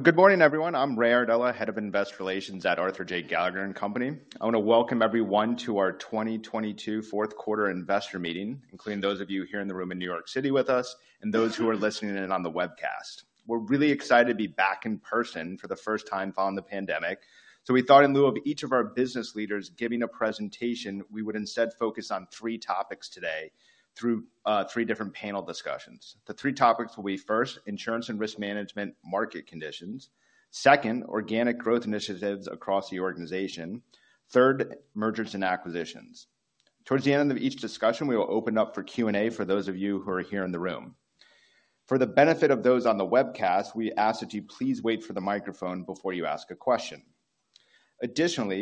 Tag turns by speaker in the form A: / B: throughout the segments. A: Good morning, everyone. I'm Ray Iardella, Head of Investor Relations at Arthur J. Gallagher & Company. I want to welcome everyone to our 2022 fourth quarter investor meeting, including those of you here in the room in New York City with us and those who are listening in on the webcast. We're really excited to be back in person for the first time following the pandemic. We thought in lieu of each of our business leaders giving a presentation, we would instead focus on three topics today through three different panel discussions. The three topics will be, First, insurance and risk management market conditions. Second, organic growth initiatives across the organization. Third, mergers and acquisitions. Towards the end of each discussion, we will open up for Q&A for those of you who are here in the room. For the benefit of those on the webcast, we ask that you please wait for the microphone before you ask a question.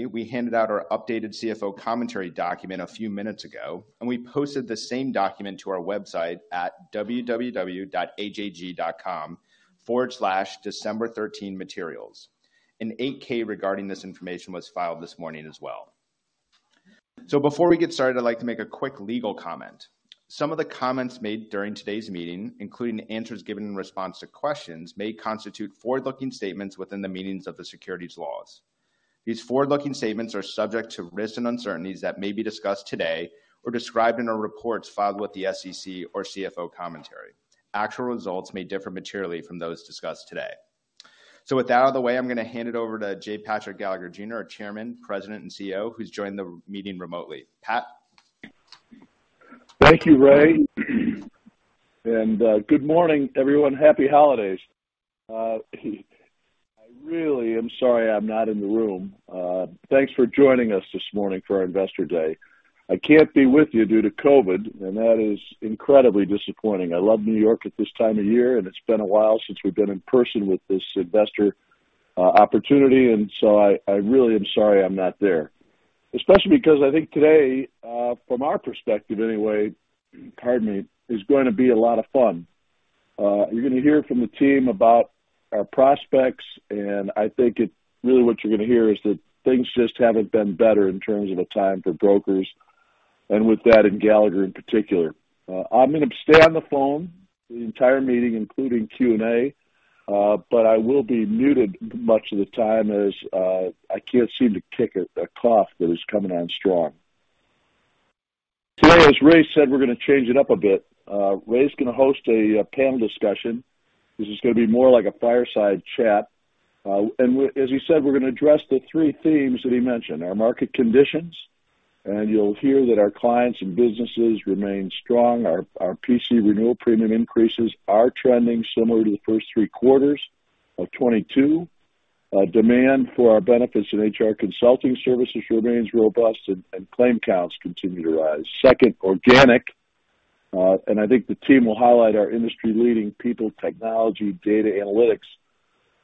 A: We handed out our updated CFO commentary document a few minutes ago, and we posted the same document to our website at www.ajg.com/december13materials. An 8-K regarding this information was filed this morning as well. Before we get started, I'd like to make a quick legal comment. Some of the comments made during today's meeting, including the answers given in response to questions, may constitute forward-looking statements within the meanings of the securities laws. These forward-looking statements are subject to risks and uncertainties that may be discussed today or described in our reports filed with the SEC or CFO commentary. Actual results may differ materially from those discussed today. With that out of the way, I'm gonna hand it over to J. Patrick Gallagher, Jr., our Chairman, President, and CEO, who's joined the meeting remotely. Pat?
B: Thank you, Ray. Good morning, everyone. Happy holidays. I really am sorry I'm not in the room. Thanks for joining us this morning for our investor day. I can't be with you due to COVID, that is incredibly disappointing. I love New York at this time of year, it's been a while since we've been in person with this investor opportunity, so I really am sorry I'm not there. Especially 'cause I think today, from our perspective anyway, pardon me, is going to be a lot of fun. You're gonna hear from the team about our prospects, really what you're gonna hear is that things just haven't been better in terms of a time for brokers, and with that, and Gallagher in particular. I'm gonna stay on the phone the entire meeting, including Q&A, but I will be muted much of the time as I can't seem to kick a cough that is coming on strong. Today, as Ray said, we're gonna change it up a bit. Ray's gonna host a panel discussion. This is gonna be more like a fireside chat. As you said, we're gonna address the three themes that he mentioned. Our market conditions, you'll hear that our clients and businesses remain strong. Our P&C renewal premium increases are trending similar to the first three quarters of 2022. Demand for our benefits and HR consulting services remains robust and claim counts continue to rise. Second, organic, and I think the team will highlight our industry-leading people, technology, data analytics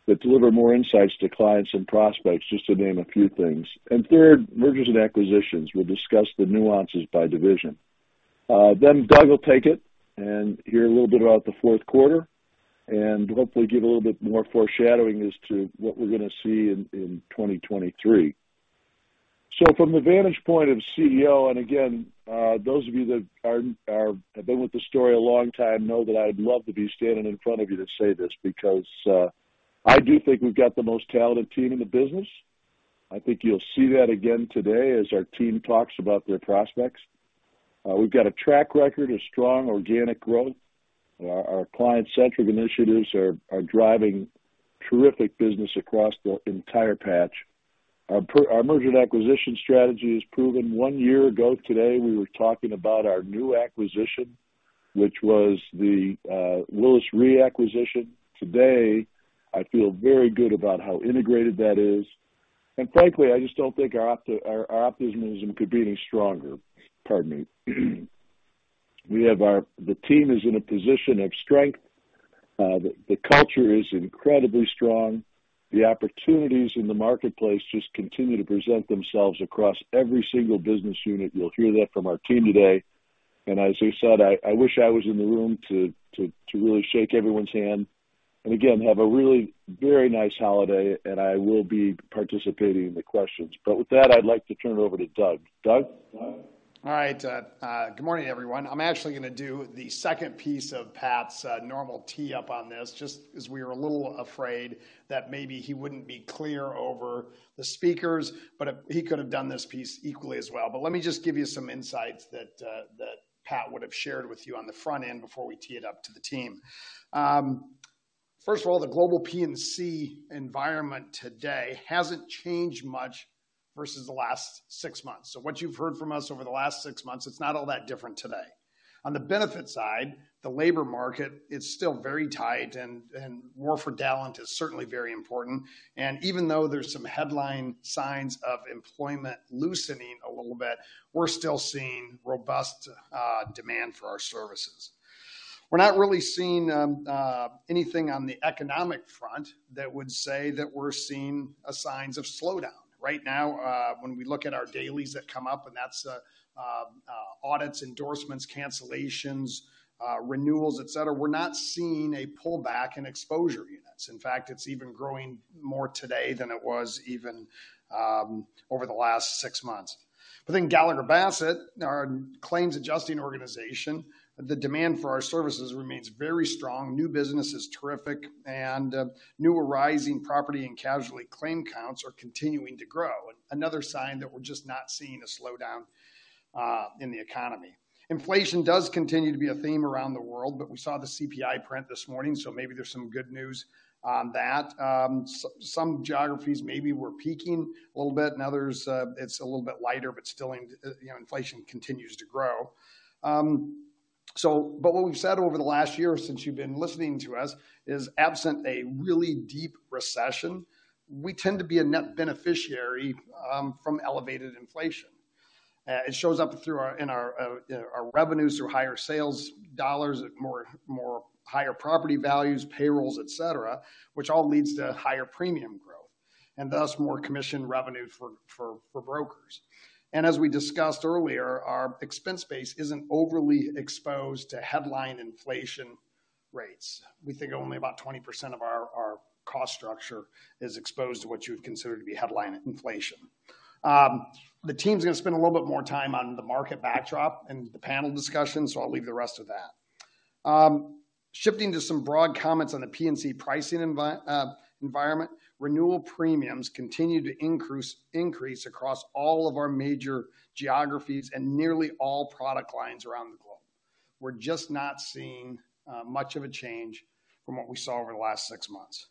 B: that deliver more insights to clients and prospects, just to name a few things. Third, mergers and acquisitions. We'll discuss the nuances by division. Doug will take it and hear a little bit about the fourth quarter and hopefully give a little bit more foreshadowing as to what we're gonna see in 2023. From the vantage point of CEO, and again, those of you that have been with the story a long time know that I'd love to be standing in front of you to say this because, I do think we've got the most talented team in the business. I think you'll see that again today as our team talks about their prospects. We've got a track record of strong organic growth. Our client-centric initiatives are driving terrific business across the entire patch. Our merger and acquisition strategy has proven. One year ago today, we were talking about our new acquisition, which was the Willis Re acquisition. Today, I feel very good about how integrated that is. Frankly, I just don't think our optimism could be any stronger. Pardon me. The team is in a position of strength. The culture is incredibly strong. The opportunities in the marketplace just continue to present themselves across every single business unit. You'll hear that from our team today. As I said, I wish I was in the room to really shake everyone's hand. Again, have a really very nice holiday, and I will be participating in the questions. With that, I'd like to turn it over to Doug. Doug?
C: All right, good morning, everyone. I'm actually gonna do the second piece of Pat's normal tee up on this, just 'cause we were a little afraid that maybe he wouldn't be clear over the speakers, but he could have done this piece equally as well. Let me just give you some insights that Pat would have shared with you on the front end before we tee it up to the team. First of all, the global P&C environment today hasn't changed much versus the last six months. What you've heard from us over the last six months, it's not all that different today. On the benefit side, the labor market is still very tight and war for talent is certainly very important. Even though there's some headline signs of employment loosening a little bit, we're still seeing robust demand for our services. We're not really seeing anything on the economic front that would say that we're seeing signs of slowdown. Right now, when we look at our dailies that come up, and that's audits, endorsements, cancellations, renewals, et cetera, we're not seeing a pullback in exposure units. In fact, it's even growing more today than it was even over the last six months. Within Gallagher Bassett, our claims adjusting organization, the demand for our services remains very strong, new business is terrific, and new arising property and casualty claim counts are continuing to grow. Another sign that we're just not seeing a slowdown in the economy. Inflation does continue to be a theme around the world, but we saw the CPI print this morning, so maybe there's some good news on that. Some geographies maybe were peaking a little bit, and others, it's a little bit lighter, but still in, you know, inflation continues to grow. But what we've said over the last year since you've been listening to us is absent a really deep recession, we tend to be a net beneficiary from elevated inflation. It shows up through our in our, you know, our revenues through higher sales dollars, more higher property values, payrolls, et cetera, which all leads to higher premium growth, and thus more commission revenue for brokers. As we discussed earlier, our expense base isn't overly exposed to headline inflation rates. We think only about 20% of our cost structure is exposed to what you would consider to be headline inflation. The team's gonna spend a little bit more time on the market backdrop in the panel discussion, so I'll leave the rest of that. Shifting to some broad comments on the P&C pricing environment, renewal premiums continue to increase across all of our major geographies and nearly all product lines around the globe. We're just not seeing much of a change from what we saw over the last six months.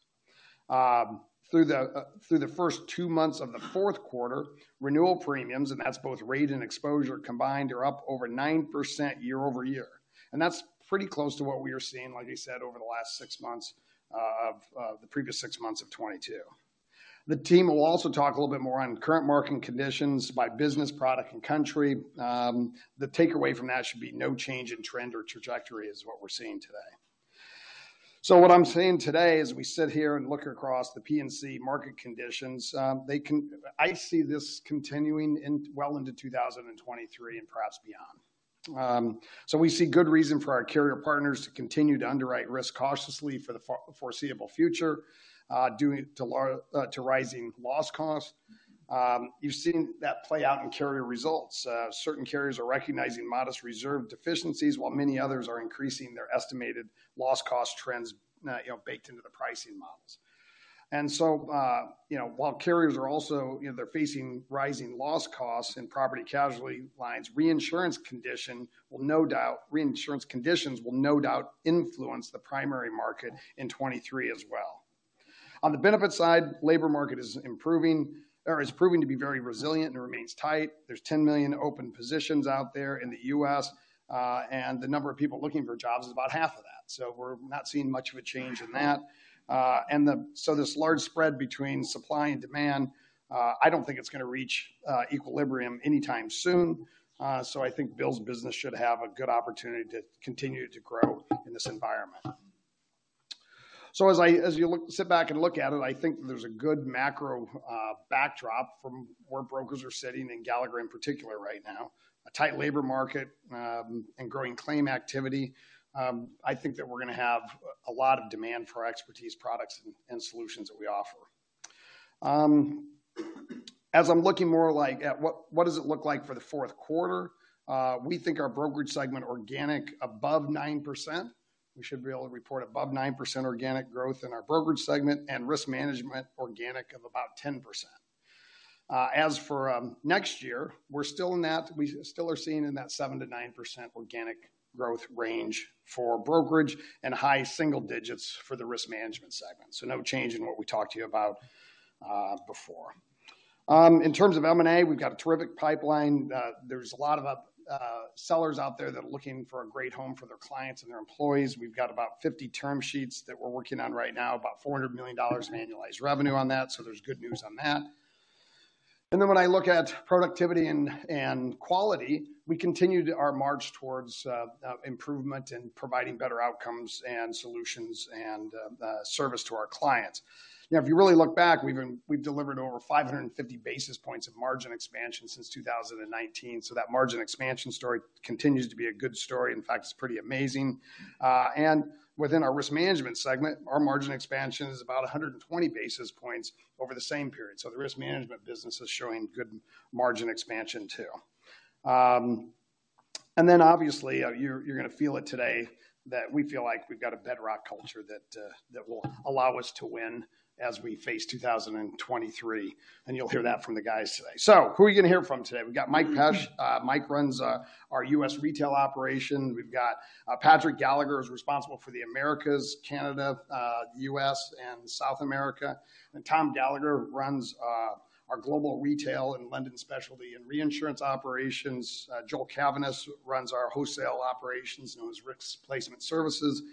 C: Through the first two months of the fourth quarter, renewal premiums, and that's both rate and exposure combined, are up over 9% year-over-year. That's pretty close to what we are seeing, like I said, over the last six months of the previous six months of 2022. The team will also talk a little bit more on current market conditions by business, product, and country. The takeaway from that should be no change in trend or trajectory is what we're seeing today. What I'm seeing today as we sit here and look across the P&C market conditions, I see this continuing well into 2023 and perhaps beyond. We see good reason for our carrier partners to continue to underwrite risk cautiously for the foreseeable future, due to rising loss costs. You've seen that play out in carrier results. Certain carriers are recognizing modest reserve deficiencies, while many others are increasing their estimated loss cost trends, you know, baked into the pricing models. You know, while carriers are also, you know, they're facing rising loss costs in property casualty lines, reinsurance conditions will no doubt influence the primary market in 2023 as well. On the benefits side, labor market is improving or is proving to be very resilient and remains tight. There's 10 million open positions out there in the U.S., and the number of people looking for jobs is about half of that. We're not seeing much of a change in that. This large spread between supply and demand, I don't think it's gonna reach equilibrium anytime soon. I think Bill's business should have a good opportunity to continue to grow in this environment. As you sit back and look at it, I think there's a good macro backdrop from where brokers are sitting, in Gallagher in particular right now. A tight labor market, and growing claim activity, I think that we're gonna have a lot of demand for our expertise, products, and solutions that we offer. As I'm looking more like at what does it look like for the fourth quarter, we think our brokerage segment organic above 9%. We should be able to report above 9% organic growth in our brokerage segment and risk management organic of about 10%. As for next year, we still are seeing in that 7%-9% organic growth range for brokerage and high single digits for the risk management segment. No change in what we talked to you about before. In terms of M&A, we've got a terrific pipeline. There's a lot of sellers out there that are looking for a great home for their clients and their employees. We've got about 50 term sheets that we're working on right now, about $400 million of annualized revenue on that, there's good news on that. When I look at productivity and quality, we continue to our march towards improvement and providing better outcomes and solutions and service to our clients. If you really look back, we've delivered over 550 basis points of margin expansion since 2019, that margin expansion story continues to be a good story. In fact, it's pretty amazing. Within our risk management segment, our margin expansion is about 120 basis points over the same period. The risk management business is showing good margin expansion too. Obviously, you're gonna feel it today that we feel like we've got a bedrock culture that will allow us to win as we face 2023, and you'll hear that from the guys today. Who are we gonna hear from today? We've got Mike Pesch. Mike runs our U.S. retail operation. We've got Patrick Gallagher, who's responsible for the Americas, Canada, U.S., and South America. Tom Gallagher runs our global retail and London specialty and reinsurance operations. Joel Cavaness runs our wholesale operations, known as Risk Placement Services.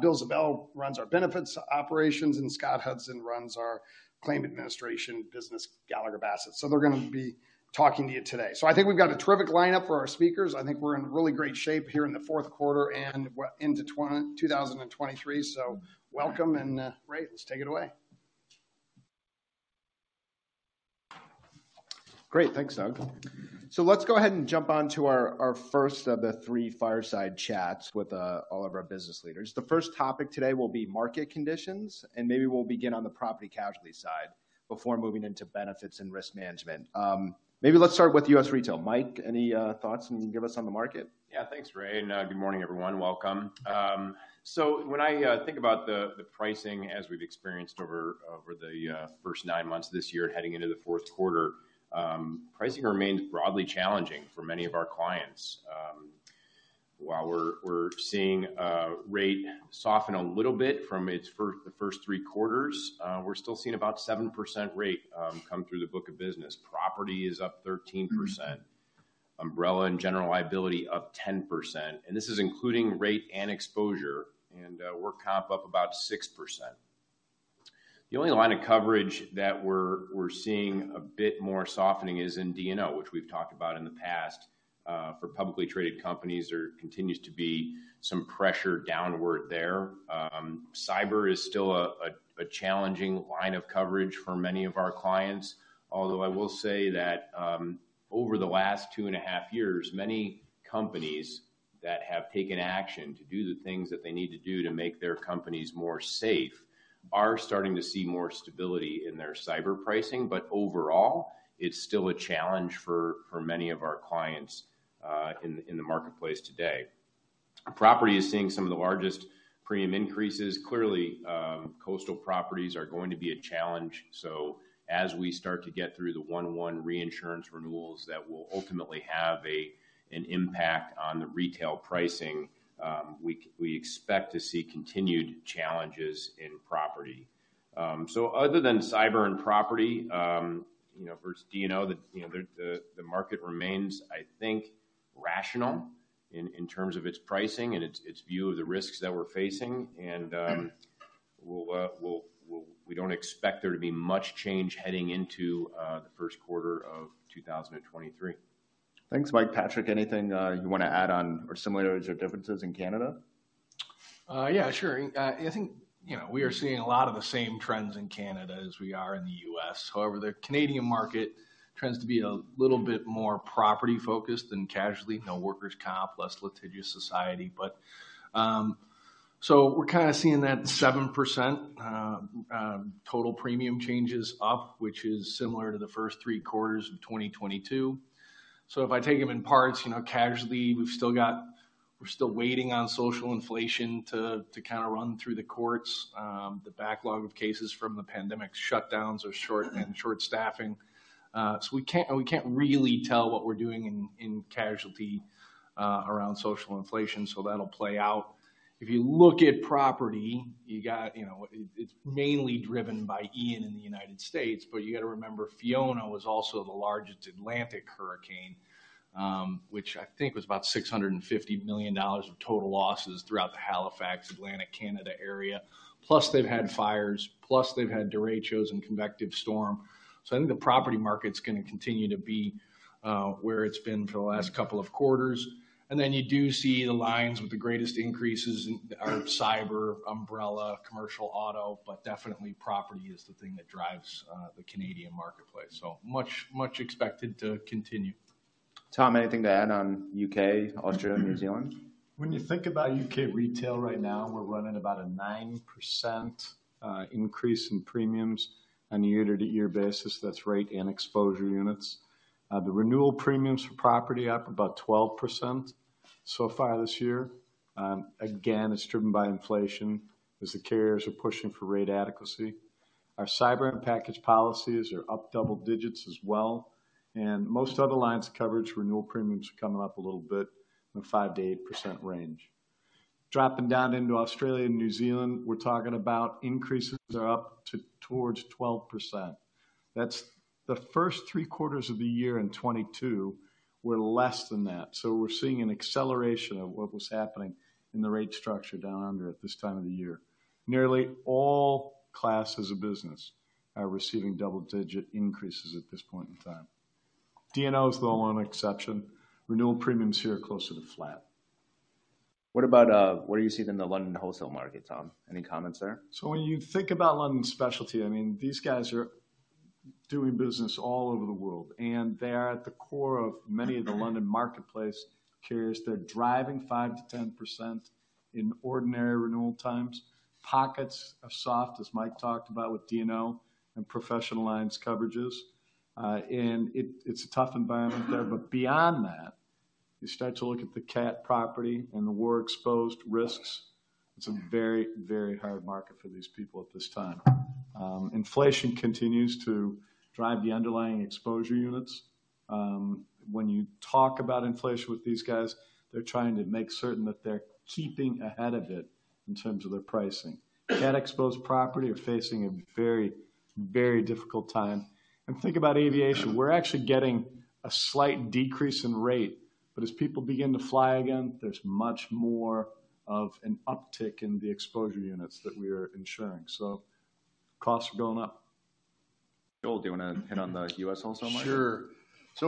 C: Bill Ziebell runs our benefits operations. Scott Hudson runs our claim administration business, Gallagher Bassett. They're gonna be talking to you today. I think we've got a terrific lineup for our speakers. I think we're in really great shape here in the fourth quarter and we're into 2023. Welcome and, Ray, let's take it away.
A: Great. Thanks, Doug. Let's go ahead and jump on to our first of the three fireside chats with all of our business leaders. The first topic today will be market conditions. Maybe we'll begin on the property casualty side before moving into benefits and risk management. Maybe let's start with U.S. Retail. Mike, any thoughts you can give us on the market?
D: Yeah, thanks, Ray. Good morning, everyone. Welcome. When I think about the pricing as we've experienced over the first nine months of this year heading into the fourth quarter, pricing remains broadly challenging for many of our clients. While we're seeing rate soften a little bit from its first three quarters, we're still seeing about 7% rate come through the book of business. Property is up 13%. Umbrella and general liability up 10%, this is including rate and exposure, work comp up about 6%. The only line of coverage that we're seeing a bit more softening is in D&O, which we've talked about in the past. For publicly traded companies, there continues to be some pressure downward there. Cyber is still a challenging line of coverage for many of our clients. Although I will say that, over the last 2.5 years, many companies that have taken action to do the things that they need to do to make their companies more safe are starting to see more stability in their cyber pricing. Overall, it's still a challenge for many of our clients in the marketplace today. Property is seeing some of the largest premium increases. Clearly, coastal properties are going to be a challenge. As we start to get through the January 1 reinsurance renewals that will ultimately have an impact on the retail pricing, we expect to see continued challenges in property. Other than cyber and property, you know, for D&O, the market remains, I think, rational in terms of its pricing and its view of the risks that we're facing. We don't expect there to be much change heading into the first quarter of 2023.
A: Thanks, Mike. Patrick, anything you want to add on, or similar or differences in Canada?
E: Yeah, sure. I think, you know, we are seeing a lot of the same trends in Canada as we are in the U.S. However, the Canadian market tends to be a little bit more property-focused than casualty. No workers' comp, less litigious society. We're kind of seeing that 7% total premium changes up, which is similar to the first three quarters of 2022. If I take them in parts, you know, casualty, we've still got, we're still waiting on social inflation to kind of run through the courts. The backlog of cases from the pandemic shutdowns are short and short staffing. We can't really tell what we're doing in casualty around social inflation, so that'll play out. If you look at property, you got, you know... Mainly driven in the United States, but you gotta remember Fiona was also the largest Atlantic hurricane, which I think was about $650 million of total losses throughout the Halifax, Atlantic Canada area. Plus they've had fires, plus they've had derechos and convective storm. I think the property market's gonna continue to be where it's been for the last couple of quarters. You do see the lines with the greatest increases in... Are cyber, umbrella, commercial auto, but definitely property is the thing that drives the Canadian marketplace. Much, much expected to continue.
A: Tom, anything to add on U.K., Australia, New Zealand?
F: When you think about U.K. retail right now, we're running about a 9% increase in premiums on a year-to-year basis. That's rate and exposure units. The renewal premiums for property are up about 12% so far this year. Again, it's driven by inflation as the carriers are pushing for rate adequacy. Our cyber and package policies are up double digits as well. Most other lines of coverage renewal premiums are coming up a little bit in the 5%-8% range. Dropping down into Australia and New Zealand, we're talking about increases are up to towards 12%. The first three quarters of the year in 2022 were less than that. We're seeing an acceleration of what was happening in the rate structure down under at this time of the year. Nearly all classes of business are receiving double-digit increases at this point in time. D&O is the only exception. Renewal premiums here are closer to flat.
A: What about, what are you seeing in the London wholesale market, Tom? Any comments there?
F: When you think about London specialty, I mean, these guys are doing business all over the world, and they are at the core of many of the London marketplace carriers. They're driving 5%-10% in ordinary renewal times. Pockets are soft, as Mike talked about with D&O and professional lines coverages. It's a tough environment there. Beyond that, you start to look at the cat property and the war-exposed risks. It's a very, very hard market for these people at this time. Inflation continues to drive the underlying exposure units. When you talk about inflation with these guys, they're trying to make certain that they're keeping ahead of it in terms of their pricing. Cat-exposed property are facing a very, very difficult time. Think about aviation. We're actually getting a slight decrease in rate. As people begin to fly again, there's much more of an uptick in the exposure units that we are insuring. Costs are going up.
A: Joel, do you wanna hit on the U.S. also market?
G: Sure.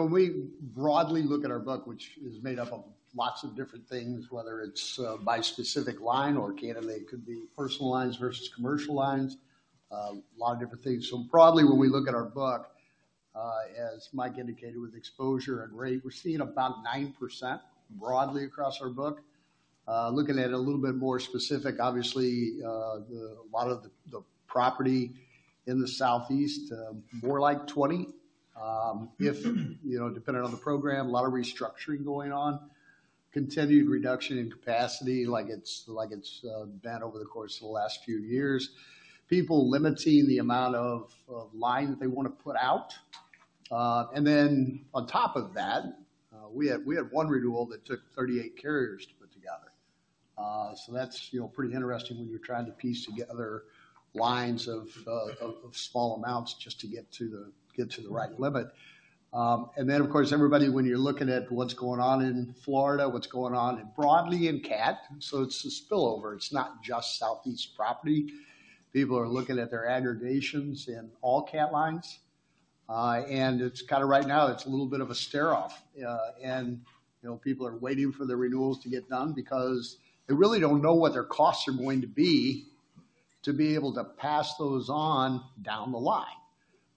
G: We broadly look at our book, which is made up of lots of different things, whether it's by specific line or candidate. It could be personal lines versus commercial lines, a lot of different things. Broadly, when we look at our book, as Mike indicated with exposure and rate, we're seeing about 9% broadly across our book. Looking at it a little bit more specific, obviously, a lot of the property in the southeast, more like 20%. You know, dependent on the program, a lot of restructuring going on. Continued reduction in capacity like it's been over the course of the last few years. People limiting the amount of line that they wanna put out. Then on top of that, we had one renewal that took 38 carriers to put together. That's, you know, pretty interesting when you're trying to piece together lines of small amounts just to get to the right limit. Then of course, everybody, when you're looking at what's going on in Florida, what's going on in broadly in CAT, so it's a spillover. It's not just southeast property. People are looking at their aggregations in all CAT lines. It's kind of right now, it's a little bit of a stare-off. You know, people are waiting for the renewals to get done because they really don't know what their costs are going to be to be able to pass those on down the line.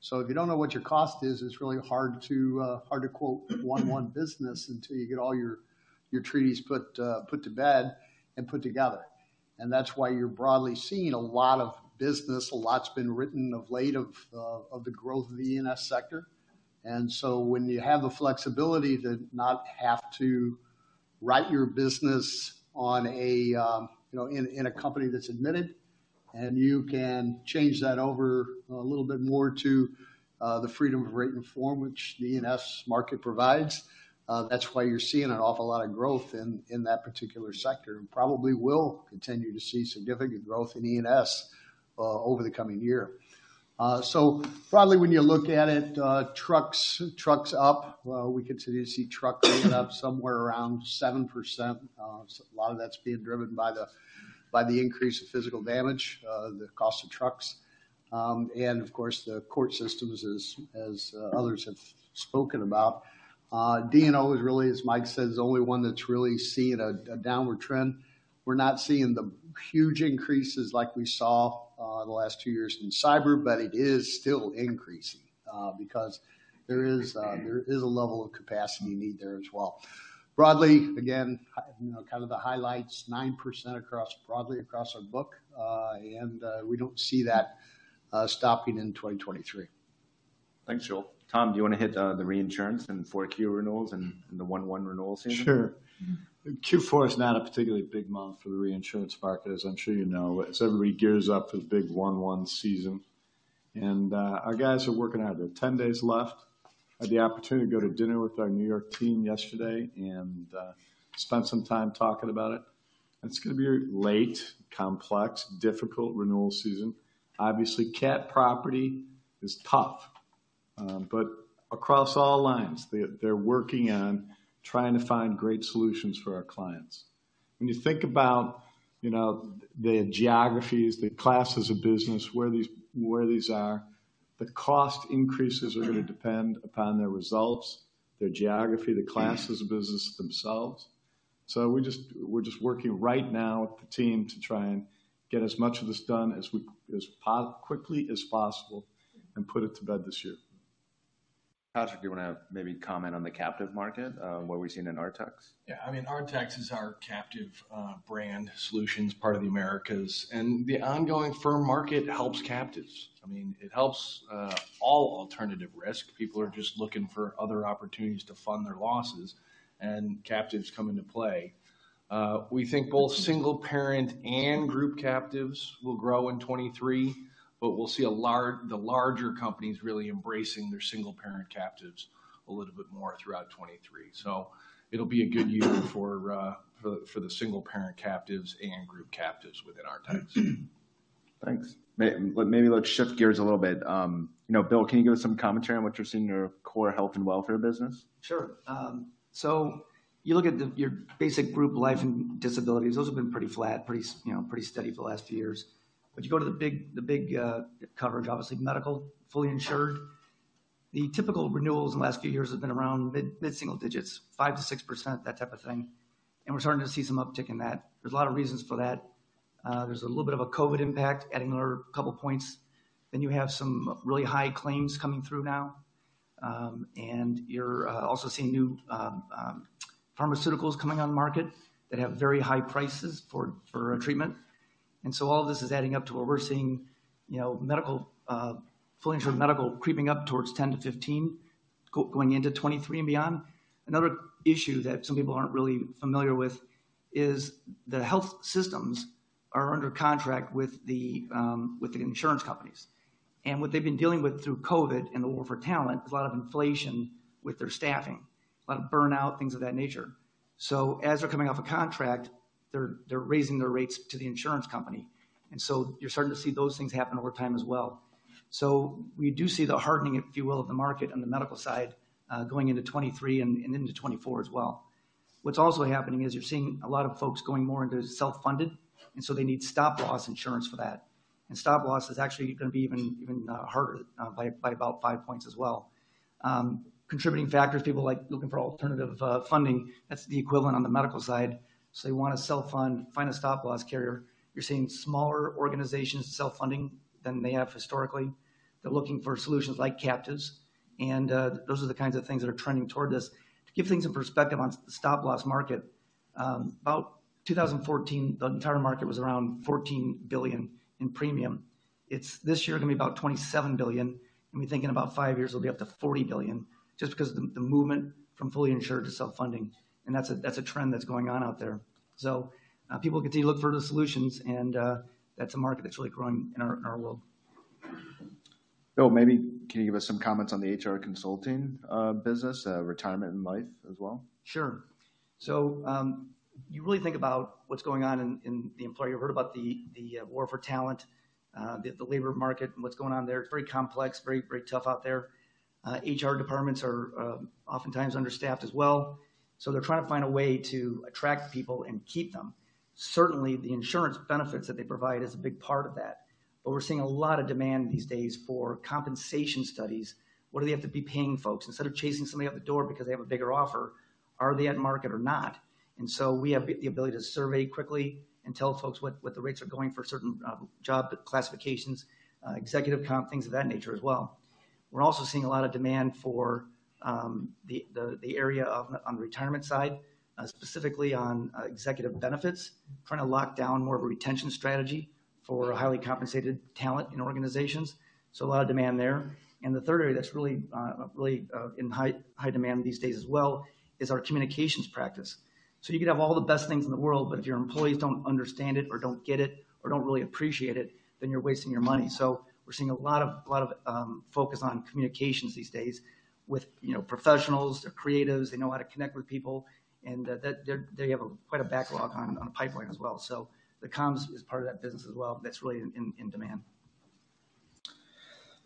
G: If you don't know what your cost is, it's really hard to quote 1-1 business until you get all your treaties put to bed and put together. That's why you're broadly seeing a lot of business. A lot's been written of late of the growth of the E&S sector. When you have the flexibility to not have to write your business on a, you know, in a company that's admitted, and you can change that over a little bit more to the freedom of rate and form which the E&S market provides, that's why you're seeing an awful lot of growth in that particular sector, and probably will continue to see significant growth in E&S over the coming year. Probably when you look at it, trucks up. We continue to see truck rate up somewhere around 7%. A lot of that's being driven by the increase in physical damage, the cost of trucks, and of course, the court systems as others have spoken about. D&O is really, as Mike said, is the only one that's really seeing a downward trend. We're not seeing the huge increases like we saw the last two years in cyber, but it is still increasing because there is a level of capacity need there as well. Broadly, again, you know, kind of the highlights, 9% across, broadly across our book. We don't see that stopping in 2023.
A: Thanks, Joel. Tom, do you wanna hit the reinsurance and 4Q renewals and the January 1 renewal season?
F: Sure. Q4 is not a particularly big month for the reinsurance market, as I'm sure you know. Everybody gears up for the big January 1 season. Our guys are working out. They have 10 days left. I had the opportunity to go to dinner with our New York team yesterday and spend some time talking about it. It's gonna be late, complex, difficult renewal season. Obviously, CAT property is tough. Across all lines, they're working on trying to find great solutions for our clients. When you think about, you know, the geographies, the classes of business, where these are, the cost increases are gonna depend upon their results, their geography, the classes of business themselves. We're just working right now with the team to try and get as much of this done as quickly as possible and put it to bed this year.
A: Patrick, do you wanna maybe comment on the captive market, what we're seeing in Artex?
E: Yeah. I mean, Artex is our captive brand solutions, part of the Americas. The ongoing firm market helps captives. I mean, it helps all alternative risk. People are just looking for other opportunities to fund their losses, and captives come into play. We think both single parent and group captives will grow in 23, but we'll see the larger companies really embracing their single parent captives a little bit more throughout 23. It'll be a good year for the single parent captives and group captives within Artex.
A: Thanks. Maybe let's shift gears a little bit. You know, Bill, can you give us some commentary on what you're seeing in our core health and welfare business?
H: You look at the, your basic group life and disabilities, those have been pretty flat, pretty steady for the last few years. You go to the big coverage, obviously medical, fully insured. The typical renewals in the last few years have been around mid-single digits, 5%-6%, that type of thing, we're starting to see some uptick in that. There's a lot of reasons for that. There's a little bit of a COVID impact adding another couple points. You have some really high claims coming through now. You're also seeing new pharmaceuticals coming on the market that have very high prices for a treatment. All this is adding up to what we're seeing, you know, medical, fully insured medical creeping up towards 10%-15% going into 2023 and beyond. Another issue that some people aren't really familiar with is the health systems are under contract with the insurance companies. What they've been dealing with through COVID and the war for talent is a lot of inflation with their staffing, a lot of burnout, things of that nature. As they're coming off a contract, they're raising their rates to the insurance company. You're starting to see those things happen over time as well. We do see the hardening, if you will, of the market on the medical side, going into 2023 and into 2024 as well. What's also happening is you're seeing a lot of folks going more into self-funded, and so they need stop-loss insurance for that. Stop-loss is actually going to be even harder by about five points as well. Contributing factors, people like looking for alternative funding. That's the equivalent on the medical side. They want to self-fund, find a stop-loss carrier. You're seeing smaller organizations self-funding than they have historically. They're looking for solutions like captives, and those are the kinds of things that are trending toward this. To give things in perspective on stop-loss market, about 2014, the entire market was around $14 billion in premium. It's this year gonna be about $27 billion. We think in about five years, it'll be up to $40 billion, just because the movement from fully insured to self-funding. That's a trend that's going on out there. People continue to look for the solutions, and that's a market that's really growing in our world.
A: Maybe can you give us some comments on the HR consulting, business, retirement and life as well?
H: Sure. You really think about what's going on in the employer. You heard about the war for talent, the labor market and what's going on there. It's very complex, very tough out there. HR departments are oftentimes understaffed as well, so they're trying to find a way to attract people and keep them. Certainly, the insurance benefits that they provide is a big part of that. We're seeing a lot of demand these days for compensation studies. What do they have to be paying folks? Instead of chasing somebody out the door because they have a bigger offer, are they at market or not? We have the ability to survey quickly and tell folks what the rates are going for certain job classifications, executive comp, things of that nature as well. We're also seeing a lot of demand for the area of on the retirement side, specifically on executive benefits, trying to lock down more of a retention strategy for highly compensated talent in organizations. A lot of demand there. The third area that's really in high demand these days as well is our communications practice. You could have all the best things in the world, but if your employees don't understand it or don't get it or don't really appreciate it, then you're wasting your money. We're seeing a lot of focus on communications these days with, you know, professionals. They're creatives. They know how to connect with people, and that, they have a quite a backlog on the pipeline as well. The comms is part of that business as well that's really in demand.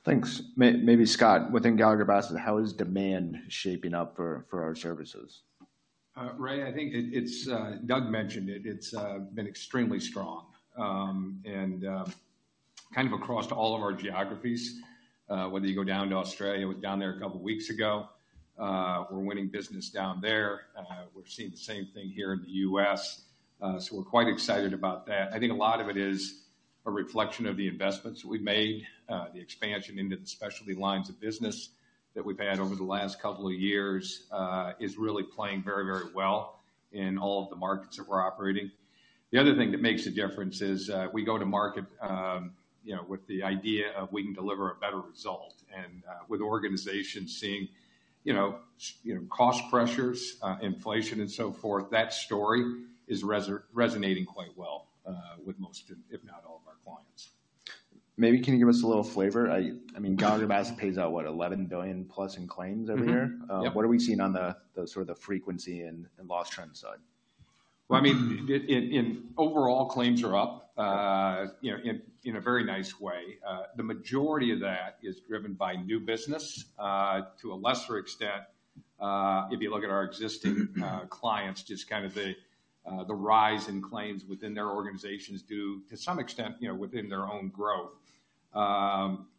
A: Thanks. Maybe Scott, within Gallagher Bassett, how is demand shaping up for our services?
I: Ray, I think it's, Doug mentioned it. It's been extremely strong. Kind of across all of our geographies, whether you go down to Australia. I was down there a couple weeks ago. We're winning business down there. We're seeing the same thing here in the U.S., we're quite excited about that. I think a lot of it is a reflection of the investments we've made. The expansion into the specialty lines of business that we've had over the last couple of years, is really playing very, very well in all of the markets that we're operating. The other thing that makes a difference is, we go to market, you know, with the idea of we can deliver a better result. With organizations seeing, you know, cost pressures, inflation and so forth, that story is resonating quite well, with most of, if not all of our clients.
A: Maybe can you give us a little flavor? I mean, Gallagher Bassett pays out, what? $11 billion-plus in claims every year.
I: Mm-hmm. Yep.
A: What are we seeing on the sort of the frequency and loss trend side?
I: Well, I mean, in overall claims are up.
A: Okay
I: You know, in a very nice way. The majority of that is driven by new business. To a lesser extent, if you look at our clients, just kind of the rise in claims within their organizations due to some extent, you know, within their own growth.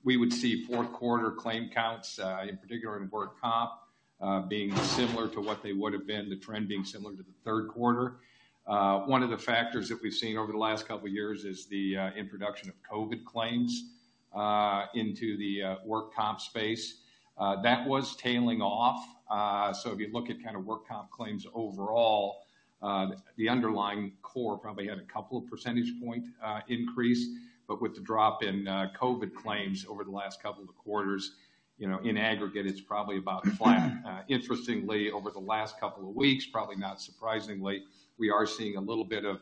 I: We would see fourth quarter claim counts, in particular in work comp, being similar to what they would've been, the trend being similar to the third quarter. One of the factors that we've seen over the last couple years is the introduction of COVID claims into the work comp space. That was tailing off. If you look at kind of work comp claims overall, the underlying core probably had a couple of percentage point increase. With the drop in COVID claims over the last couple of quarters, you know, in aggregate, it's probably about flat. Interestingly, over the last couple of weeks, probably not surprisingly, we are seeing a little bit of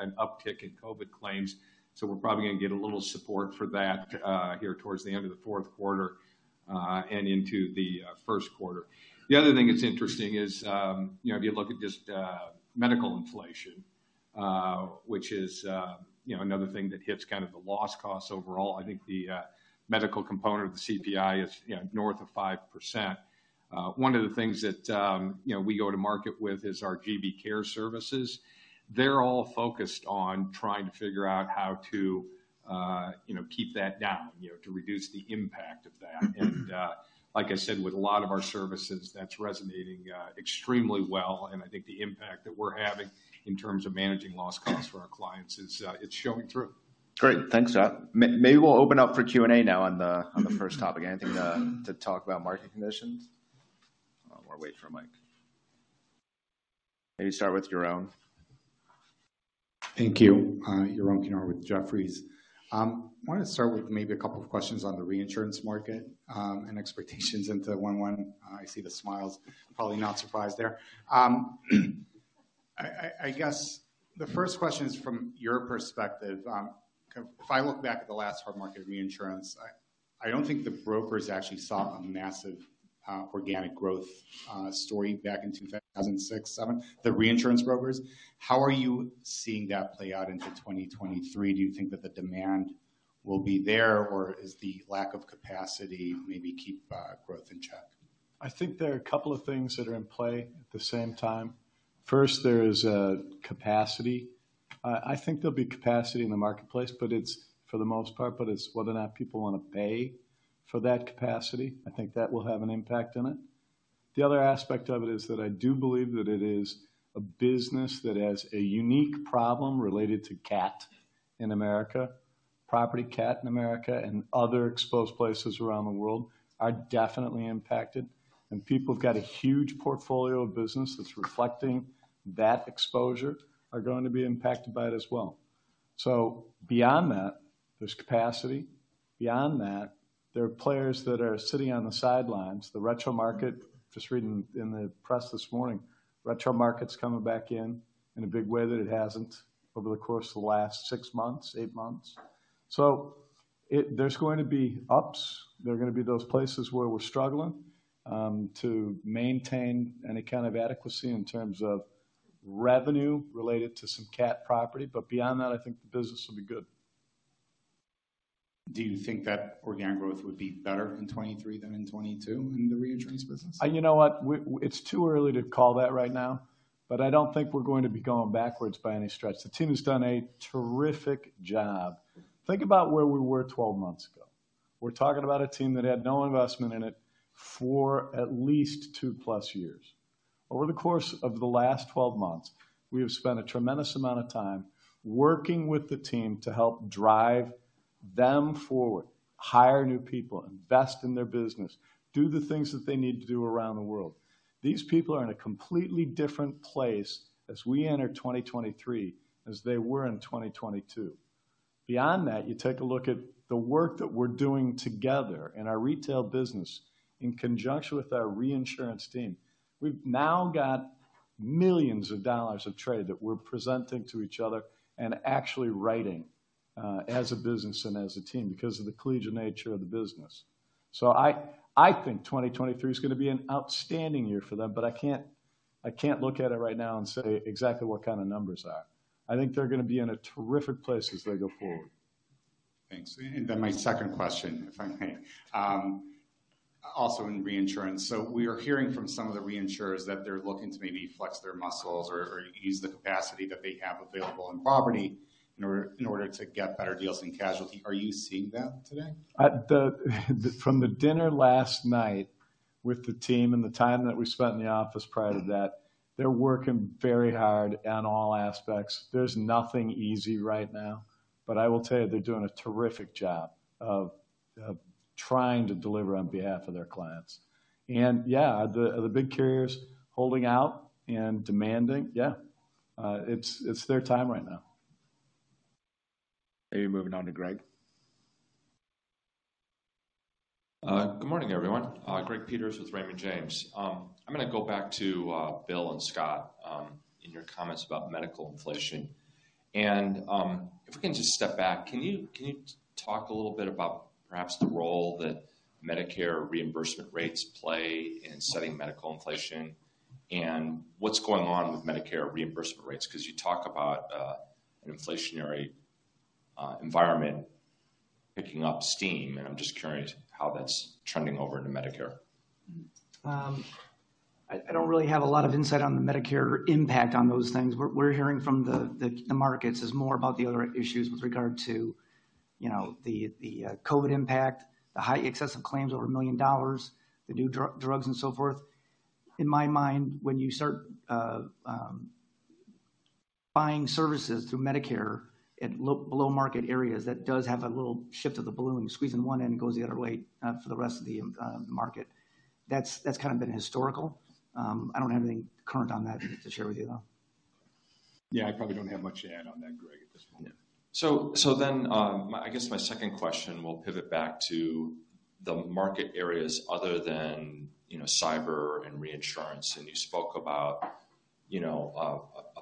I: an uptick in COVID claims, so we're probably gonna get a little support for that here towards the end of the fourth quarter and into the first quarter. The other thing that's interesting is, you know, if you look at just medical inflation, which is, you know, another thing that hits kind of the loss costs overall, I think the medical component of the CPI is, you know, north of 5%. One of the things that, you know, we go to market with is our GBCARE services. They're all focused on trying to figure out how to, you know, keep that down, you know, to reduce the impact of that. Like I said, with a lot of our services, that's resonating extremely well, and I think the impact that we're having in terms of managing loss costs for our clients is, it's showing through.
A: Great. Thanks. Maybe we'll open up for Q&A now on the first topic. Anything to talk about market conditions? Wait for a mic. Maybe start with Yaron.
J: Thank you. Yaron Kinar with Jefferies. Wanted to start with maybe a couple of questions on the reinsurance market, and expectations into January 1. I see the smiles. Probably not surprised there. I guess the first question is from your perspective, kind of if I look back at the last hard market reinsurance, I don't think the brokers actually saw a massive organic growth story back in 2006, 2007, the reinsurance brokers. How are you seeing that play out into 2023? Do you think that the demand will be there, or is the lack of capacity maybe keep growth in check?
F: I think there are a couple of things that are in play at the same time. First, there is capacity. I think there'll be capacity in the marketplace, but it's for the most part, but it's whether or not people wanna pay for that capacity. I think that will have an impact on it. The other aspect of it is that I do believe that it is a business that has a unique problem related to CAT in America. Property CAT in America and other exposed places around the world are definitely impacted. People who've got a huge portfolio of business that's reflecting that exposure are going to be impacted by it as well. Beyond that, there's capacity. Beyond that, there are players that are sitting on the sidelines, the retro market. Just reading in the press this morning, retro market's coming back in in a big way that it hasn't over the course of the last six months, eight months. There's going to be ups. There are gonna be those places where we're struggling to maintain any kind of adequacy in terms of revenue related to some CAT property, beyond that, I think the business will be good.
J: Do you think that organic growth would be better in 2023 than in 2022 in the reinsurance business?
F: You know what? It's too early to call that right now, but I don't think we're going to be going backwards by any stretch. The team has done a terrific job. Think about where we were 12 months ago. We're talking about a team that had no investment in it for at least 2+ years. Over the course of the last 12 months, we have spent a tremendous amount of time working with the team to help drive them forward, hire new people, invest in their business, do the things that they need to do around the world. These people are in a completely different place as we enter 2023 as they were in 2022. Beyond that, you take a look at the work that we're doing together in our retail business in conjunction with our reinsurance team. We've now got millions of dollars of trade that we're presenting to each other and actually writing, as a business and as a team because of the collegiate nature of the business. I think 2023 is gonna be an outstanding year for them. I can't look at it right now and say exactly what kind of numbers are. I think they're gonna be in a terrific place as they go forward.
J: Thanks. My second question, if I may, also in reinsurance. We are hearing from some of the reinsurers that they're looking to maybe flex their muscles or use the capacity that they have available in property in order to get better deals in casualty. Are you seeing that today?
F: From the dinner last night with the team and the time that we spent in the office prior to that, they're working very hard on all aspects. There's nothing easy right now, but I will tell you, they're doing a terrific job of trying to deliver on behalf of their clients. Yeah, the big carriers holding out and demanding. Yeah. It's, it's their time right now.
A: Maybe moving on to Greg.
K: Good morning, everyone. Greg Peters with Raymond James. I'm gonna go back to Bill and Scott in your comments about medical inflation. If we can just step back, can you talk a little bit about perhaps the role that Medicare reimbursement rates play in setting medical inflation and what's going on with Medicare reimbursement rates? 'Cause you talk about an inflationary environment picking up steam, and I'm just curious how that's trending over into Medicare.
H: I don't really have a lot of insight on the Medicare impact on those things. We're hearing from the markets is more about the other issues with regard to, you know, the COVID impact, the high excessive claims over $1 million, the new drugs and so forth. In my mind, when you start buying services through Medicare at below market areas, that does have a little shift of the balloon. Squeeze on one end, it goes the other way for the rest of the market. That's kind of been historical. I don't have anything current on that to share with you, though.
I: Yeah, I probably don't have much to add on that, Greg, at this point.
K: Yeah. I guess my second question will pivot back to the market areas other than, you know, cyber and reinsurance. You spoke about, you know,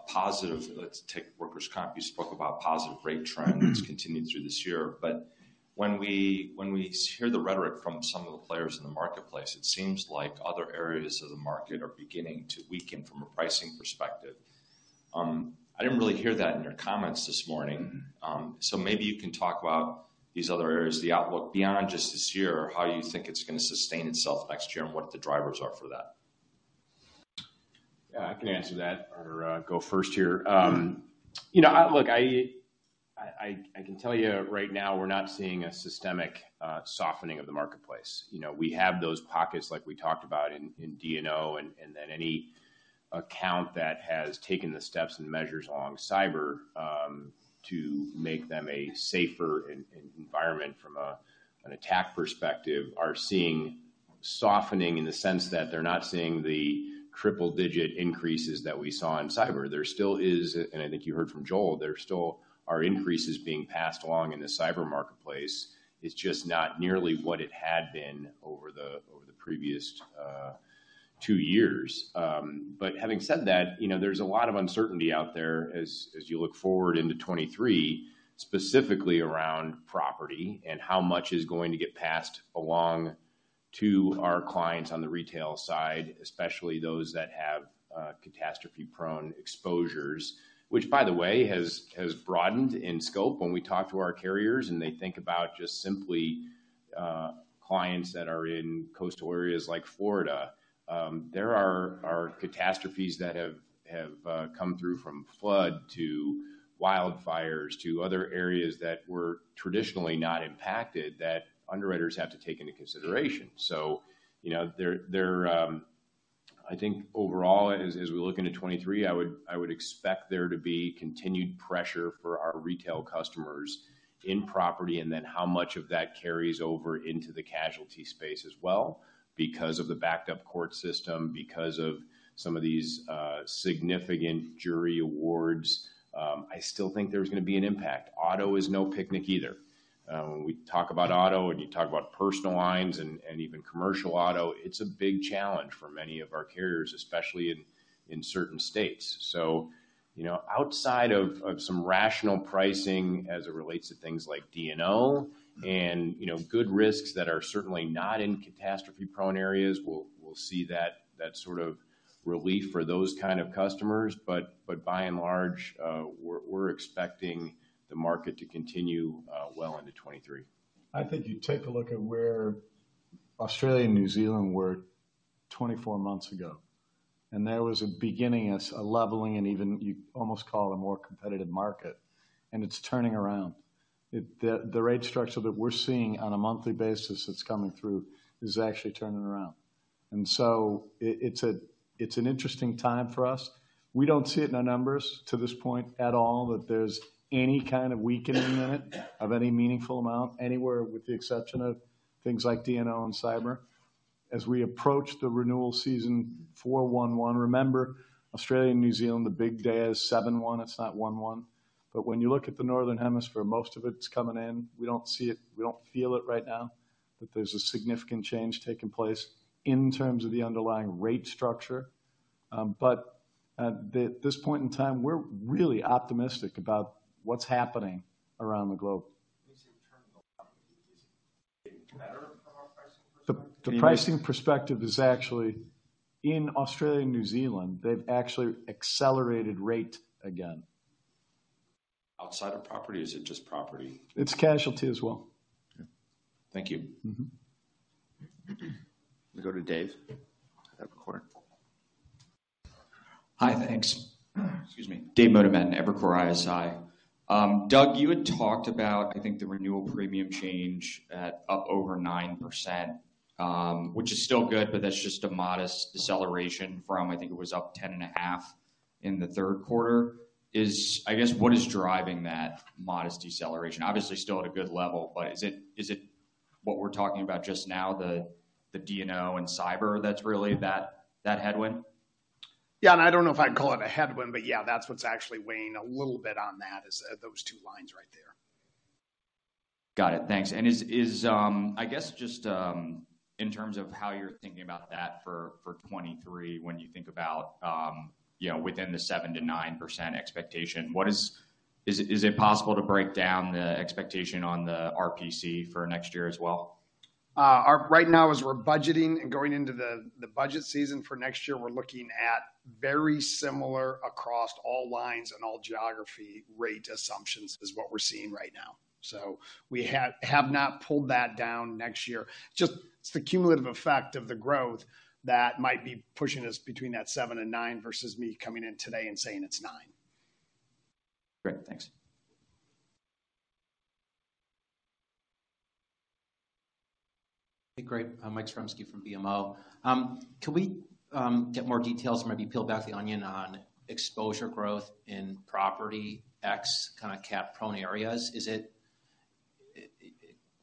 K: a positive, let's take workers' comp. You spoke about positive rate trends continuing through this year. When we hear the rhetoric from some of the players in the marketplace, it seems like other areas of the market are beginning to weaken from a pricing perspective. I didn't really hear that in your comments this morning. Maybe you can talk about these other areas, the outlook beyond just this year, how you think it's gonna sustain itself next year, and what the drivers are for that.
D: I can answer that or go first here. You know, look, I can tell you right now we're not seeing a systemic softening of the marketplace. You know, we have those pockets like we talked about in D&O, and then any account that has taken the steps and measures along cyber to make them a safer environment from an attack perspective, are seeing softening in the sense that they're not seeing the triple-digit increases that we saw in cyber. There still is, and I think you heard from Joel, there still are increases being passed along in the cyber marketplace. It's just not nearly what it had been over the previous two years. Having said that, you know, there's a lot of uncertainty out there as you look forward into 2023, specifically around property and how much is going to get passed along to our clients on the retail side, especially those that have catastrophe-prone exposures. By the way, has broadened in scope when we talk to our carriers, and they think about just simply clients that are in coastal areas like Florida, there are catastrophes that have come through from flood to wildfires to other areas that were traditionally not impacted that underwriters have to take into consideration. You know, they're. I think overall as we look into 2023, I would expect there to be continued pressure for our retail customers in property, and then how much of that carries over into the casualty space as well because of the backed-up court system, because of some of these significant jury awards. I still think there's gonna be an impact. Auto is no picnic either. When we talk about auto and you talk about personal lines and even commercial auto, it's a big challenge for many of our carriers, especially in certain states. You know, outside of some rational pricing as it relates to things like D&O and, you know, good risks that are certainly not in catastrophe-prone areas, we'll see that sort of relief for those kind of customers. By and large, we're expecting the market to continue well into 2023.
F: I think you take a look at where Australia and New Zealand were 24 months ago, and there was a beginning as a leveling and even you almost call it a more competitive market, and it's turning around. The rate structure that we're seeing on a monthly basis that's coming through is actually turning around. It's an interesting time for us. We don't see it in our numbers to this point at all, that there's any kind of weakening in it of any meaningful amount anywhere with the exception of things like D&O and cyber. As we approach the renewal season for January 1, remember Australia and New Zealand, the big day is 7/1. It's not January 1. When you look at the northern hemisphere, most of it's coming in. We don't see it, we don't feel it right now, that there's a significant change taking place in terms of the underlying rate structure. At this point in time, we're really optimistic about what's happening around the globe. When you say turning around, is it getting better from a pricing perspective? The pricing perspective is actually. In Australia and New Zealand, they've actually accelerated rate again.
K: Outside of property? Is it just property?
F: It's casualty as well.
K: Okay. Thank you.
F: Mm-hmm.
D: We'll go to Dave at Evercore.
L: Hi. Thanks. Excuse me. David Motemaden, Evercore ISI. Doug, you had talked about, I think, the renewal premium change at up over 9%, which is still good, but that's just a modest deceleration from, I think, it was up 10.5% in the third quarter. I guess, what is driving that modest deceleration? Obviously, still at a good level, but is it what we're talking about just now, the D&O and cyber that's really that headwind?
C: Yeah. I don't know if I'd call it a headwind, but yeah, that's what's actually weighing a little bit on that, is, those two lines right there.
L: Got it. Thanks. Is, I guess, just, in terms of how you're thinking about that for 2023 when you think about, you know, within the 7%-9% expectation, is it possible to break down the expectation on the RPC for next year as well?
C: Right now as we're budgeting and going into the budget season for next year, we're looking at very similar across all lines and all geography rate assumptions is what we're seeing right now. We have not pulled that down next year. Just it's the cumulative effect of the growth that might be pushing us between that seven and nine versus me coming in today and saying it's nine.
L: Great. Thanks.
M: Hey, great. I'm Mike Zaremski from BMO. Can we get more details, maybe peel back the onion on exposure growth in property X kind of cat-prone areas? Is it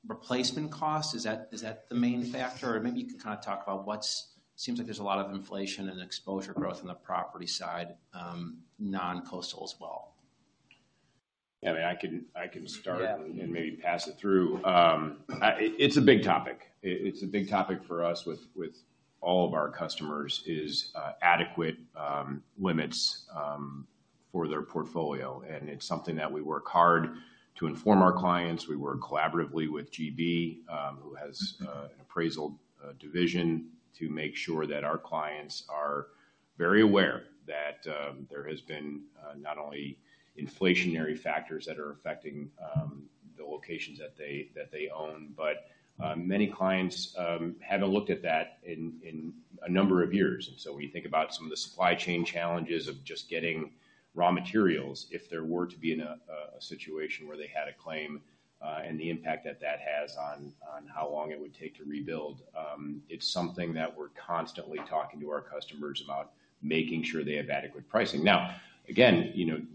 M: replacement cost? Is that the main factor? Maybe you can kind of talk about. Seems like there's a lot of inflation and exposure growth on the property side, non-coastal as well.
D: Yeah. I mean, I can start.
M: Yeah.
D: Maybe pass it through. It's a big topic. It's a big topic for us with all of our customers, is adequate limits for their portfolio, and it's something that we work hard to inform our clients. We work collaboratively with GB, who has an appraisal division to make sure that our clients are very aware that there has been not only inflationary factors that are affecting the locations that they own. Many clients haven't looked at that in a number of years. When you think about some of the supply chain challenges of just getting raw materials, if there were to be in a situation where they had a claim, and the impact that that has on how long it would take to rebuild, it's something that we're constantly talking to our customers about making sure they have adequate pricing. Now, again, you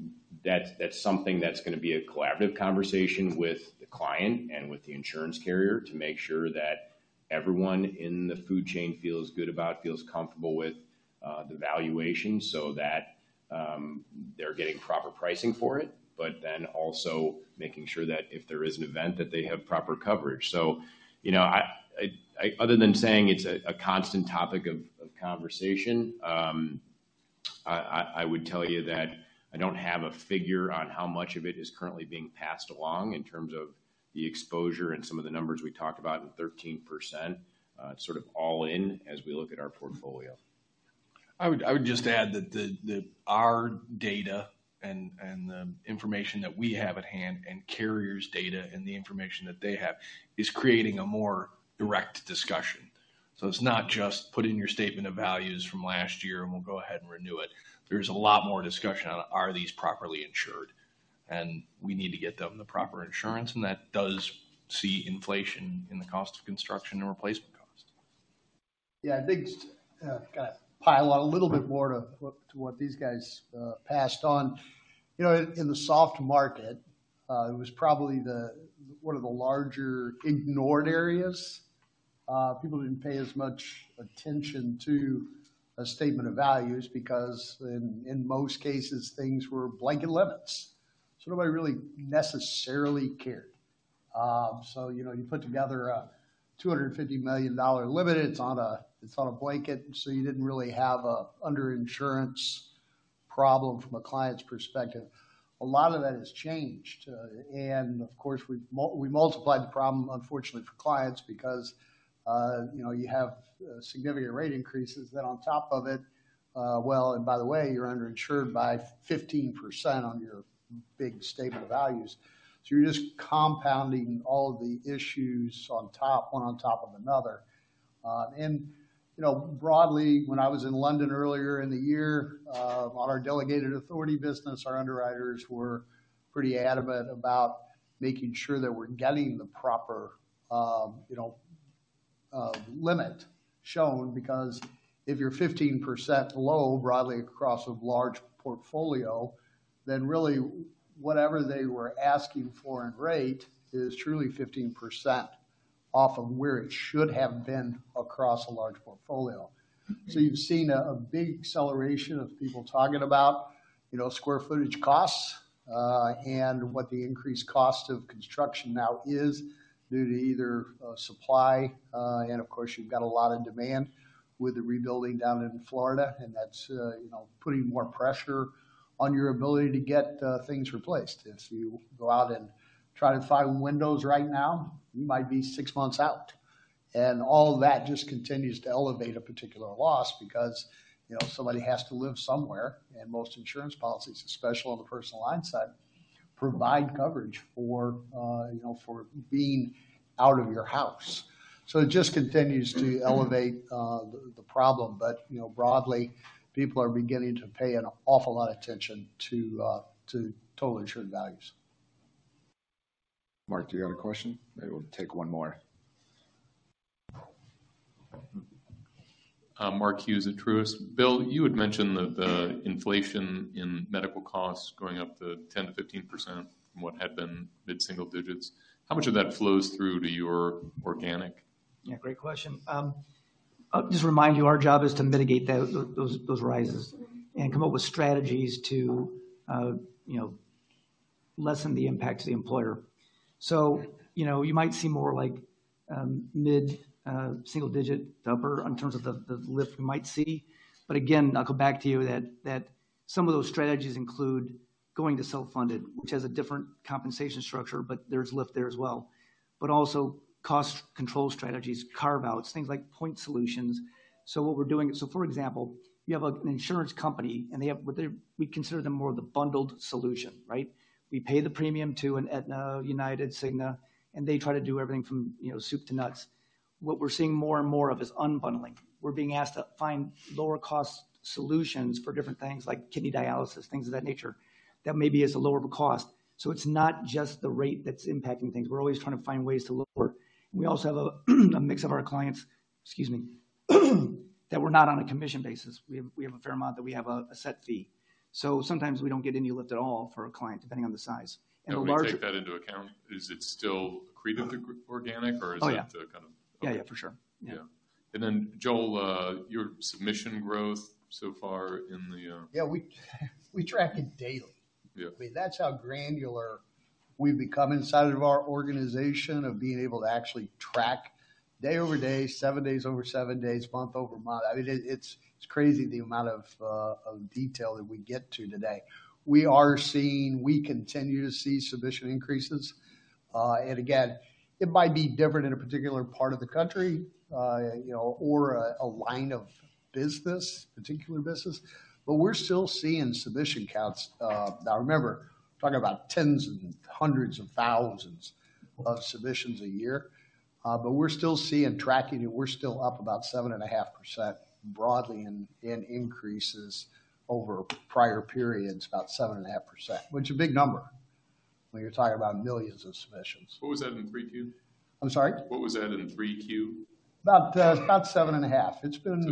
D: know, that's something that's gonna be a collaborative conversation with the client and with the insurance carrier to make sure that everyone in the food chain feels good about, feels comfortable with the valuation so that they're getting proper pricing for it. Also making sure that if there is an event, that they have proper coverage. You know, I, other than saying it's a constant topic of conversation, I would tell you that I don't have a figure on how much of it is currently being passed along in terms of the exposure and some of the numbers we talked about in 13%. It's sort of all in as we look at our portfolio.
E: I would just add that the our data and the information that we have at hand and carriers' data and the information that they have is creating a more direct discussion. It's not just put in your statement of values from last year, and we'll go ahead and renew it. There's a lot more discussion on are these properly insured. We need to get them the proper insurance, and that does see inflation in the cost of construction and replacement costs.
G: Yeah. I think, gotta pile on a little bit more to what, to what these guys passed on. You know, in the soft market, it was probably one of the larger ignored areas. People didn't pay as much attention to a statement of values because in most cases, things were blanket limits. Nobody really necessarily cared. You know, you put together a $250 million limit. It's on a blanket, so you didn't really have an under insurance problem from a client's perspective. A lot of that has changed. Of course, we multiplied the problem unfortunately for clients because, you know, you have significant rate increases then on top of it. Well, and by the way, you're underinsured by 15% on your big statement of values. You're just compounding all of the issues on top, one on top of another. You know, broadly, when I was in London earlier in the year, on our delegated authority business, our underwriters were pretty adamant about making sure that we're getting the proper, you know, limit shown because if you're 15% low broadly across a large portfolio, really whatever they were asking for in rate is truly 15% off of where it should have been across a large portfolio. You've seen a big acceleration of people talking about, you know, square footage costs, and what the increased cost of construction now is due to either supply, and of course you've got a lot of demand with the rebuilding down in Florida, and that's, you know, putting more pressure on your ability to get things replaced. If you go out and try to find windows right now, you might be six months out. All that just continues to elevate a particular loss because, you know, somebody has to live somewhere, and most insurance policies, especially on the personal line side, provide coverage for, you know, for being out of your house. It just continues to elevate the problem. You know, broadly, people are beginning to pay an awful lot of attention to totally insured values.
A: Mark, do you have a question? Maybe we'll take one more.
N: Mark Hughes at Truist. Bill, you had mentioned the inflation in medical costs going up to 10%-15% from what had been mid-single digits. How much of that flows through to your organic?
H: Yeah, great question. I'll just remind you our job is to mitigate those rises and come up with strategies to, you know, lessen the impact to the employer. You know, you might see more like mid-single digit number in terms of the lift you might see. Again, I'll go back to you that some of those strategies include going to self-funded, which has a different compensation structure, but there's lift there as well. Also cost control strategies, carve-outs, things like point solutions. For example, you have an insurance company, and they have. We consider them more of the bundled solution, right? We pay the premium to an Aetna, United, Cigna, and they try to do everything from, you know, soup to nuts. What we're seeing more and more of is unbundling. We're being asked to find lower cost solutions for different things like kidney dialysis, things of that nature that maybe is a lower cost. It's not just the rate that's impacting things. We're always trying to find ways to lower. We also have a mix of our clients, excuse me, that we're not on a commission basis. We have a fair amount that we have a set fee. Sometimes we don't get any lift at all for a client, depending on the size. The large-
N: We take that into account. Is it still accretive to organic or is that-
H: Oh, yeah.
N: To kind of-
H: Yeah, yeah, for sure. Yeah.
N: Yeah. Then Joel, your submission growth so far in the
G: Yeah, we track it daily.
N: Yeah.
G: I mean, that's how granular we've become inside of our organization of being able to actually track day-over-day, seven days over seven days, month-over-month. I mean, it's crazy the amount of detail that we get to today. We continue to see submission increases. Again, it might be different in a particular part of the country, you know, or a line of business, particular business. We're still seeing submission counts. Now remember, we're talking about 10s and 100s of thousands of submissions a year. We're still seeing tracking, and we're still up about 7.5% broadly in increases over prior periods, about 7.5%, which is a big number when you're talking about millions of submissions.
N: What was that in 3Q?
G: I'm sorry?
N: What was that in 3Q?
G: About 7.5%.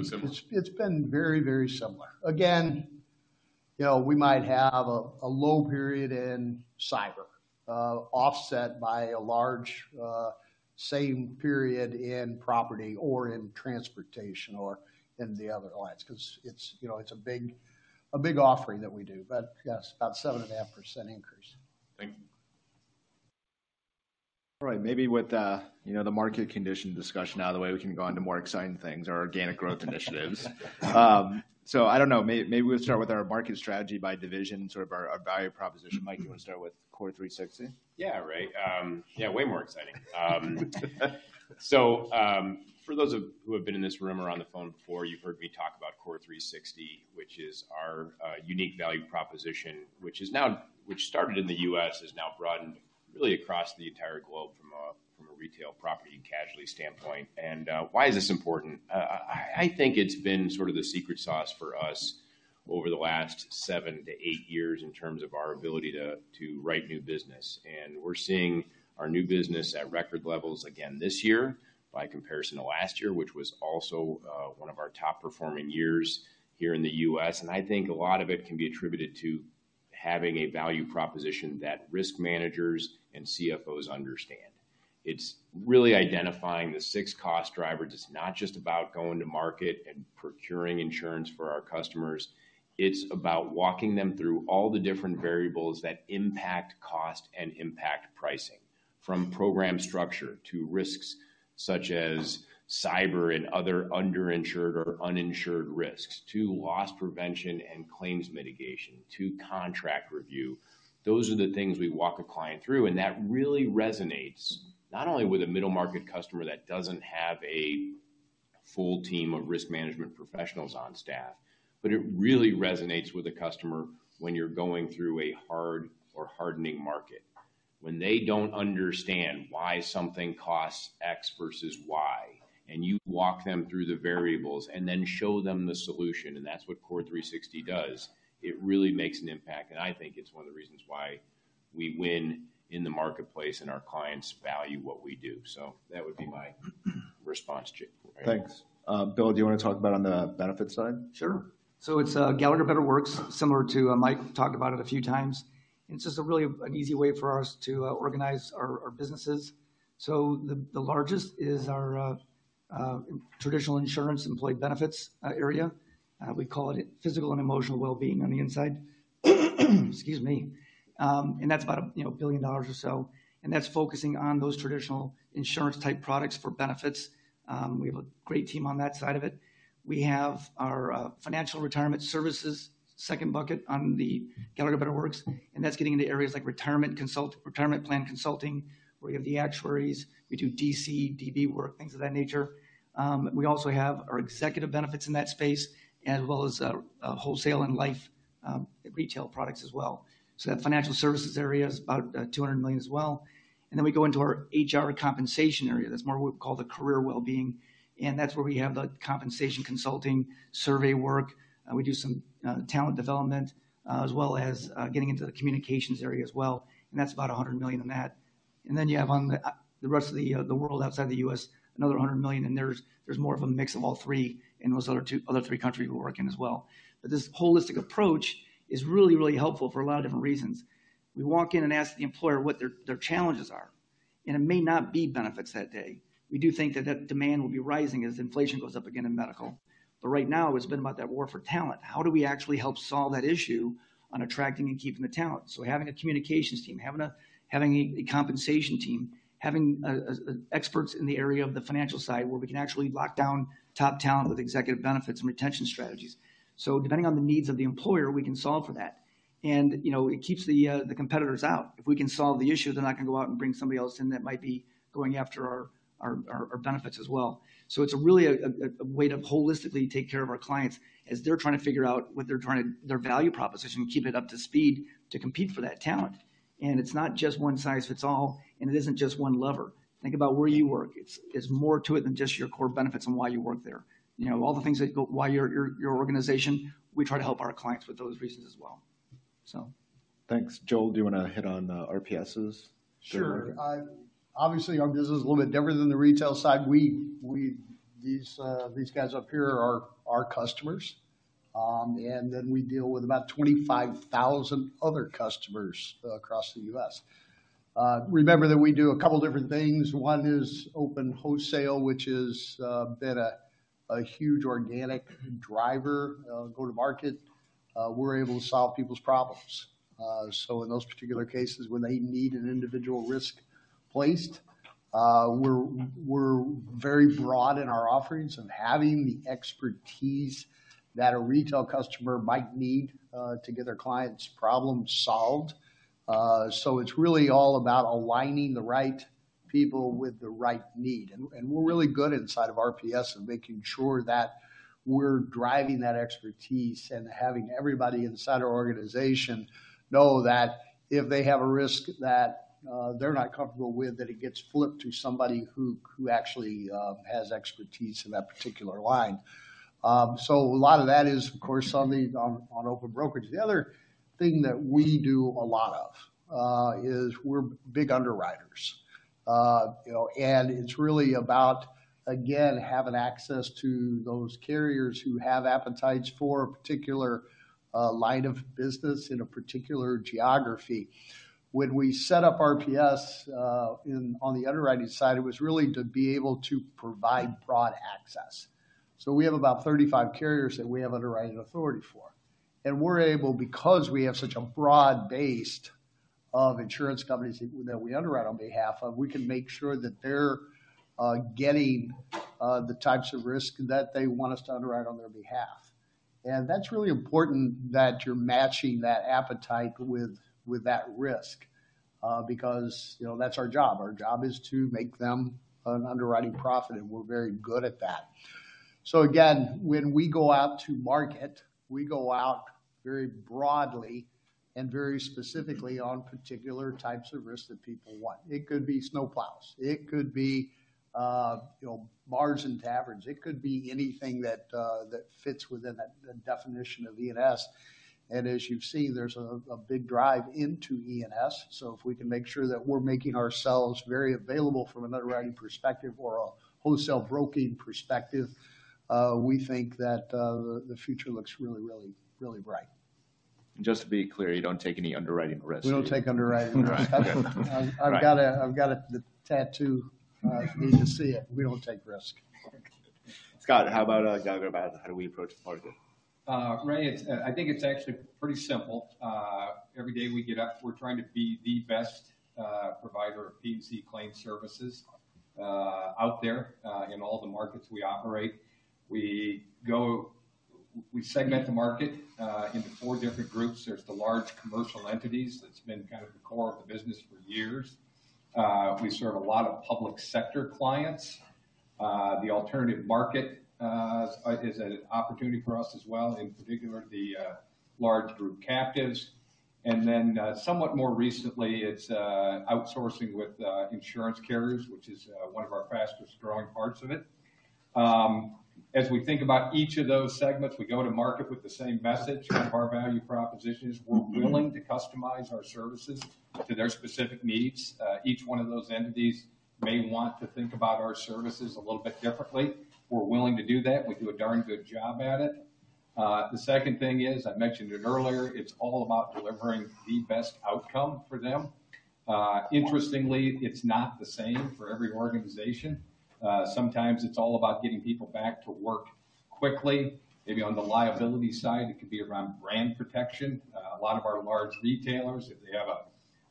N: Similar.
G: It's been very, very similar. Again, you know, we might have a low period in cyber, offset by a large, same period in property or in transportation or in the other lines 'cause it's, you know, it's a big offering that we do. Yes, about 7.5% increase.
N: Thank you.
A: All right, maybe with, you know, the market condition discussion out of the way, we can go on to more exciting things, our organic growth initiatives. I don't know, maybe we'll start with our market strategy by division, sort of our value proposition. Mike, you wanna start with CORE360?
D: Yeah, right. Yeah, way more exciting. For those of who have been in this room or on the phone before, you've heard me talk about CORE360, which is our unique value proposition, which started in the U.S., is now broadened really across the entire globe from a retail property and casualty standpoint. Why is this important? I think it's been sort of the secret sauce for us over the last seven to eight years in terms of our ability to write new business. We're seeing our new business at record levels again this year by comparison to last year, which was also one of our top-performing years here in the U.S. I think a lot of it can be attributed to having a value proposition that risk managers and CFOs understand. It's really identifying the six cost drivers. It's not just about going to market and procuring insurance for our customers. It's about walking them through all the different variables that impact cost and impact pricing. From program structure to risks such as cyber and other underinsured or uninsured risks, to loss prevention and claims mitigation, to contract review. That really resonates, not only with a middle-market customer that doesn't have a full team of risk management professionals on staff, but it really resonates with a customer when you're going through a hard or hardening market. When they don't understand why something costs X versus Y, and you walk them through the variables and then show them the solution, and that's what CORE360 does, it really makes an impact, and I think it's one of the reasons why we win in the marketplace, and our clients value what we do. That would be my response, Jim.
A: Thanks. Bill, do you wanna talk about on the benefits side?
H: Sure. It's Gallagher BetterWorks, similar to Mike talked about it a few times. It's just a really an easy way for us to organize our businesses. The largest is our traditional insurance employee benefits area. We call it physical and emotional wellbeing on the inside. Excuse me. That's about, you know, $1 billion or so. That's focusing on those traditional insurance-type products for benefits. We have a great team on that side of it. We have our financial retirement services, second bucket on the Gallagher BetterWorks, and that's getting into areas like retirement plan consulting, where we have the actuaries, we do DC, DB work, things of that nature. We also have our executive benefits in that space, as well as wholesale and life retail products as well. That financial services area is about $200 million as well. We go into our HR compensation area. That's more what we call the career wellbeing, and that's where we have the compensation consulting survey work. We do some talent development, as well as getting into the communications area as well, and that's about $100 million in that. You have on the rest of the world outside the U.S., another $100 million, and there's more of a mix of all three in those other three countries we're working as well. This holistic approach is really helpful for a lot of different reasons. We walk in and ask the employer what their challenges are, it may not be benefits that day. We do think that that demand will be rising as inflation goes up again in medical. Right now, it's been about that war for talent. How do we actually help solve that issue on attracting and keeping the talent? Having a communications team, having a compensation team, having experts in the area of the financial side where we can actually lock down top talent with executive benefits and retention strategies. Depending on the needs of the employer, we can solve for that. You know, it keeps the competitors out. If we can solve the issue, they're not gonna go out and bring somebody else in that might be going after our benefits as well. It's really a way to holistically take care of our clients as they're trying to figure out what they're trying to their value proposition, keep it up to speed to compete for that talent. It's not just one size fits all, and it isn't just one lever. Think about where you work. It's more to it than just your core benefits and why you work there. You know, all the things that go why your organization, we try to help our clients with those reasons as well.
A: Thanks. Joel, do you wanna hit on RPS's?
G: Sure. Obviously, our business is a little bit different than the retail side. We, these guys up here are our customers. We deal with about 25,000 other customers across the U.S. Remember that we do a couple different things. One is open wholesale, which is been a huge organic driver, go to market. We're able to solve people's problems. In those particular cases, when they need an individual risk placed, we're very broad in our offerings and having the expertise that a retail customer might need, to get their client's problem solved. It's really all about aligning the right people with the right need. We're really good inside of RPS in making sure that we're driving that expertise and having everybody inside our organization know that if they have a risk that they're not comfortable with, that it gets flipped to somebody who actually has expertise in that particular line. A lot of that is, of course, on open brokerage. The other thing that we do a lot of is we're big underwriters. You know, it's really about, again, having access to those carriers who have appetites for a particular line of business in a particular geography. When we set up RPS, in, on the underwriting side, it was really to be able to provide broad access. We have about 35 carriers that we have underwriting authority for We're able because we have such a broad based of insurance companies that we underwrite on behalf of, we can make sure that they're getting the types of risk that they want us to underwrite on their behalf. That's really important that you're matching that appetite with that risk, because, you know, that's our job. Our job is to make them an underwriting profit, and we're very good at that. Again, when we go out to market, we go out very broadly and very specifically on particular types of risks that people want. It could be snowplows, it could be, you know, bars and taverns. It could be anything that fits within that definition of E&S. As you've seen, there's a big drive into E&S. If we can make sure that we're making ourselves very available from an underwriting perspective or a wholesale broking perspective, we think that the future looks really, really, really bright.
A: Just to be clear, you don't take any underwriting risks.
G: We don't take underwriting risks.
A: Right. Okay.
G: I've got a tattoo, if you need to see it. We don't take risk.
A: Scott, how about talk about how do we approach market?
I: Ray, I think it's actually pretty simple. Every day we get up, we're trying to be the best provider of P&C claim services out there in all the markets we operate. We segment the market into four different groups. There's the large commercial entities that's been kind of the core of the business for years. We serve a lot of public sector clients. The alternative market is an opportunity for us as well, in particular, the large group captives. Somewhat more recently, it's outsourcing with insurance carriers, which is one of our fastest-growing parts of it. As we think about each of those segments, we go to market with the same message. Kind of our value proposition is we're willing to customize our services to their specific needs. Each one of those entities may want to think about our services a little bit differently. We're willing to do that. We do a darn good job at it. The second thing is, I mentioned it earlier, it's all about delivering the best outcome for them. Interestingly, it's not the same for every organization. Sometimes it's all about getting people back to work quickly. Maybe on the liability side, it could be around brand protection. A lot of our large retailers, if they have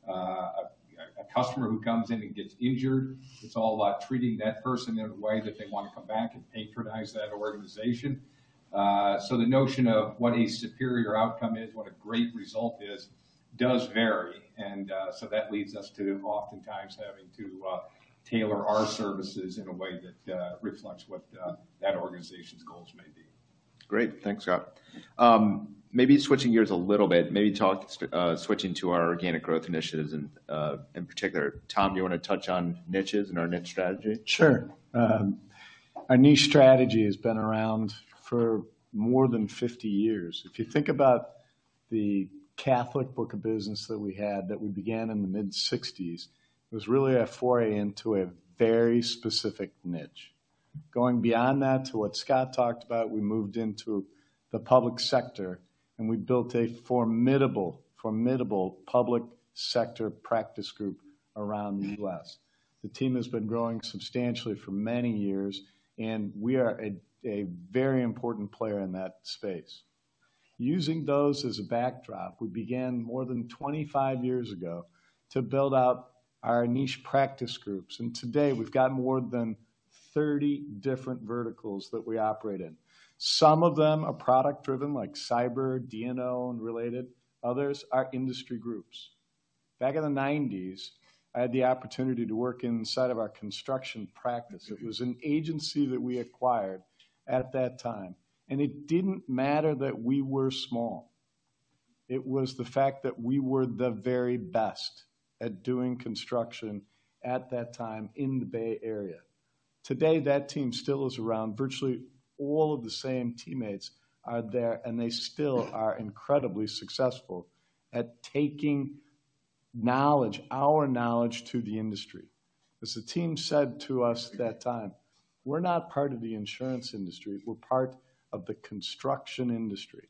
I: a customer who comes in and gets injured, it's all about treating that person in a way that they wanna come back and patronize that organization. The notion of what a superior outcome is, what a great result is, does vary. That leads us to oftentimes having to tailor our services in a way that reflects what that organization's goals may be.
A: Great. Thanks, Scott. Maybe switching gears a little bit, switching to our organic growth initiatives and in particular. Tom, you wanna touch on niches and our niche strategy?
F: Sure. Our niche strategy has been around for more than 50 years. If you think about the Catholic book of business that we had, that we began in the mid-1960s, it was really a foray into a very specific niche. Going beyond that to what Scott talked about, we moved into the public sector. We built a formidable public sector practice group around the U.S. The team has been growing substantially for many years. We are a very important player in that space. Using those as a backdrop, we began more than 25 years ago to build out our niche practice groups. Today we've got more than 30 different verticals that we operate in. Some of them are product driven like cyber, D&O, and related. Others are industry groups. Back in the 1990s, I had the opportunity to work inside of our construction practice. It was an agency that we acquired at that time, and it didn't matter that we were small. It was the fact that we were the very best at doing construction at that time in the Bay Area. Today, that team still is around. Virtually all of the same teammates are there, and they still are incredibly successful at taking knowledge, our knowledge to the industry. As the team said to us that time, "We're not part of the insurance industry, we're part of the construction industry."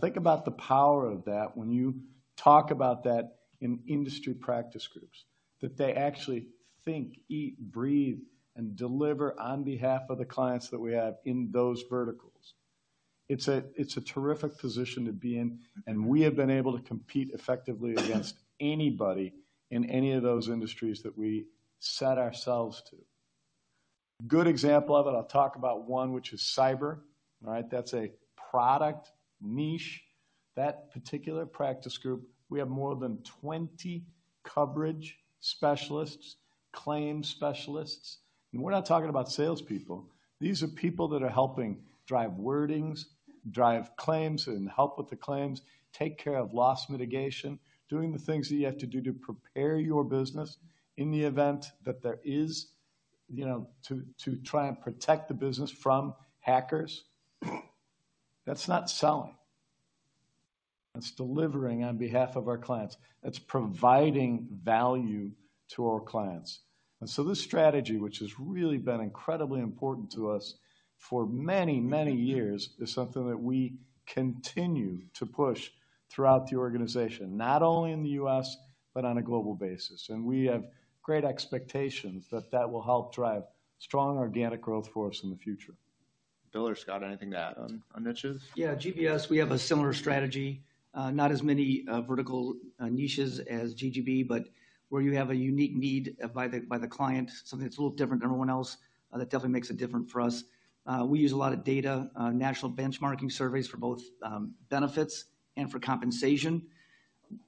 F: Think about the power of that when you talk about that in industry practice groups. That they actually think, eat, breathe, and deliver on behalf of the clients that we have in those verticals. It's a terrific position to be in. We have been able to compete effectively against anybody in any of those industries that we set ourselves to. Good example of it, I'll talk about one which is cyber. All right? That's a product niche. That particular practice group, we have more than 20 coverage specialists, claim specialists. We're not talking about salespeople. These are people that are helping drive wordings, drive claims, and help with the claims, take care of loss mitigation, doing the things that you have to do to prepare your business in the event that there is, you know, to try and protect the business from hackers. That's not selling. That's delivering on behalf of our clients. That's providing value to our clients. This strategy, which has really been incredibly important to us for many, many years, is something that we continue to push.
E: Throughout the organization, not only in the U.S., but on a global basis. We have great expectations that that will help drive strong organic growth for us in the future.
A: Bill or Scott, anything to add on niches?
H: Yeah, GBS, we have a similar strategy. Not as many vertical niches as GGB, but where you have a unique need by the client, something that's a little different than everyone else, that definitely makes it different for us. We use a lot of data, national benchmarking surveys for both benefits and for compensation.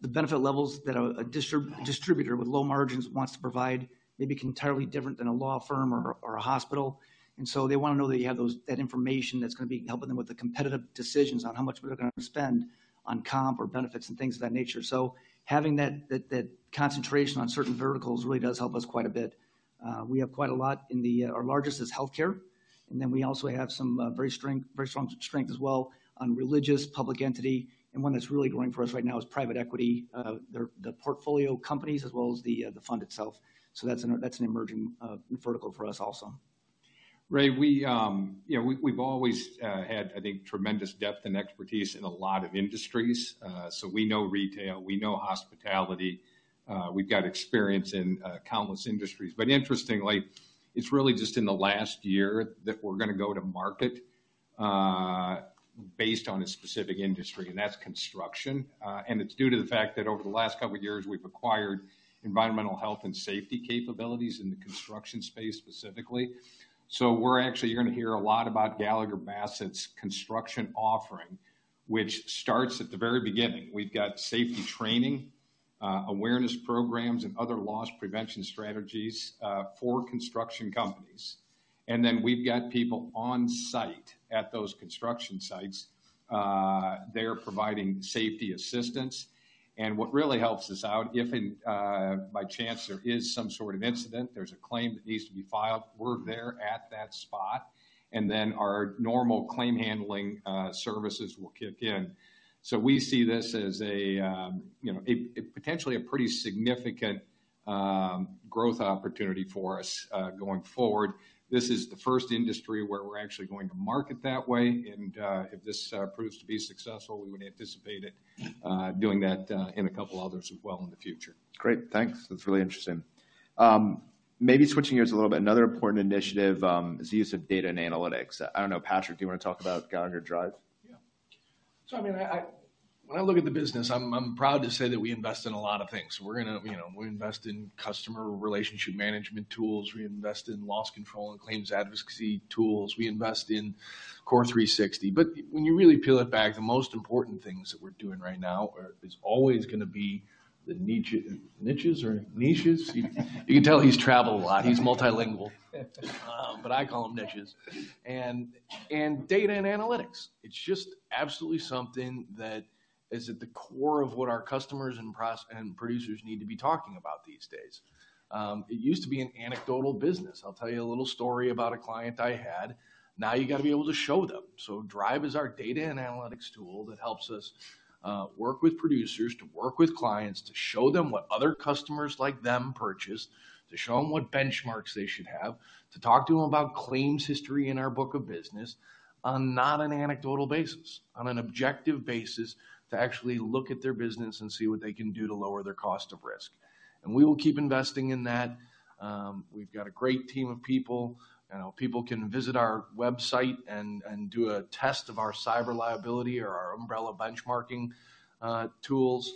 H: The benefit levels that a distributor with low margins wants to provide may be entirely different than a law firm or a hospital. They wanna know that you have those, that information that's gonna be helping them with the competitive decisions on how much we're gonna spend on comp or benefits and things of that nature. Having that concentration on certain verticals really does help us quite a bit. We have quite a lot in the... our largest is healthcare. We also have some very strong strength as well on religious, public entity, and one that's really growing for us right now is private equity. The portfolio companies as well as the fund itself. That's an emerging vertical for us also.
I: Ray, we, you know, we've always had, I think, tremendous depth and expertise in a lot of industries. We know retail, we know hospitality, we've got experience in countless industries. Interestingly, it's really just in the last year that we're gonna go to market based on a specific industry, and that's construction. It's due to the fact that over the last two years, we've acquired environmental health and safety capabilities in the construction space specifically. You're gonna hear a lot about Gallagher Bassett's construction offering, which starts at the very beginning. We've got safety training, awareness programs, and other loss prevention strategies for construction companies. We've got people on site at those construction sites, they are providing safety assistance. What really helps us out, if by chance there is some sort of incident, there's a claim that needs to be filed, we're there at that spot, and then our normal claim handling services will kick in. We see this as a, you know, a potentially a pretty significant growth opportunity for us going forward. This is the first industry where we're actually going to market that way. If this proves to be successful, we would anticipate it doing that in a couple others as well in the future.
A: Great. Thanks. That's really interesting. Maybe switching gears a little bit. Another important initiative is the use of data and analytics. I don't know, Patrick, do you wanna talk about Gallagher Drive?
E: I mean, when I look at the business, I'm proud to say that we invest in a lot of things. We invest in customer relationship management tools, we invest in loss control and claims advocacy tools, we invest in CORE360. When you really peel it back, the most important things that we're doing right now is always gonna be the niches or niches.
A: You can tell he's traveled a lot. He's multilingual.
E: I call them niches. Data and analytics, it's just absolutely something that is at the core of what our customers and producers need to be talking about these days. It used to be an anecdotal business. I'll tell you a little story about a client I had. Now you gotta be able to show them. Drive is our data and analytics tool that helps us work with producers, to work with clients, to show them what other customers like them purchased, to show them what benchmarks they should have, to talk to them about claims history in our book of business on not an anecdotal basis, on an objective basis, to actually look at their business and see what they can do to lower their cost of risk. We will keep investing in that. We've got a great team of people. You know, people can visit our website and do a test of our cyber liability or our umbrella benchmarking tools.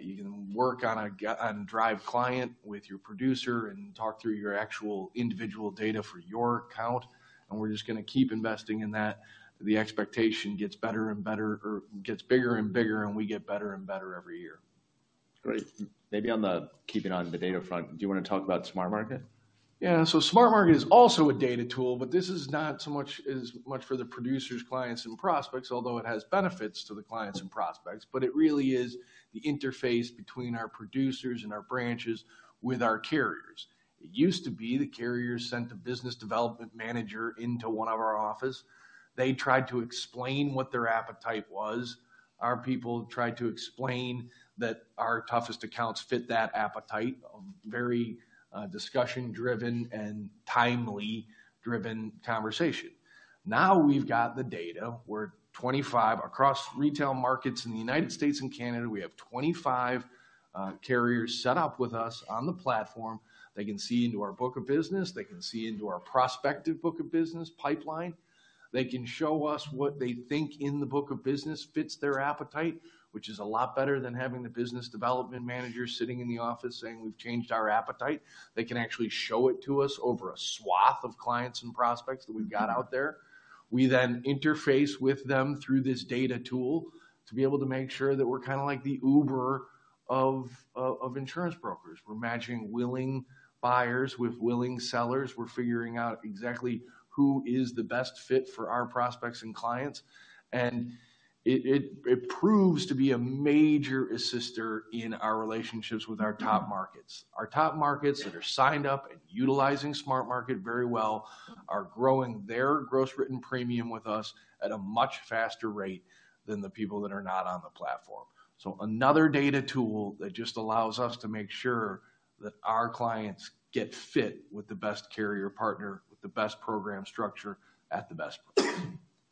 E: You can work on a Drive client with your producer and talk through your actual individual data for your account. We're just gonna keep investing in that. The expectation gets better and better or gets bigger and bigger. We get better and better every year.
A: Great. Maybe on the keeping on the data front, do you wanna talk about SmartMarket?
E: SmartMarket is also a data tool, this is not so much as much for the producers, clients, and prospects, although it has benefits to the clients and prospects, it really is the interface between our producers and our branches with our carriers. It used to be the carriers sent a business development manager into one of our office. They tried to explain what their appetite was. Our people tried to explain that our toughest accounts fit that appetite, very discussion-driven and timely driven conversation. Now we've got the data, we're 25 across retail markets in the United States and Canada. We have 25 carriers set up with us on the platform. They can see into our book of business. They can see into our prospective book of business pipeline. They can show us what they think in the book of business fits their appetite, which is a lot better than having the business development manager sitting in the office saying, "We've changed our appetite." They can actually show it to us over a swath of clients and prospects that we've got out there. We then interface with them through this data tool to be able to make sure that we're kinda like the Uber of insurance brokers. We're matching willing buyers with willing sellers. We're figuring out exactly who is the best fit for our prospects and clients. It proves to be a major assister in our relationships with our top markets. Our top markets that are signed up and utilizing SmartMarket very well are growing their gross written premium with us at a much faster rate than the people that are not on the platform. Another data tool that just allows us to make sure that our clients get fit with the best carrier partner, with the best program structure at the best price.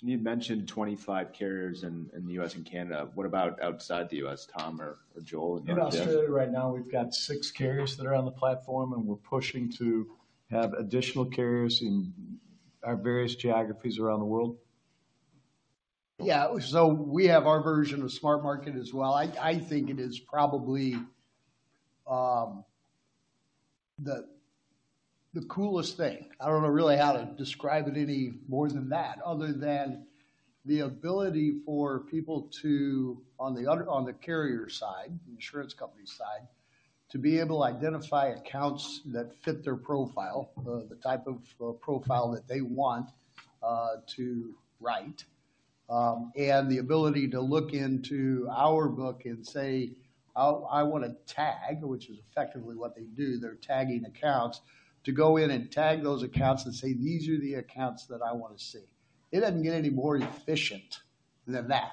A: You mentioned 25 carriers in the U.S. and Canada. What about outside the U.S., Tom or Joel and not Jim?
F: In Australia right now we've got six carriers that are on the platform, and we're pushing to have additional carriers in our various geographies around the world.
G: Yeah. We have our version of SmartMarket as well. I think it is probably the coolest thing. I don't know really how to describe it any more than that, other than the ability for people to on the carrier side, the insurance company side, to be able to identify accounts that fit their profile, the type of profile that they want to write. The ability to look into our book and say, "I wanna tag," which is effectively what they do, they're tagging accounts, to go in and tag those accounts and say, "These are the accounts that I wanna see." It doesn't get any more efficient than that.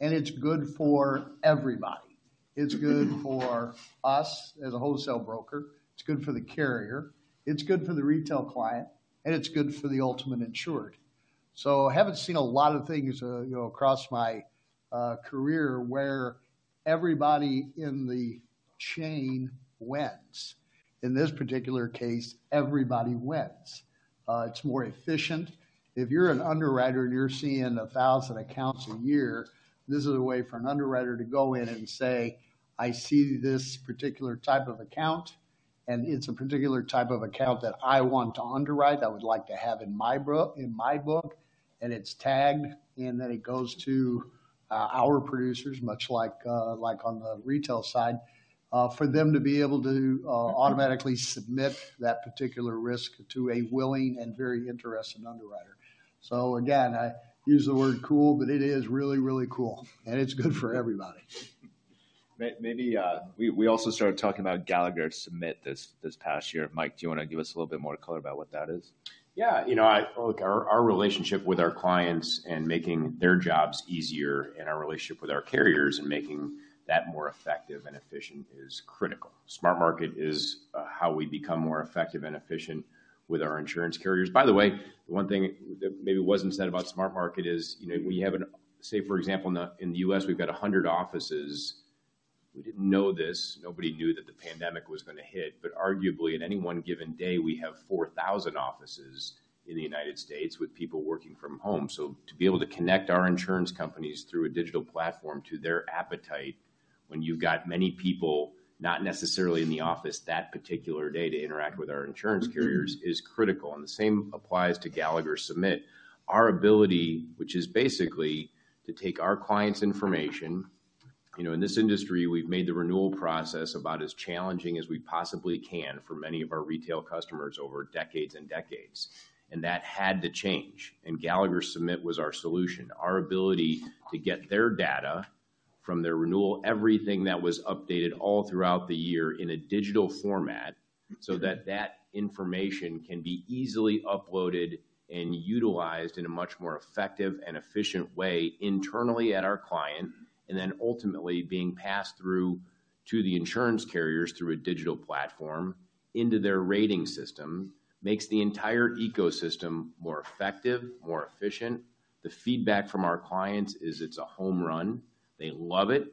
G: It's good for everybody. It's good for us as a wholesale broker, it's good for the carrier, it's good for the retail client, and it's good for the ultimate insured. I haven't seen a lot of things, you know, across my career where everybody in the chain wins. In this particular case, everybody wins. It's more efficient. If you're an underwriter and you're seeing 1,000 accounts a year, this is a way for an underwriter to go in and say, "I see this particular type of account, and it's a particular type of account that I want to underwrite, that I would like to have in my book," and it goes to our producers, much like on the retail side, for them to be able to automatically submit that particular risk to a willing and very interested underwriter. Again, I use the word cool, but it is really, really cool, and it's good for everybody.
A: Maybe we also started talking about Gallagher Submit this past year. Mike, do you wanna give us a little bit more color about what that is?
D: Yeah. You know, Look, our relationship with our clients and making their jobs easier, and our relationship with our carriers and making that more effective and efficient is critical. SmartMarket is how we become more effective and efficient with our insurance carriers. By the way, the one thing that maybe wasn't said about SmartMarket is, you know, we have. Say, for example, in the U.S., we've got 100 offices. We didn't know this, nobody knew that the pandemic was going to hit, but arguably, at any one given day, we have 4,000 offices in the United States with people working from home. To be able to connect our insurance companies through a digital platform to their appetite when you've got many people not necessarily in the office that particular day to interact with our insurance carriers is critical, and the same applies to Gallagher Submit. Our ability, which is basically to take our clients' information... You know, in this industry, we've made the renewal process about as challenging as we possibly can for many of our retail customers over decades and decades, and that had to change, and Gallagher Submit was our solution. Our ability to get their data from their renewal, everything that was updated all throughout the year in a digital format, so that that information can be easily uploaded and utilized in a much more effective and efficient way internally at our client, and then ultimately being passed through to the insurance carriers through a digital platform into their rating system, makes the entire ecosystem more effective, more efficient. The feedback from our clients is it's a home run. They love it.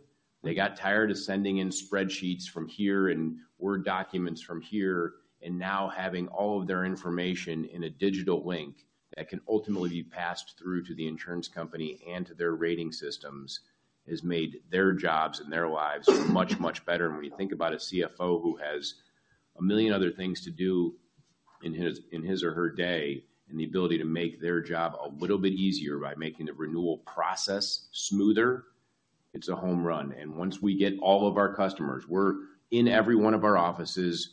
D: They got tired of sending in spreadsheets from here and Word documents from here, and now having all of their information in a digital link that can ultimately be passed through to the insurance company and to their rating systems, has made their jobs and their lives much, much better. When you think about a CFO who has a million other things to do in his, in his or her day, and the ability to make their job a little bit easier by making the renewal process smoother, it's a home run. Once we get all of our customers. We're in every one of our offices.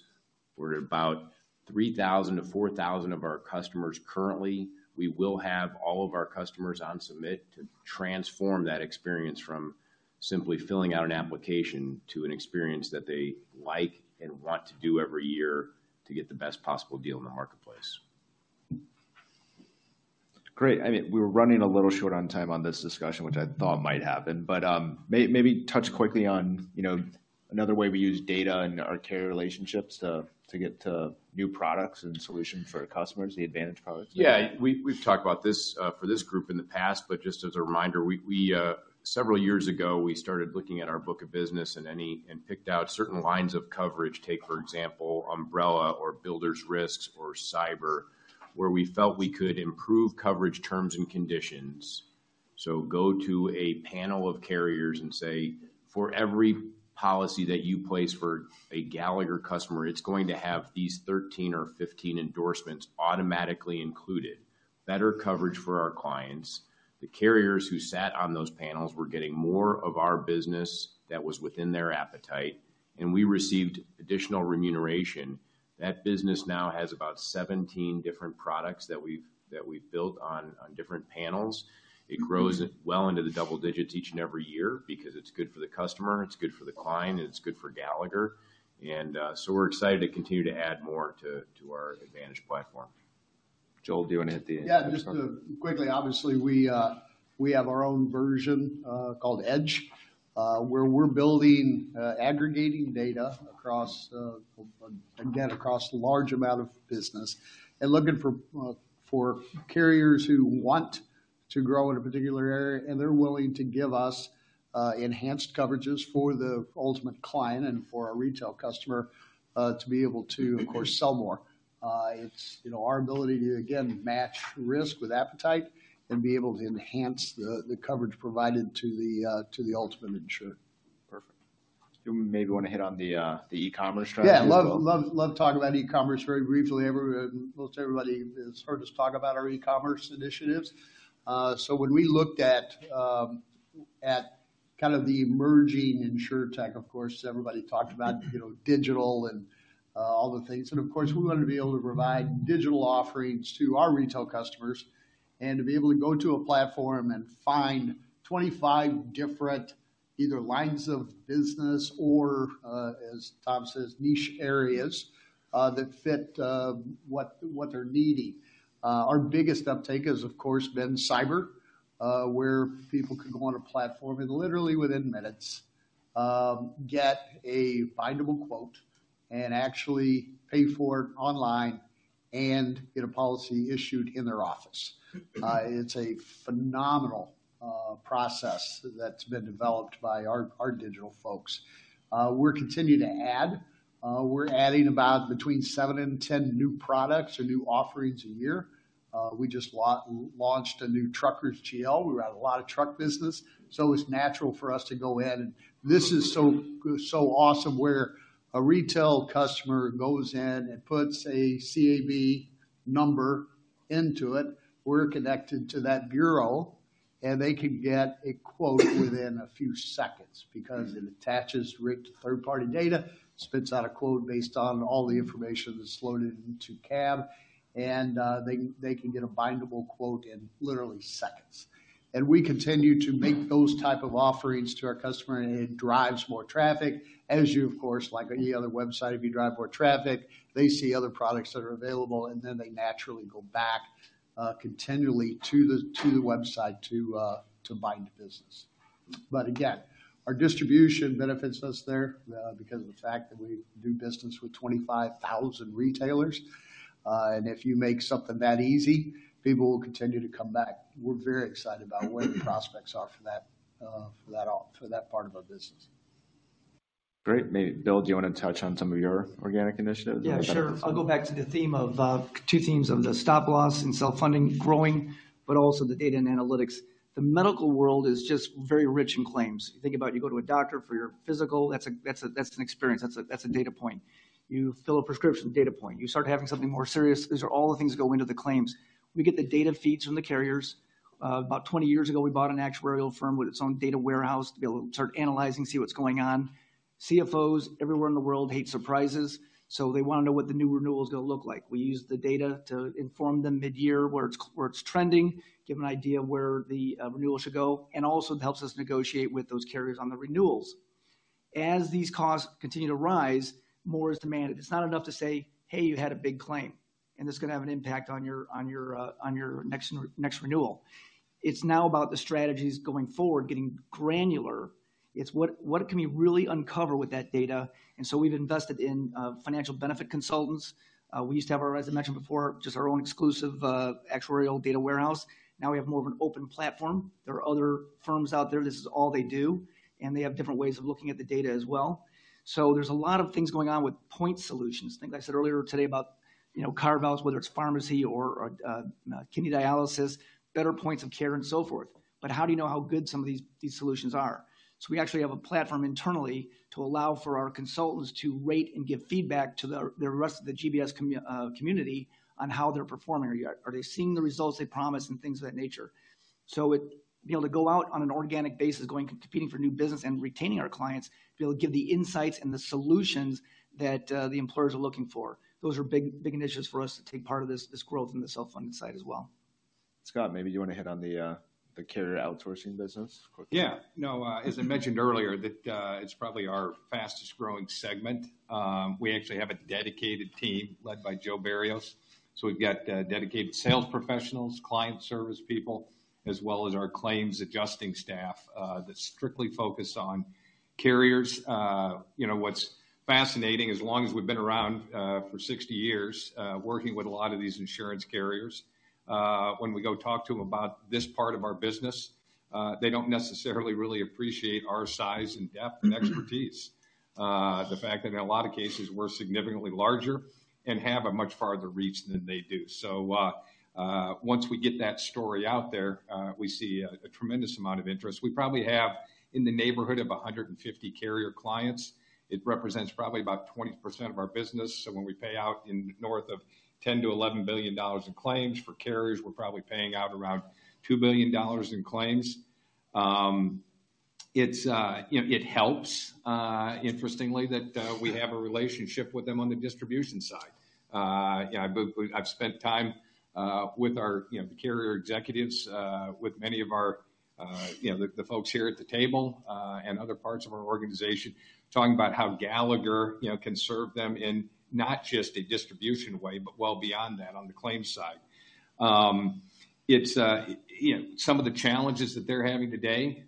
D: We're at about 3,000 to 4,000 of our customers currently. We will have all of our customers on Submit to transform that experience from simply filling out an application to an experience that they like and want to do every year to get the best possible deal in the marketplace.
A: Great. I mean, we're running a little short on time on this discussion, which I thought might happen, but, maybe touch quickly on, you know, another way we use data in our carrier relationships to get to new products and solutions for our customers, the Advantage products.
D: We've talked about this for this group in the past, but just as a reminder, several years ago, we started looking at our book of business and picked out certain lines of coverage. Take, for example, umbrella or builders risks or cyber, where we felt we could improve coverage terms and conditions. Go to a panel of carriers and say, "For every policy that you place for a Gallagher customer, it's going to have these 13 or 15 endorsements automatically included." Better coverage for our clients. The carriers who sat on those panels were getting more of our business that was within their appetite, and we received additional remuneration. That business now has about 17 different products that we've built on different panels. It grows well into the double digits each and every year because it's good for the customer, it's good for the client, and it's good for Gallagher. We're excited to continue to add more to our Advantage platform.
A: Joel, do you want to hit?
G: Yeah. Just quickly, obviously, we have our own version called Edge, where we're building aggregating data across again, across a large amount of business and looking for carriers who want to grow in a particular area, and they're willing to give us enhanced coverages for the ultimate client and for our retail customer to be able to, of course, sell more. It's, you know, our ability to again, match risk with appetite and be able to enhance the coverage provided to the ultimate insurer.
A: Perfect. Do you maybe wanna hit on the e-commerce strategy as well?
G: Yeah. Love to talk about e-commerce very briefly. Most everybody has heard us talk about our e-commerce initiatives. When we looked at kind of the emerging insurtech, of course, everybody talked about, you know, digital and all the things. Of course, we wanted to be able to provide digital offerings to our retail customers and to be able to go to a platform and find 25 different either lines of business or, as Tom Gallagher says, niche areas, that fit what they're needing. Our biggest uptake has, of course, been cyber, where people can go on a platform and literally within minutes get a bindable quote and actually pay for it online and get a policy issued in their office. It's a phenomenal process that's been developed by our digital folks. We're continuing to add. We're adding about between seven and 10 new products or new offerings a year. We just launched a new truckers GL. We write a lot of truck business, so it's natural for us to go in. This is so awesome, where a retail customer goes in and puts a CAB number into it. We're connected to that bureau, and they can get a quote within a few seconds because it attaches right to third-party data, spits out a quote based on all the information that's loaded into CAB, and they can get a bindable quote in literally seconds. We continue to make those type of offerings to our customer, and it drives more traffic. As you, of course, like any other website, if you drive more traffic, they see other products that are available, and then they naturally go back continually to the website to bind business. Again, our distribution benefits us there because of the fact that we do business with 25,000 retailers. If you make something that easy, people will continue to come back. We're very excited about what the prospects are for that for that part of our business.
A: Great. Bill, do you wanna touch on some of your organic initiatives?
H: Yeah, sure. I'll go back to the theme of two themes of the stop-loss and self-funding growing, but also the data and analytics. The medical world is just very rich in claims. You think about you go to a doctor for your physical, that's an experience. That's a data point. You fill a prescription, data point. You start having something more serious. These are all the things that go into the claims. We get the data feeds from the carriers. About 20 years ago, we bought an actuarial firm with its own data warehouse to be able to start analyzing, see what's going on. CFOs everywhere in the world hate surprises, so they wanna know what the new renewal is gonna look like. We use the data to inform them midyear where it's trending, give an idea of where the renewal should go, and also it helps us negotiate with those carriers on the renewals. As these costs continue to rise, more is demanded. It's not enough to say, "Hey, you had a big claim, and it's gonna have an impact on your next renewal." It's now about the strategies going forward, getting granular. It's what can we really uncover with that data? We've invested in financial benefit consultants. We used to have, as I mentioned before, just our own exclusive actuarial data warehouse. Now we have more of an open platform. There are other firms out there, this is all they do, and they have different ways of looking at the data as well. There's a lot of things going on with point solutions. I think I said earlier today about, you know, carve-outs, whether it's pharmacy or kidney dialysis, better points of care, and so forth. How do you know how good some of these solutions are? We actually have a platform internally to allow for our consultants to rate and give feedback to the rest of the GBS community on how they're performing. Are they seeing the results they promised? Things of that nature. Being able to go out on an organic basis, going, competing for new business and retaining our clients, be able to give the insights and the solutions that the employers are looking for. Those are big initiatives for us to take part of this growth in the self-funding side as well.
A: Scott, maybe you wanna hit on the carrier outsourcing business quickly.
I: Yeah. No, as I mentioned earlier that, it's probably our fastest growing segment. We actually have a dedicated team led by Joe Barrios. We've got dedicated sales professionals, client service people, as well as our claims adjusting staff, that's strictly focused on carriers. You know, what's fascinating, as long as we've been around for 60 years, working with a lot of these insurance carriers, when we go talk to them about this part of our business, they don't necessarily really appreciate our size and depth and expertise. The fact that in a lot of cases we're significantly larger and have a much farther reach than they do. Once we get that story out there, we see a tremendous amount of interest. We probably have in the neighborhood of 150 carrier clients. It represents probably about 20% of our business. When we pay out in north of $10 billion-$11 billion in claims for carriers, we're probably paying out around $2 billion in claims. It's, you know, it helps interestingly that we have a relationship with them on the distribution side. Yeah, I've spent time with our, you know, the carrier executives, with many of our, you know, the folks here at the table, and other parts of our organization, talking about how Gallagher, you know, can serve them in not just a distribution way, but well beyond that on the claims side. It's, you know, some of the challenges that they're having today,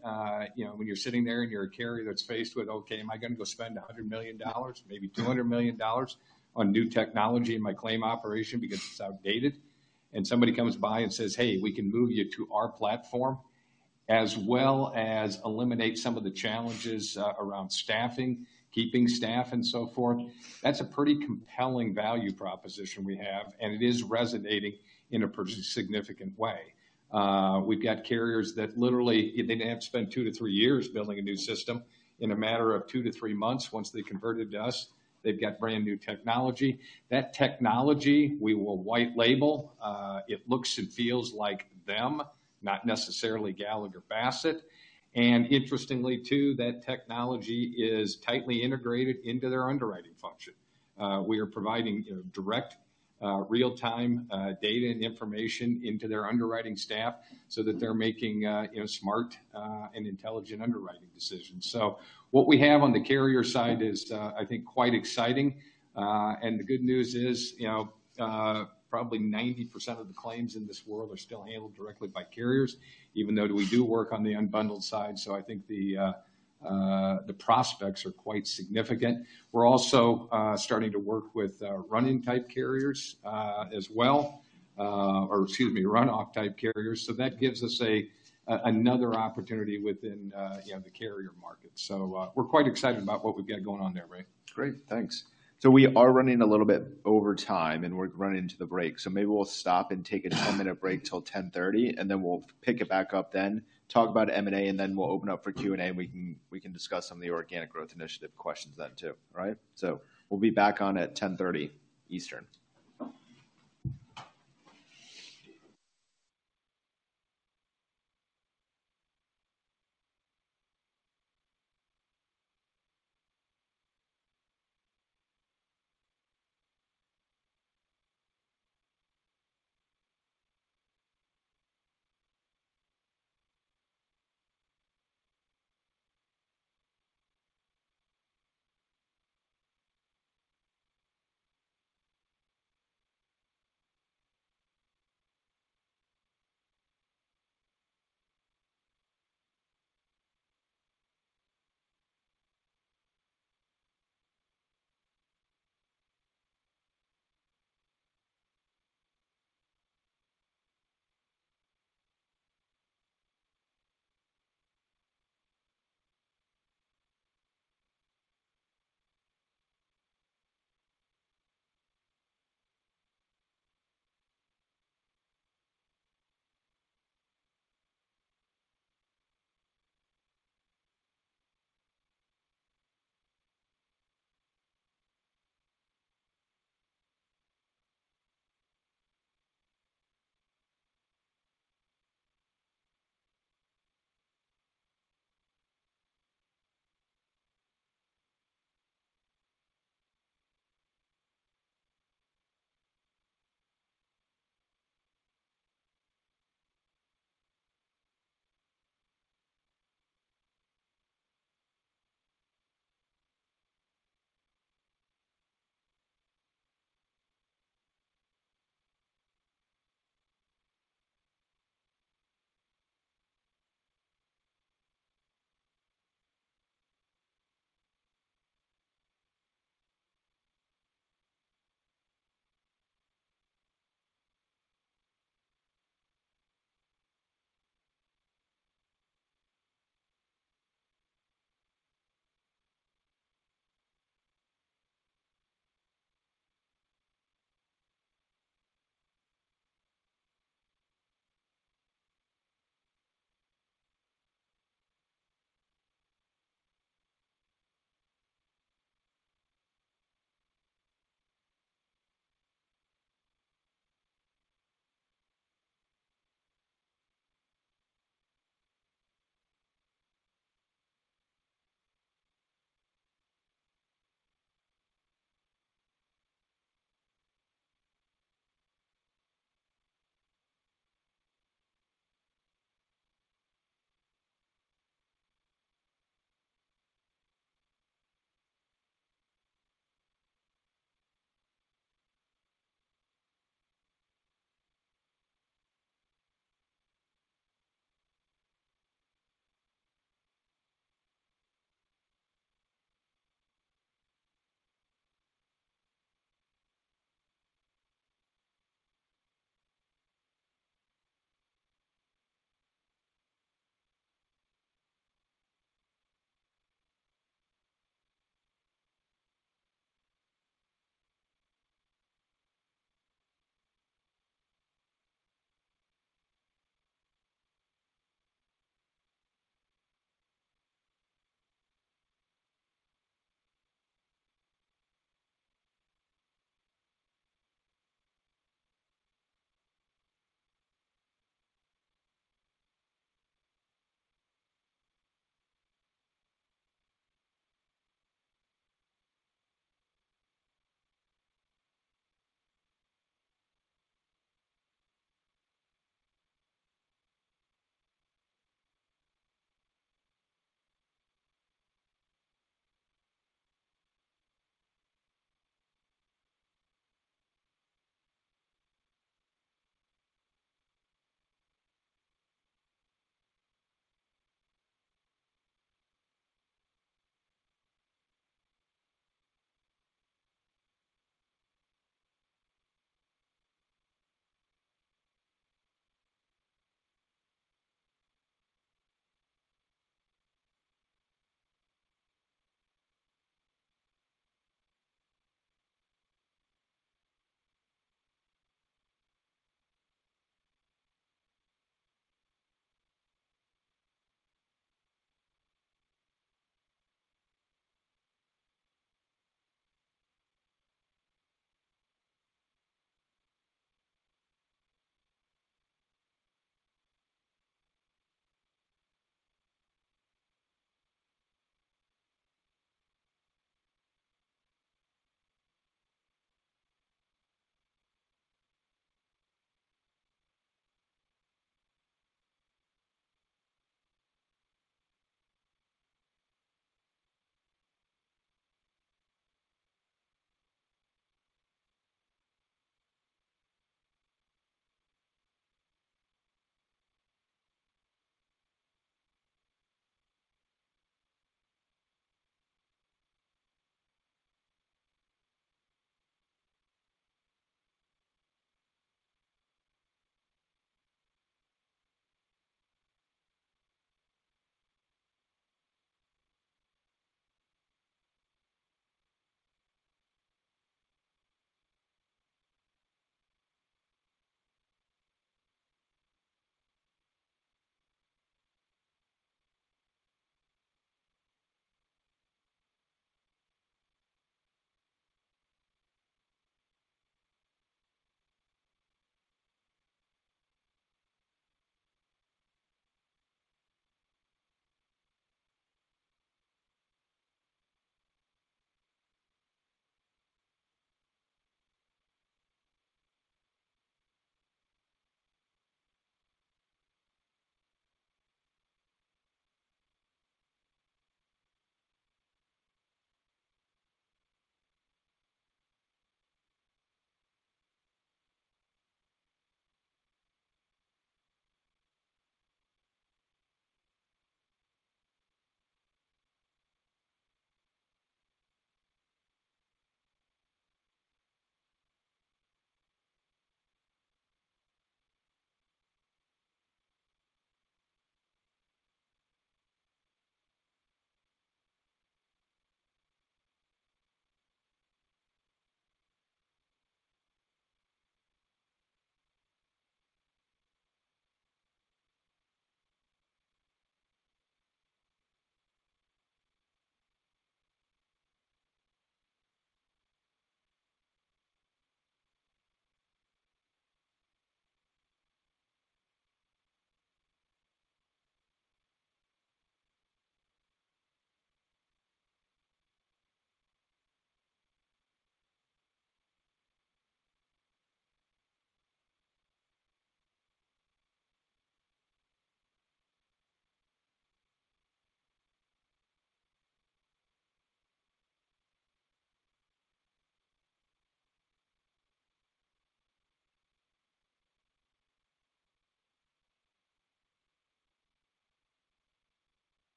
I: you know, when you're sitting there and you're a carrier that's faced with, okay, am I gonna go spend $100 million, maybe $200 million on new technology in my claim operation because it's outdated? Somebody comes by and says, "Hey, we can move you to our platform, as well as eliminate some of the challenges around staffing, keeping staff, and so forth." That's a pretty compelling value proposition we have. It is resonating in a pretty significant way. We've got carriers that literally, they have spent two to three years building a new system. In a matter of two to three months, once they converted to us, they've got brand-new technology. That technology we will white label. It looks and feels like them, not necessarily Gallagher Bassett. Interestingly, too, that technology is tightly integrated into their underwriting function. We are providing direct, real-time, data and information into their underwriting staff so that they're making, you know, smart, and intelligent underwriting decisions. What we have on the carrier side is, I think, quite exciting. The good news is, you know, probably 90% of the claims in this world are still handled directly by carriers, even though we do work on the unbundled side. I think the prospects are quite significant. We're also starting to work with running type carriers as well. Or excuse me, run-off type carriers. That gives us another opportunity within, you know, the carrier market. We're quite excited about what we've got going on there, Ray.
A: Great. Thanks. We are running a little bit over time, and we're running to the break. Maybe we'll stop and take a 10-minute break till 10:30 A.M., and then we'll pick it back up then, talk about M&A, and then we'll open up for Q&A, and we can discuss some of the organic growth initiative questions then too. All right? We'll be back on at 10:30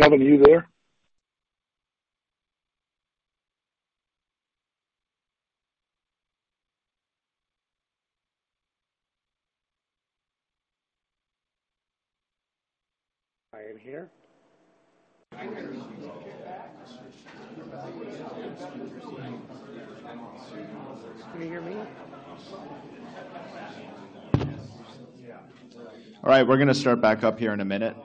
A: A.M. Eastern. All right. We're gonna start back up here in a minute.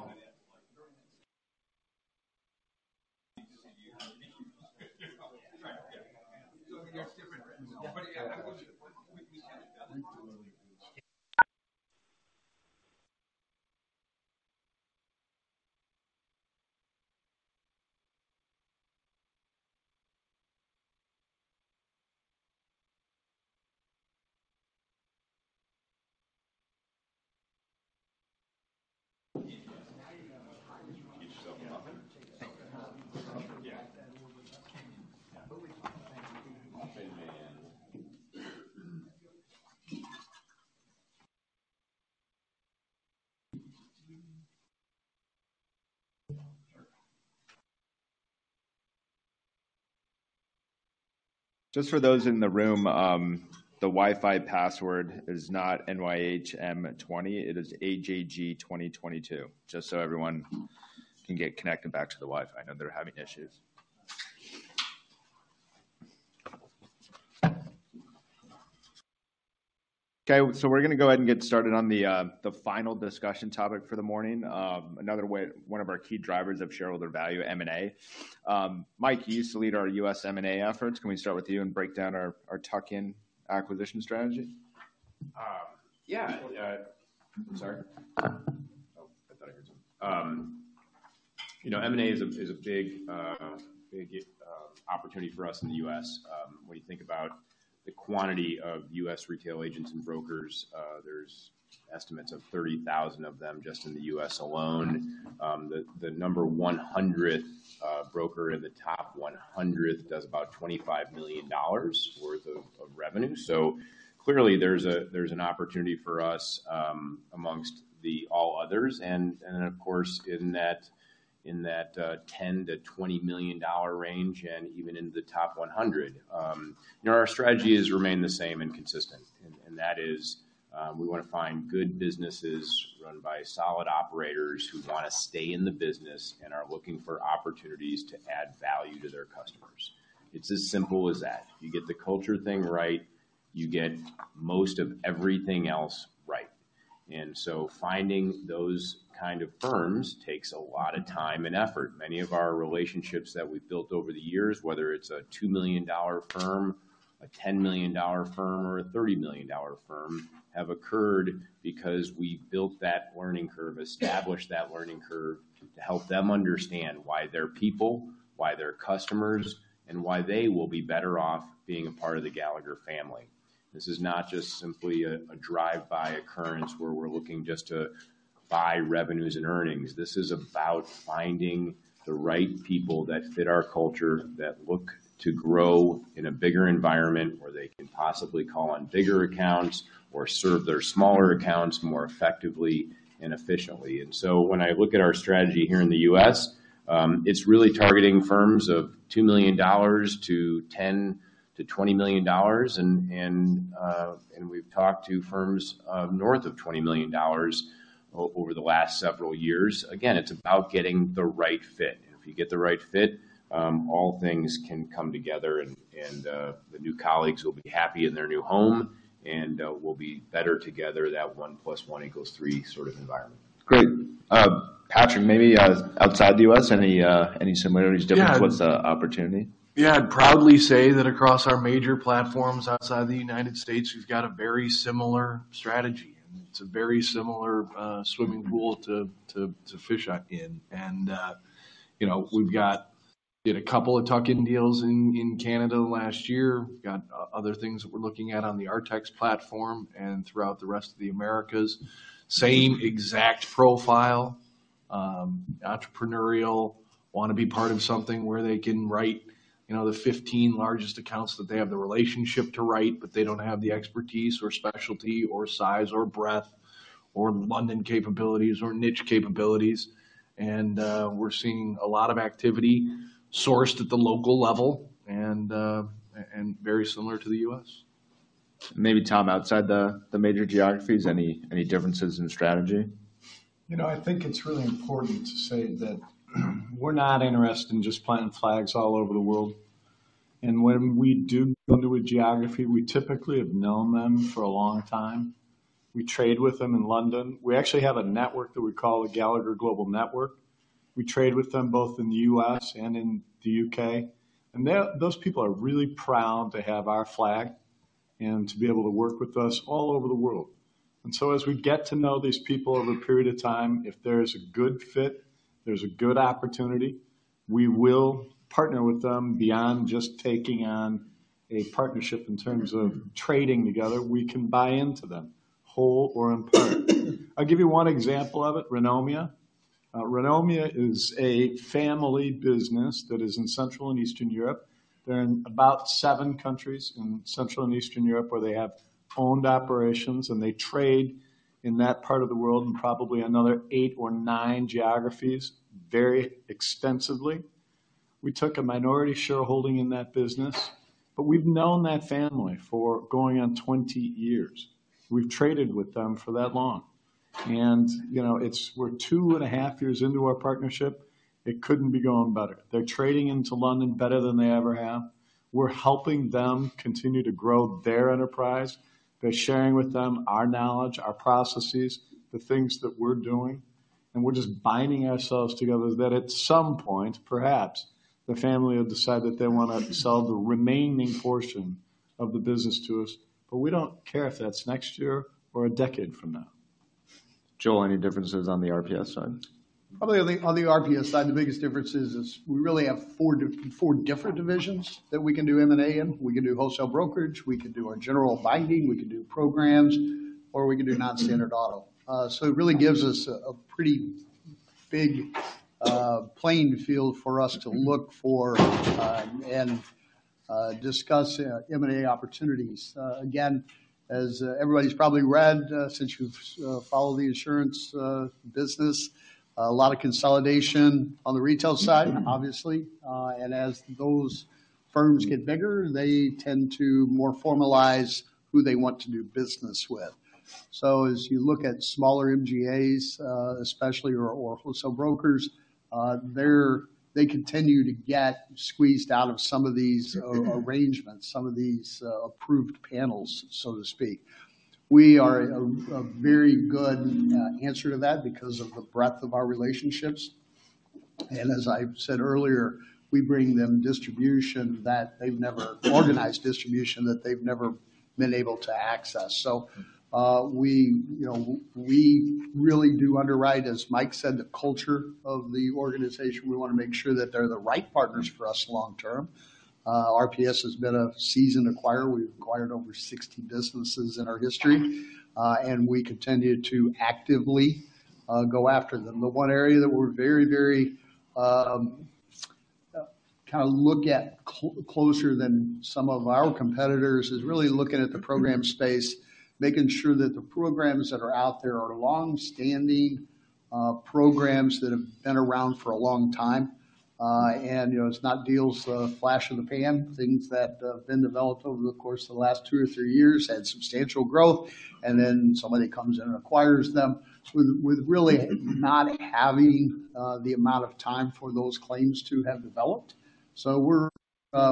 A: Just for those in the room, the Wi-Fi password is not NYHM20, it is AJG2022. Just so everyone can get connected back to the Wi-Fi. I know they're having issues. We're gonna go ahead and get started on the final discussion topic for the morning. Another way, one of our key drivers of shareholder value, M&A. Mike, you used to lead our U.S. M&A efforts. Can we start with you and break down our tuck-in acquisition strategy?
D: Yeah. Sorry. Oh, I thought I heard something. You know, M&A is a big opportunity for us in the U.S. When you think about the quantity of U.S. retail agents and brokers, there's estimates of 30,000 of them just in the U.S. alone. The number 100th broker in the top 100th does about $25 million worth of revenue. Clearly there's an opportunity for us amongst the all others and of course, in that, in that, $10 million-$20 million range and even in the top 100. You know, our strategy has remained the same and consistent. That is, we want to find good businesses run by solid operators who want to stay in the business and are looking for opportunities to add value to their customers. It's as simple as that. You get the culture thing right, you get most of everything else right. Finding those kind of firms takes a lot of time and effort. Many of our relationships that we've built over the years, whether it's a $2 million firm, a $10 million firm, or a $30 million firm, have occurred because we built that learning curve, established that learning curve to help them understand why their people, why their customers, and why they will be better off being a part of the Gallagher family. This is not just simply a drive-by occurrence where we're looking just to buy revenues and earnings. This is about finding the right people that fit our culture, that look to grow in a bigger environment where they can possibly call on bigger accounts or serve their smaller accounts more effectively and efficiently. When I look at our strategy here in the U.S., it's really targeting firms of $2 million-$10 million-$20 million. We've talked to firms north of $20 million over the last several years. Again, it's about getting the right fit. If you get the right fit, all things can come together, the new colleagues will be happy in their new home, we'll be better together, that 1 + 1 = 3 sort of environment. Great. Patrick, maybe, outside the U.S., any similarities-
E: Yeah
A: differences with the opportunity?
E: Yeah. I'd proudly say that across our major platforms outside the United States, we've got a very similar strategy. It's a very similar swimming pool to fish out in. You know, we've got... Did a couple of tuck-in deals in Canada last year. Got other things that we're looking at on the Artex platform and throughout the rest of the Americas. Same exact profile, entrepreneurial, wanna be part of something where they can write, you know, the 15 largest accounts that they have the relationship to write, but they don't have the expertise or specialty or size or breadth or London capabilities or niche capabilities. We're seeing a lot of activity sourced at the local level and very similar to the U.S.
A: Maybe Tom, outside the major geographies, any differences in strategy?
F: You know, I think it's really important to say that we're not interested in just planting flags all over the world. When we do go into a geography, we typically have known them for a long time. We trade with them in London. We actually have a network that we call the Gallagher Global Network. We trade with them both in the U.S. and in the U.K. Those people are really proud to have our flag and to be able to work with us all over the world. As we get to know these people over a period of time, if there is a good fit, there's a good opportunity, we will partner with them beyond just taking on a partnership in terms of trading together. We can buy into them, whole or in part. I'll give you one example of it, RENOMIA. RENOMIA is a family business that is in Central and Eastern Europe. They're in about seven countries in Central and Eastern Europe, where they have owned operations, and they trade in that part of the world and probably another eight or nine geographies very extensively. We took a minority shareholding in that business, but we've known that family for going on 20 years. We've traded with them for that long. You know, we're two and a half years into our partnership. It couldn't be going better. They're trading into London better than they ever have. We're helping them continue to grow their enterprise by sharing with them our knowledge, our processes, the things that we're doing. We're just binding ourselves together that at some point, perhaps, the family will decide that they want to sell the remaining portion of the business to us. We don't care if that's next year or a decade from now.
A: Joel, any differences on the RPS side?
G: Probably on the RPS side, the biggest difference is we really have four different divisions that we can do M&A in. We can do wholesale brokerage, we can do our general binding, we can do programs, or we can do non-standard auto. It really gives us a pretty big playing field for us to look for and discuss M&A opportunities. Again, as everybody's probably read, since you've followed the insurance business, a lot of consolidation on the retail side, obviously. As those firms get bigger, they tend to more formalize who they want to do business with. As you look at smaller MGAs, especially or wholesale brokers, they continue to get squeezed out of some of these arrangements, some of these approved panels, so to speak. We are a very good answer to that because of the breadth of our relationships. As I said earlier, we bring them distribution that they've never organized distribution that they've never been able to access. We, you know, we really do underwrite, as Mike said, the culture of the organization. We want to make sure that they're the right partners for us long term. RPS has been a seasoned acquirer. We've acquired over 60 businesses in our history, and we continue to actively go after them. The one area that we're very, very, kind of look at closer than some of our competitors is really looking at the program space, making sure that the programs that are out there are long-standing programs that have been around for a long time. You know, it's not deals that are flash in the pan, things that have been developed over the course of the last two or three years, had substantial growth, and then somebody comes in and acquires them. With really not having the amount of time for those claims to have developed. We're,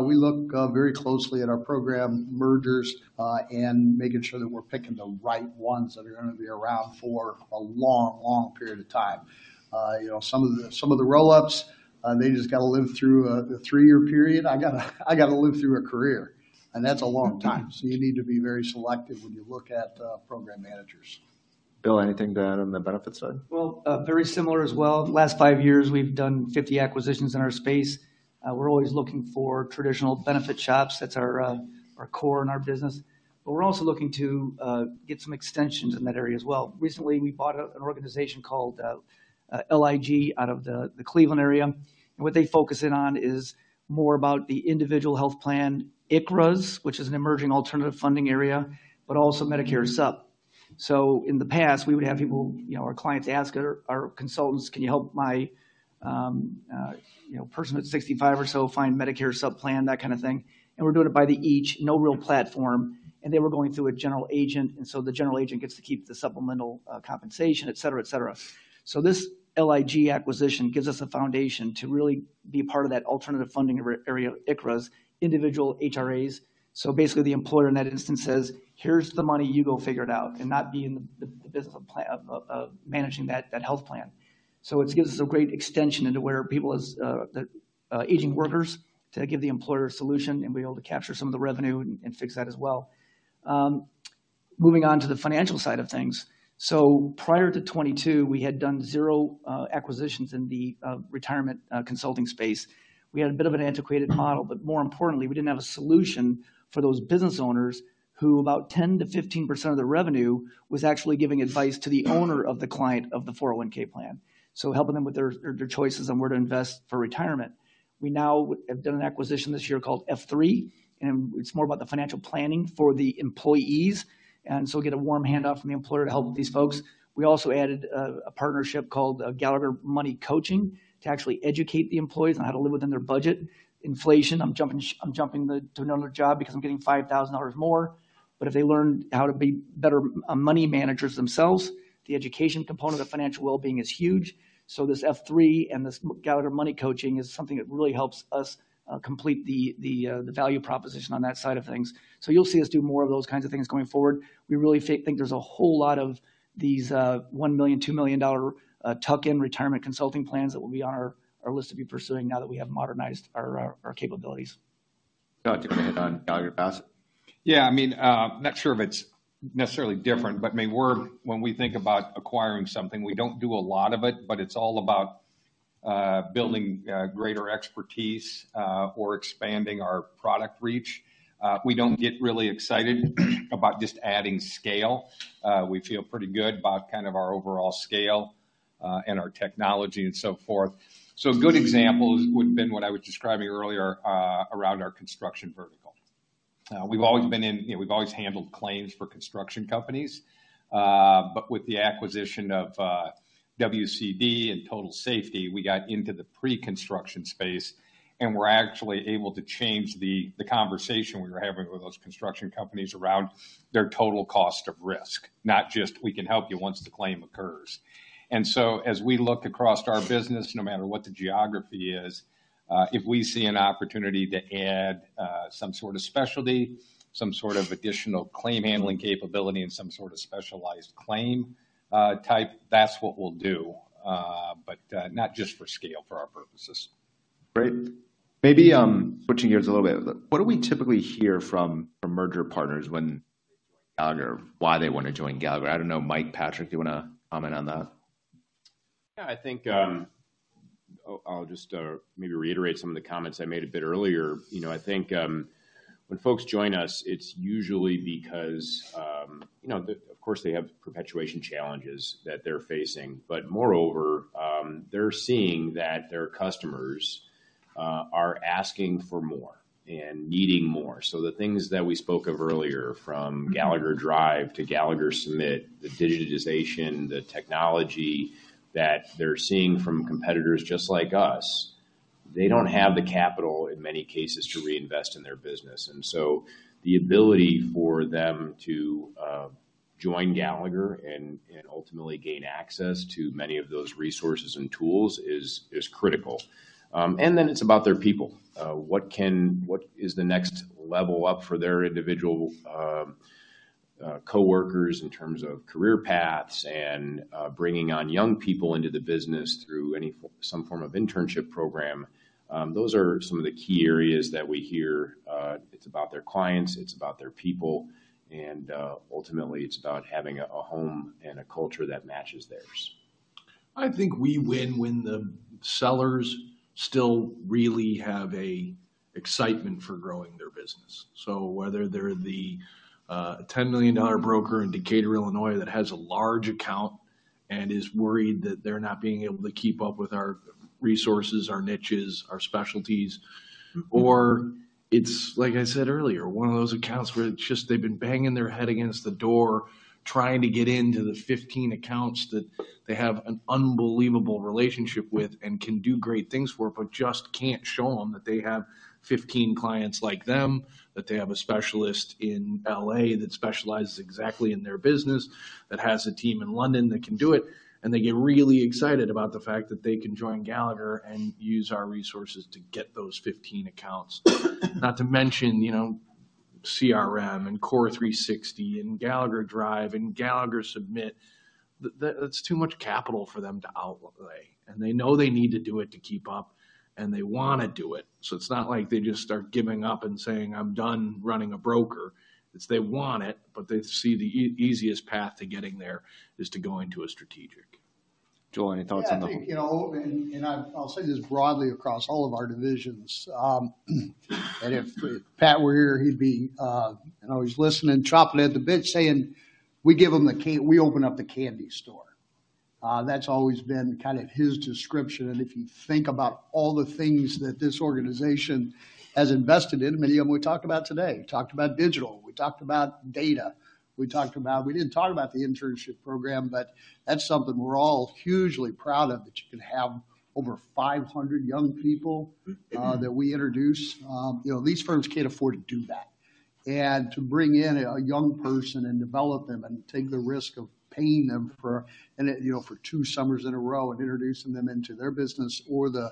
G: we look very closely at our program mergers and making sure that we're picking the right ones that are gonna be around for a long, long period of time. You know, some of the, some of the roll-ups, they just gotta live through, the three-year period. I gotta live through a career, and that's a long time. You need to be very selective when you look at, program managers.
A: Bill, anything to add on the benefits side?
H: Very similar as well. The last five years we've done 50 acquisitions in our space. We're always looking for traditional benefit shops. That's our core in our business. We're also looking to get some extensions in that area as well. Recently, we bought an organization called LIG out of the Cleveland area. What they focus in on is more about the individual health plan ICHRAs, which is an emerging alternative funding area, but also Medicare Sup. In the past, we would have people, you know, our clients ask our consultants, "Can you help my, you know, person at 65 or so find Medicare Sup plan?" That kind of thing. We're doing it by the each, no real platform, the general agent gets to keep the supplemental compensation, et cetera, et cetera. This LIG acquisition gives us a foundation to really be part of that alternative funding area ICHRA, individual HRAs. Basically the employer in that instance says, "Here's the money. You go figure it out." Not be in the business of managing that health plan. It gives us a great extension into where people as aging workers to give the employer a solution and be able to capture some of the revenue and fix that as well. Moving on to the financial side of things. Prior to 2022, we had done 0 acquisitions in the retirement consulting space. We had a bit of an antiquated model, but more importantly, we didn't have a solution for those business owners who about 10%-15% of their revenue was actually giving advice to the owner of the client of the 401 plan. Helping them with their choices on where to invest for retirement. We now have done an acquisition this year called F3, and it's more about the financial planning for the employees, and so get a warm handoff from the employer to help with these folks. We also added a partnership called Gallagher Money Coaching to actually educate the employees on how to live within their budget. Inflation, I'm jumping, I'm jumping to another job because I'm getting $5,000 more. If they learn how to be better money managers themselves, the education component of financial wellbeing is huge. This F3 and this Gallagher Money Coaching is something that really helps us complete the value proposition on that side of things. You'll see us do more of those kinds of things going forward. We really think there's a whole lot of these $1 million-$2 million tuck-in retirement consulting plans that will be on our list to be pursuing now that we have modernized our capabilities.
A: Scott, do you wanna hit on Gallagher Bassett?
I: Yeah, I mean, not sure if it's necessarily different, but I mean, when we think about acquiring something, we don't do a lot of it, but it's all about building greater expertise or expanding our product reach. We don't get really excited about just adding scale. We feel pretty good about kind of our overall scale and our technology and so forth. Good examples would've been what I was describing earlier around our construction vertical. You know, we've always handled claims for construction companies. With the acquisition of WCD and Total Safety, we got into the pre-construction space, and we're actually able to change the conversation we were having with those construction companies around their total cost of risk, not just, "We can help you once the claim occurs." As we look across our business, no matter what the geography is, if we see an opportunity to add some sort of specialty, some sort of additional claim handling capability and some sort of specialized claim type, that's what we'll do. Not just for scale for our purposes.
A: Great. Maybe switching gears a little bit. What do we typically hear from merger partners when they join Gallagher? Why they wanna join Gallagher? I don't know, Mike, Patrick, do you wanna comment on that?
D: Yeah, I think, I'll just, maybe reiterate some of the comments I made a bit earlier. You know, I think, when folks join us, it's usually because, you know, of course, they have perpetuation challenges that they're facing, but moreover, they're seeing that their customers, are asking for more and needing more. The things that we spoke of earlier from Gallagher Drive to Gallagher Submit, the digitization, the technology that they're seeing from competitors just like us, they don't have the capital in many cases to reinvest in their business. The ability for them to join Gallagher and ultimately gain access to many of those resources and tools is critical. Then it's about their people. What can... What is the next level up for their individual coworkers in terms of career paths and bringing on young people into the business through any some form of internship program. Those are some of the key areas that we hear. It's about their clients, it's about their people, and ultimately, it's about having a home and a culture that matches theirs.
E: I think we win when the sellers still really have a excitement for growing their business. Whether they're the $10 million broker in Decatur, Illinois, that has a large account Is worried that they're not being able to keep up with our resources, our niches, our specialties. It's, like I said earlier, one of those accounts where it's just they've been banging their head against the door trying to get into the 15 accounts that they have an unbelievable relationship with and can do great things for, but just can't show them that they have 15 clients like them, that they have a specialist in L.A. that specializes exactly in their business, that has a team in London that can do it, and they get really excited about the fact that they can join Gallagher and use our resources to get those 15 accounts, not to mention, you know, CRM and CORE360 and Gallagher Drive, and Gallagher Submit. That's too much capital for them to outlay, and they know they need to do it to keep up, and they wanna do it. It's not like they just start giving up and saying, "I'm done running a broker." It's they want it, but they see the easiest path to getting there is to go into a strategic.
A: Joe, any thoughts on the whole-...
G: I think, you know, I'll say this broadly across all of our divisions. If Pat were here, he'd be, I know he's listening, chomping at the bit saying, we give them we open up the candy store. That's always been kind of his description. If you think about all the things that this organization has invested in, many of them we talked about today. We talked about digital, we talked about data, we talked about... We didn't talk about the internship program, but that's something we're all hugely proud of, that you can have over 500 young people, that we introduce. You know, these firms can't afford to do that. To bring in a young person and develop them and take the risk of paying them for, you know, for 2 summers in a row and introducing them into their business or the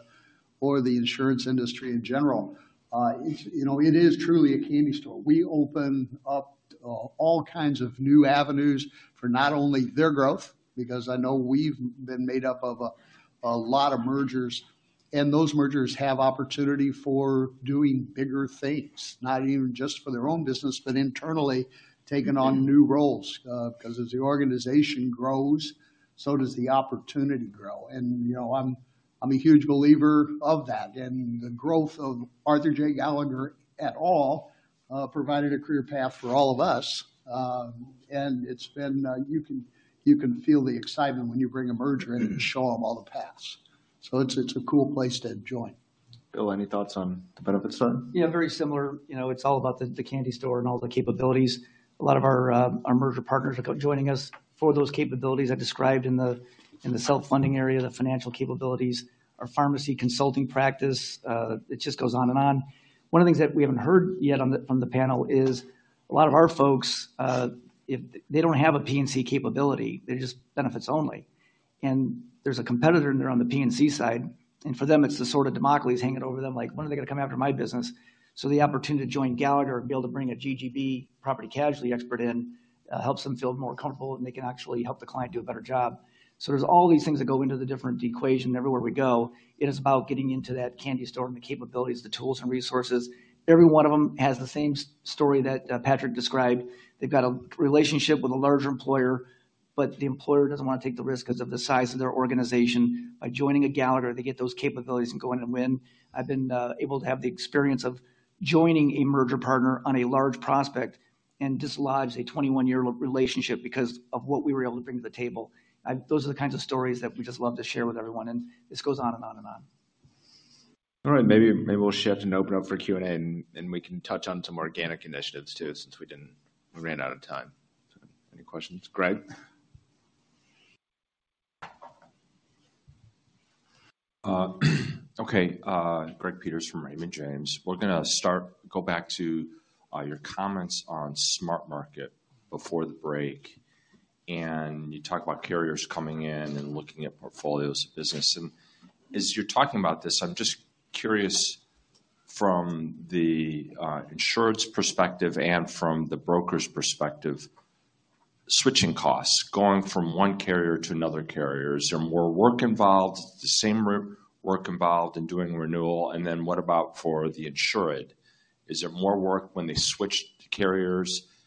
G: insurance industry in general, you know, it is truly a candy store. We open up all kinds of new avenues for not only their growth, because I know we've been made up of a lot of mergers, those mergers have opportunity for doing bigger things, not even just for their own business, but internally taking on new roles. 'Cause as the organization grows, so does the opportunity grow. You know, I'm a huge believer of that. The growth of Arthur J. Gallagher at all provided a career path for all of us. It's been, you can feel the excitement when you bring a merger and you show them all the paths. It's a cool place to join.
A: Bill, any thoughts on the benefits side?
H: Very similar. You know, it's all about the candy store and all the capabilities. A lot of our merger partners are joining us for those capabilities I described in the self-funding area, the financial capabilities, our pharmacy consulting practice, it just goes on and on. One of the things that we haven't heard yet from the panel is a lot of our folks, if they don't have a P&C capability, they're just benefits only. There's a competitor in there on the P&C side, and for them it's the sword of Damocles hanging over them like, "When are they gonna come after my business?" The opportunity to join Gallagher and be able to bring a GGB property casualty expert in, helps them feel more comfortable, and they can actually help the client do a better job. There's all these things that go into the different equation everywhere we go. It is about getting into that candy store and the capabilities, the tools and resources. Every one of them has the same story that Patrick described. They've got a relationship with a larger employer, but the employer doesn't wanna take the risk because of the size of their organization. By joining a Gallagher, they get those capabilities and go in and win. I've been able to have the experience of joining a merger partner on a large prospect and dislodge a 21-year relationship because of what we were able to bring to the table. Those are the kinds of stories that we just love to share with everyone, and this goes on and on and on.
A: All right. Maybe we'll shift and open up for Q&A, and we can touch on some organic initiatives too, since we ran out of time. Any questions? Greg?
K: Okay. Greg Peters from Raymond James. We're gonna start, go back to your comments on SmartMarket before the break. You talked about carriers coming in and looking at portfolios of business. As you're talking about this, I'm just curious from the insurance perspective and from the broker's perspective, switching costs, going from one carrier to another carrier. Is there more work involved, the same work involved in doing renewal? What about for the insured? Is there more work when they switch the carriers? I'm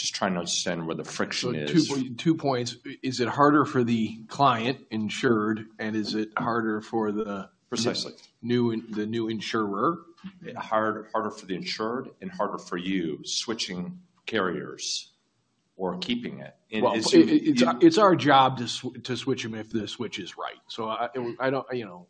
K: just trying to understand where the friction is.
E: 2 points. Is it harder for the client insured, and is it harder for the-
K: Precisely
E: The new insurer?
K: Harder for the insured and harder for you switching carriers or keeping it.
E: Well, it's our job to switch them if the switch is right. I don't, you know.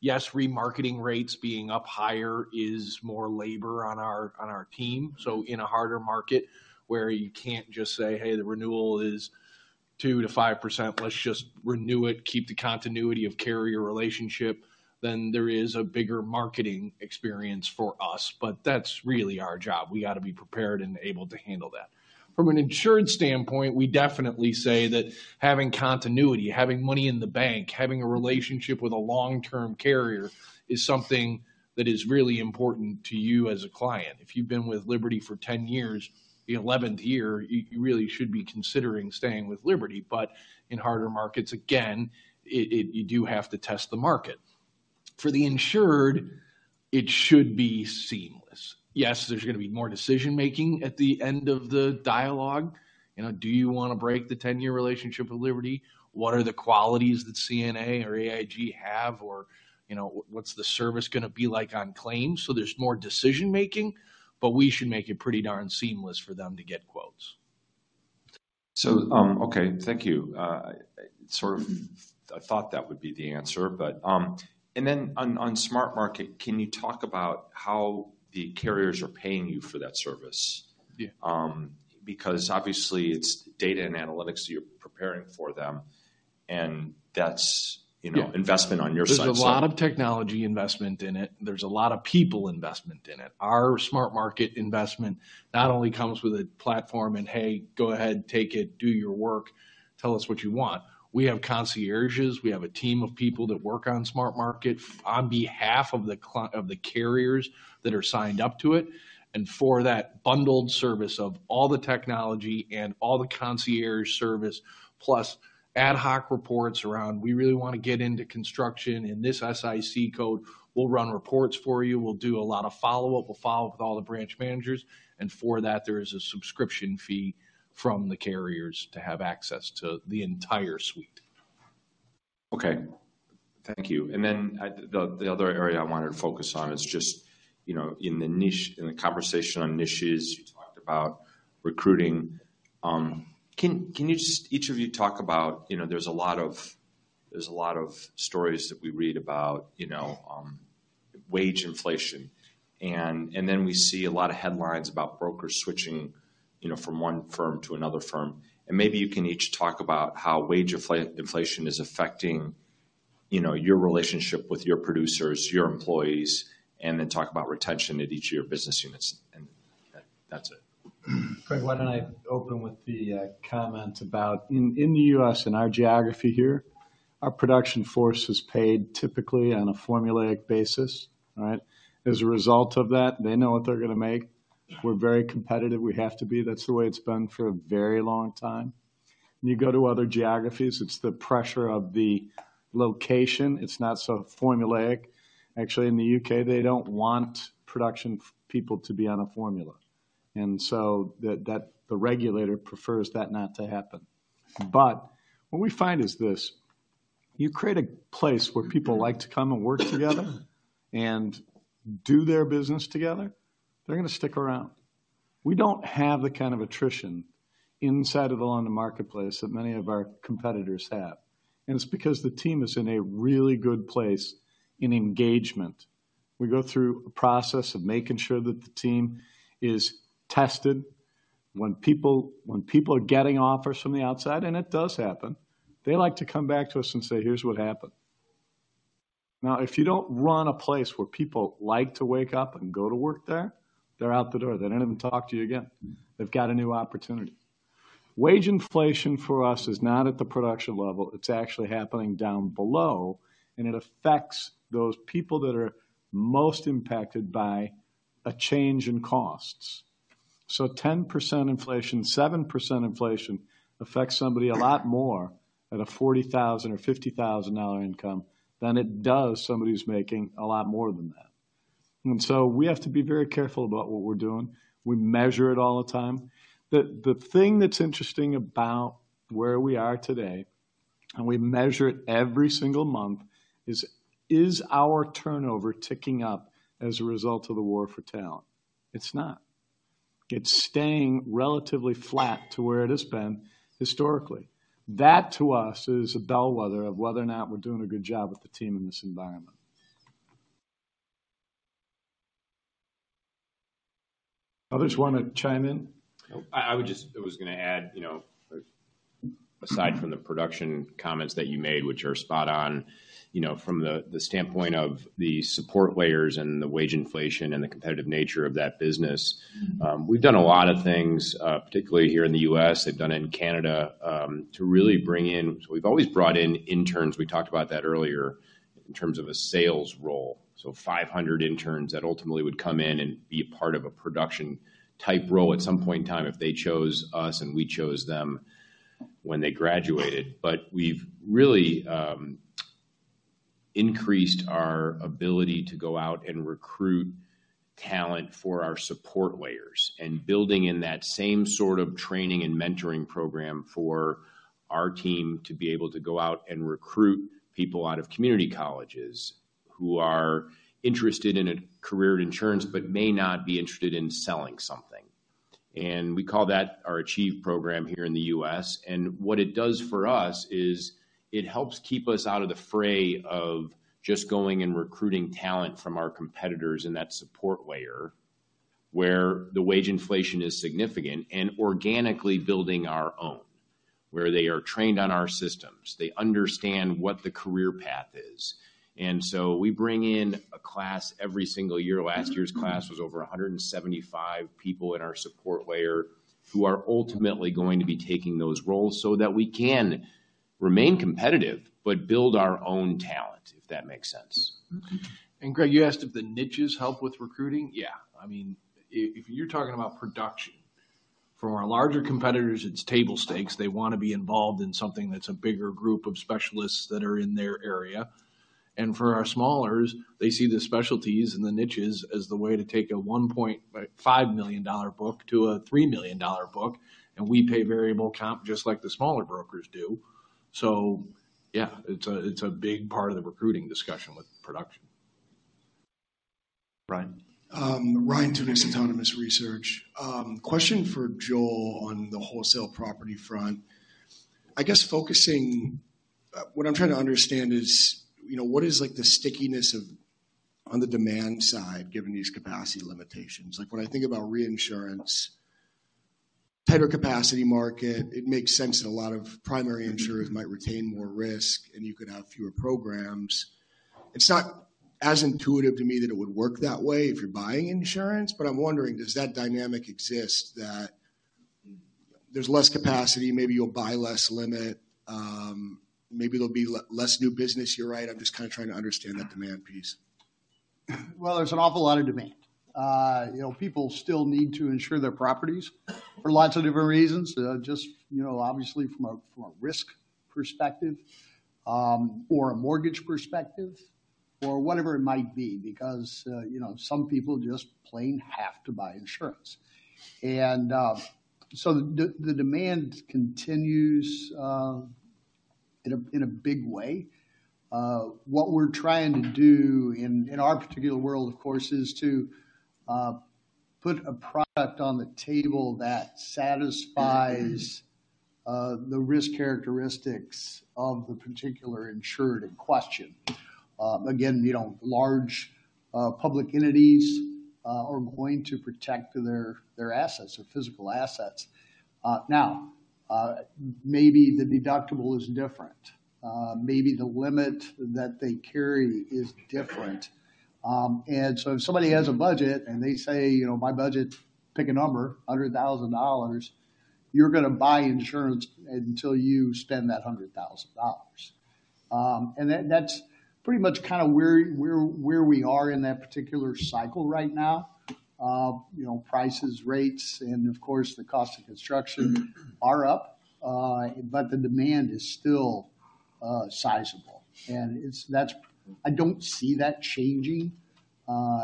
E: Yes, remarketing rates being up higher is more labor on our team. In a harder market, where you can't just say, "Hey, the renewal is 2%-5%. Let's just renew it, keep the continuity of carrier relationship," then there is a bigger marketing experience for us. That's really our job. We gotta be prepared and able to handle that. From an insured standpoint, we definitely say that having continuity, having money in the bank, having a relationship with a long-term carrier is something that is really important to you as a client. If you've been with Liberty for 10 years, the 11th year, you really should be considering staying with Liberty. In harder markets, again, you do have to test the market. For the insured, it should be seamless. Yes, there's gonna be more decision-making at the end of the dialogue. You know, do you wanna break the 10-year relationship with Liberty? What are the qualities that CNA or AIG have or, you know, what's the service gonna be like on claims? There's more decision-making, but we should make it pretty darn seamless for them to get quotes.
K: Okay, thank you. Sort of, I thought that would be the answer, but, and then on SmartMarket, can you talk about how the carriers are paying you for that service?
F: Yeah.
K: Obviously it's data and analytics you're preparing for them.
F: Yeah
K: You know, investment on your side.
F: There's a lot of technology investment in it. There's a lot of people investment in it. Our SmartMarket investment not only comes with a platform and, "Hey, go ahead, take it, do your work, tell us what you want." We have concierges, we have a team of people that work on SmartMarket on behalf of the carriers that are signed up to it. For that bundled service of all the technology and all the concierge service, plus ad hoc reports around, we really wanna get into construction in this SIC code, we'll run reports for you, we'll do a lot of follow-up, we'll follow up with all the branch managers. For that, there is a subscription fee from the carriers to have access to the entire suite.
K: Okay. Thank you. Then, the other area I wanted to focus on is just, you know, in the conversation on niches, you talked about recruiting. Can you just, each of you talk about, you know, there's a lot of stories that we read about, you know, wage inflation, and then we see a lot of headlines about brokers switching, you know, from one firm to another firm. Maybe you can each talk about how wage inflation is affecting, you know, your relationship with your producers, your employees, and then talk about retention at each of your business units. That's it.
F: Greg, why don't I open with the comment about in the U.S., in our geography here, our production force is paid typically on a formulaic basis, right? As a result of that, they know what they're going to make. We're very competitive. We have to be. That's the way it's been for a very long time. When you go to other geographies, it's the pressure of the location. It's not so formulaic. Actually, in the U.K., they don't want production people to be on a formula. The regulator prefers that not to happen. What we find is this, you create a place where people like to come and work together and do their business together, they're going to stick around. We don't have the kind of attrition inside of the London Market place that many of our competitors have. It's because the team is in a really good place in engagement. We go through a process of making sure that the team is tested. When people are getting offers from the outside, and it does happen, they like to come back to us and say, "Here's what happened." If you don't run a place where people like to wake up and go to work there, they're out the door. They don't even talk to you again. They've got a new opportunity. Wage inflation for us is not at the production level, it's actually happening down below, and it affects those people that are most impacted by a change in costs. 10% inflation, 7% inflation affects somebody a lot more at a $40,000 or $50,000 income than it does somebody who's making a lot more than that. We have to be very careful about what we're doing. We measure it all the time. The thing that's interesting about where we are today, and we measure it every single month, is our turnover ticking up as a result of the war for talent? It's not. It's staying relatively flat to where it has been historically. That, to us, is a bellwether of whether or not we're doing a good job with the team in this environment. Others wanna chime in?
E: I would just add, you know, aside from the production comments that you made, which are spot on, you know, from the standpoint of the support layers and the wage inflation and the competitive nature of that business.
K: Mm-hmm
D: We've done a lot of things, particularly here in the U.S., they've done it in Canada, to really bring in. We've always brought in interns, we talked about that earlier, in terms of a sales role. 500 interns that ultimately would come in and be a part of a production type role at some point in time if they chose us and we chose them when they graduated. We've really increased our ability to go out and recruit talent for our support layers and building in that same sort of training and mentoring program for our team to be able to go out and recruit people out of community colleges who are interested in a career in insurance, but may not be interested in selling something. We call that our Achieve program here in the U.S., and what it does for us is it helps keep us out of the fray of just going and recruiting talent from our competitors in that support layer where the wage inflation is significant and organically building our own, where they are trained on our systems, they understand what the career path is. So we bring in a class every single year. Last year's class was over 175 people in our support layer who are ultimately going to be taking those roles so that we can remain competitive, but build our own talent, if that makes sense.
K: Mm-hmm.
D: Greg, you asked if the niches help with recruiting? Yeah, I mean, if you're talking about production, for our larger competitors, it's table stakes. They wanna be involved in something that's a bigger group of specialists that are in their area. For our smallers, they see the specialties and the niches as the way to take a $1.5 million book to a $3 million book, and we pay variable comp just like the smaller brokers do. Yeah, it's a big part of the recruiting discussion with production.
A: Ryan.
O: Ryan Tunis, Autonomous Research. Question for Joel on the wholesale property front. I guess what I'm trying to understand is, you know, what is like the stickiness of on the demand side, given these capacity limitations? When I think about reinsurance, tighter capacity market, it makes sense that a lot of primary insurers might retain more risk, and you could have fewer programs. It's not as intuitive to me that it would work that way if you're buying insurance, but I'm wondering, does that dynamic exist that there's less capacity, maybe you'll buy less limit, maybe there'll be less new business your way. I'm just kinda trying to understand that demand piece.
G: Well, there's an awful lot of demand. You know, people still need to insure their properties for lots of different reasons. Just, you know, obviously from a risk perspective, or a mortgage perspective, or whatever it might be because, you know, some people just plain have to buy insurance. The demand continues in a big way. What we're trying to do in our particular world, of course, is to put a product on the table that satisfies the risk characteristics of the particular insured in question. Again, you know, large public entities are going to protect their assets, their physical assets. Now, maybe the deductible is different. Maybe the limit that they carry is different. If somebody has a budget and they say, you know, "My budget," pick a number, $100,000, you're gonna buy insurance until you spend that $100,000. That's pretty much kinda where we are in that particular cycle right now. You know, prices, rates, and of course, the cost of construction are up, but the demand is still sizable. I don't see that changing.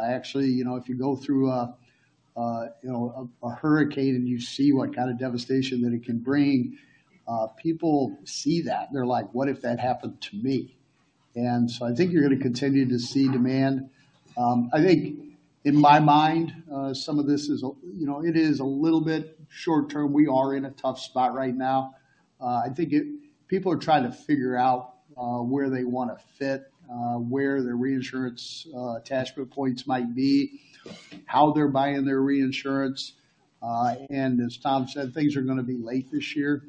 G: Actually, you know, if you go through a hurricane, and you see what kind of devastation that it can bring, people see that, and they're like, "What if that happened to me?" I think you're gonna continue to see demand. I think in my mind, some of this is, you know, it is a little bit short-term. We are in a tough spot right now. I think people are trying to figure out, where they wanna fit, where their reinsurance attachment points might be, how they're buying their reinsurance, and as Tom said, things are gonna be late this year.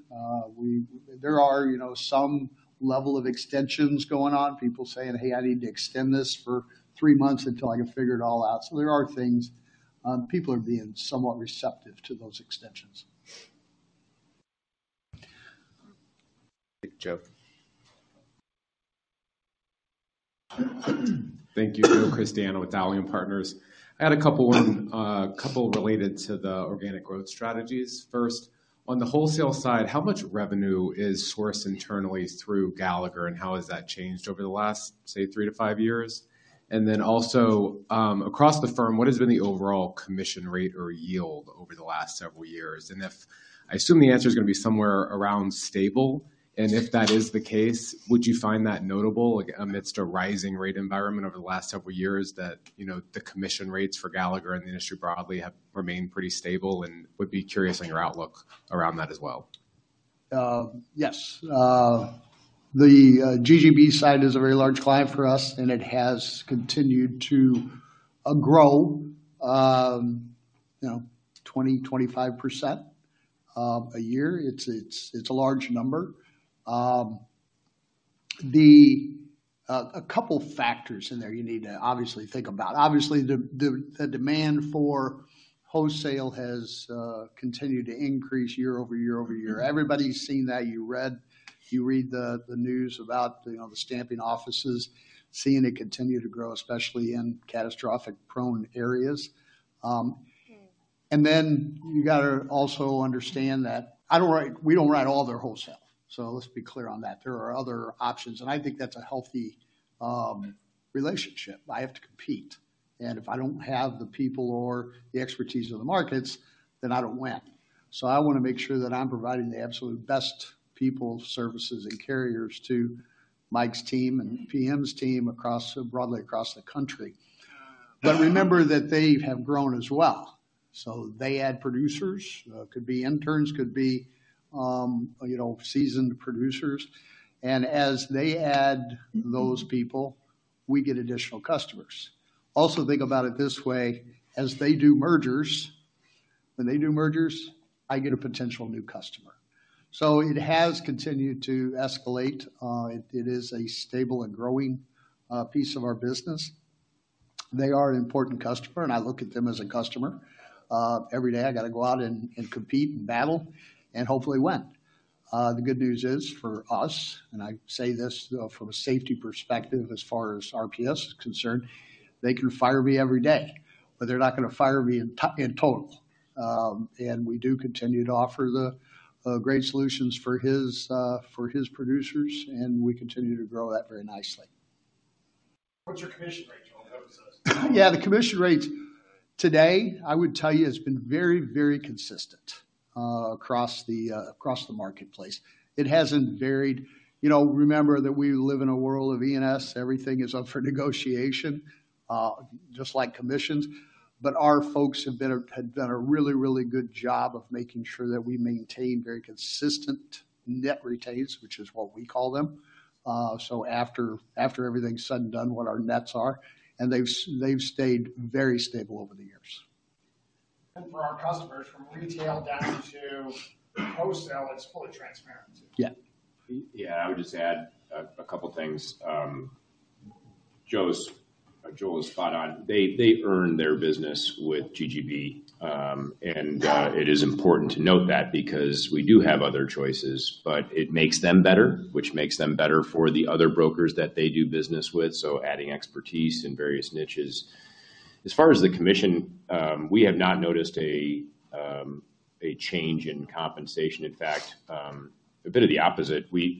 G: There are, you know, some level of extensions going on, people saying, "Hey, I need to extend this for three months until I can figure it all out." There are things. People are being somewhat receptive to those extensions.
A: Joe.
P: Thank you. Joe Christiano with Dallium Partners. I had a couple on, couple related to the organic growth strategies. First, on the wholesale side, how much revenue is sourced internally through Gallagher, and how has that changed over the last, say, three to five years? Also, across the firm, what has been the overall commission rate or yield over the last several years? I assume the answer's gonna be somewhere around stable, and if that is the case, would you find that notable, like amidst a rising rate environment over the last several years that, you know, the commission rates for Gallagher and the industry broadly have remained pretty stable? Would be curious on your outlook around that as well.
G: Yes. The GGB side is a very large client for us, it has continued to grow, you know, 20%-25% a year. It's a large number. The a couple factors in there you need to obviously think about. Obviously, the demand for wholesale has continued to increase year over year-over-year. Everybody's seen that. You read the news about, you know, the stamping offices seeing it continue to grow, especially in catastrophic-prone areas. Then you gotta also understand that we don't write all their wholesale. Let's be clear on that. There are other options, I think that's a healthy relationship. I have to compete, if I don't have the people or the expertise or the markets, I don't win. I want to make sure that I'm providing the absolute best people, services, and carriers to Mike's team and PM's team across, broadly across the country. Remember that they have grown as well. They add producers, could be interns, could be, you know, seasoned producers. As they add those people, we get additional customers. Think about it this way, as they do mergers, when they do mergers, I get a potential new customer. It has continued to escalate. It is a stable and growing piece of our business. They are an important customer, and I look at them as a customer. Every day I gotta go out and compete and battle and hopefully win. The good news is for us, and I say this from a safety perspective as far as RPS is concerned, they can fire me every day, but they're not gonna fire me in total. We do continue to offer the great solutions for his for his producers, and we continue to grow that very nicely.
P: What's your commission rate, Joel?
G: The commission rates. Today, I would tell you it's been very, very consistent across the across the marketplace. It hasn't varied. You know, remember that we live in a world of E&S, everything is up for negotiation, just like commissions. Our folks have done a really, really good job of making sure that we maintain very consistent net retains, which is what we call them. After everything's said and done, what our nets are, and they've stayed very stable over the years.
C: For our customers, from retail down to wholesale, it's fully transparent too.
G: Yeah.
D: Yeah. I would just add a couple things. Joe is spot on. They, they earn their business with GGB. It is important to note that because we do have other choices. It makes them better, which makes them better for the other brokers that they do business with, so adding expertise in various niches. As far as the commission, we have not noticed a change in compensation. In fact, a bit of the opposite. We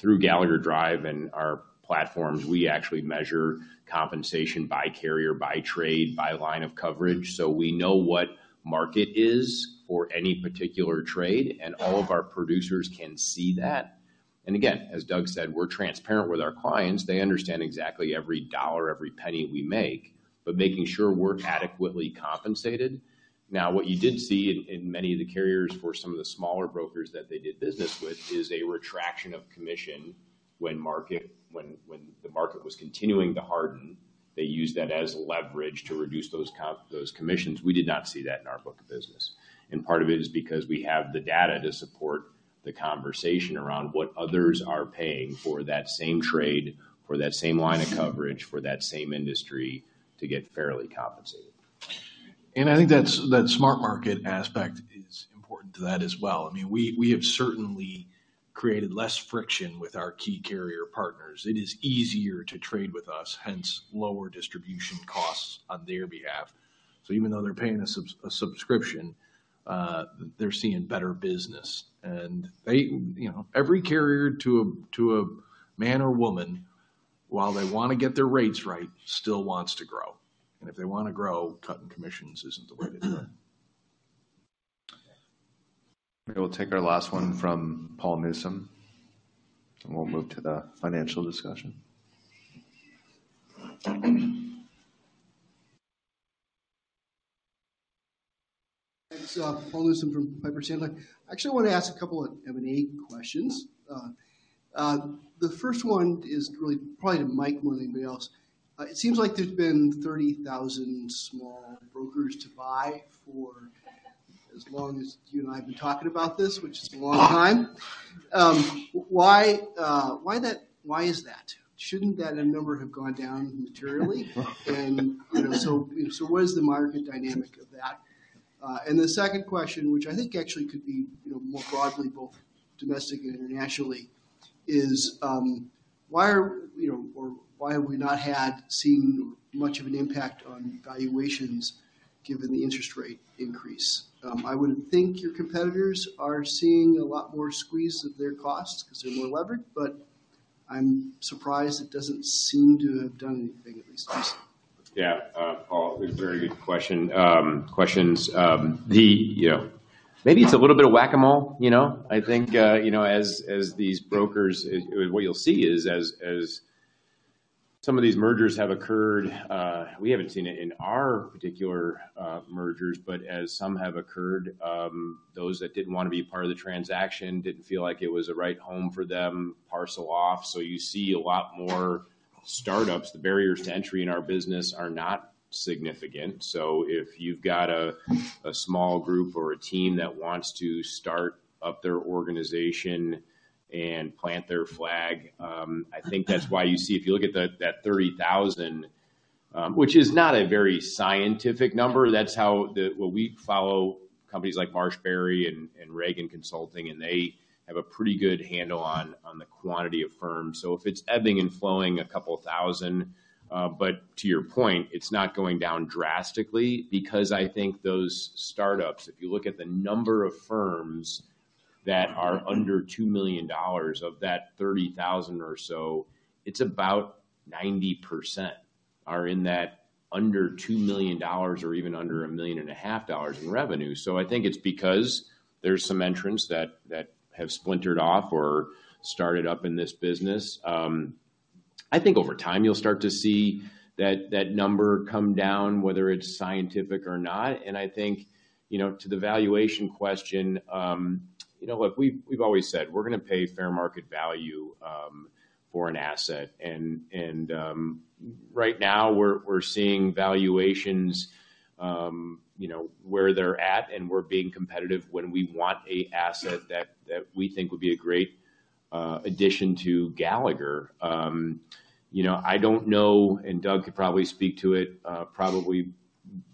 D: through Gallagher Drive and our platforms, we actually measure compensation by carrier, by trade, by line of coverage, so we know what market is for any particular trade, and all of our producers can see that. Again, as Doug said, we're transparent with our clients. They understand exactly every dollar, every penny we make. Making sure we're adequately compensated. What you did see in many of the carriers for some of the smaller brokers that they did business with is a retraction of commission when the market was continuing to harden. They used that as leverage to reduce those commissions. We did not see that in our book of business. Part of it is because we have the data to support the conversation around what others are paying for that same trade, for that same line of coverage, for that same industry to get fairly compensated.
E: I think that's, that SmartMarket aspect is important to that as well. I mean, we have certainly created less friction with our key carrier partners. It is easier to trade with us, hence lower distribution costs on their behalf. Even though they're paying a subscription, they're seeing better business. They, you know, every carrier to a man or woman, while they want to get their rates right, still wants to grow. If they want to grow, cutting commissions isn't the way to do it.
A: We'll take our last one from Paul Newsome. We'll move to the financial discussion.
Q: It's Paul Newsome from Piper Sandler. I actually want to ask a couple of M&A questions. The first one is really probably to Mike more than anybody else. It seems like there's been 30,000 small brokers to buy for as long as you and I have been talking about this, which is a long time. Why is that? Shouldn't that number have gone down materially? You know, so what is the market dynamic of that? The second question, which I think actually could be, you know, more broadly both domestic and internationally, is, why are, you know, or why have we not seen much of an impact on valuations given the interest rate increase? I would think your competitors are seeing a lot more squeeze of their costs because they're more levered, but I'm surprised it doesn't seem to have done anything, at least recently.
D: Yeah. Paul, very good question, questions. The, you know... Maybe it's a little bit of whack-a-mole, you know? I think, you know, as these brokers, what you'll see is as some of these mergers have occurred, we haven't seen it in our particular mergers, but as some have occurred, those that didn't want to be part of the transaction, didn't feel like it was a right home for them, parcel off. You see a lot more startups. The barriers to entry in our business are not significant. If you've got a small group or a team that wants to start up their organization and plant their flag, I think that's why you see... If you look at that 30,000, which is not a very scientific number. That's how the... What we follow companies like MarshBerry and Reagan Consulting, they have a pretty good handle on the quantity of firms. If it's ebbing and flowing a couple thousand, to your point, it's not going down drastically because I think those startups, if you look at the number of firms that are under $2 million of that 30,000 or so, it's about 90% are in that under $2 million or even under $1.5 million In revenue. I think it's because there's some entrants that have splintered off or started up in this business. I think over time you'll start to see that number come down, whether it's scientific or not. I think, you know, to the valuation question, you know what? We've always said we're gonna pay fair market value for an asset. Right now we're seeing valuations, you know, where they're at, and we're being competitive when we want a asset that we think would be a great addition to Gallagher. You know, I don't know, Doug could probably speak to it probably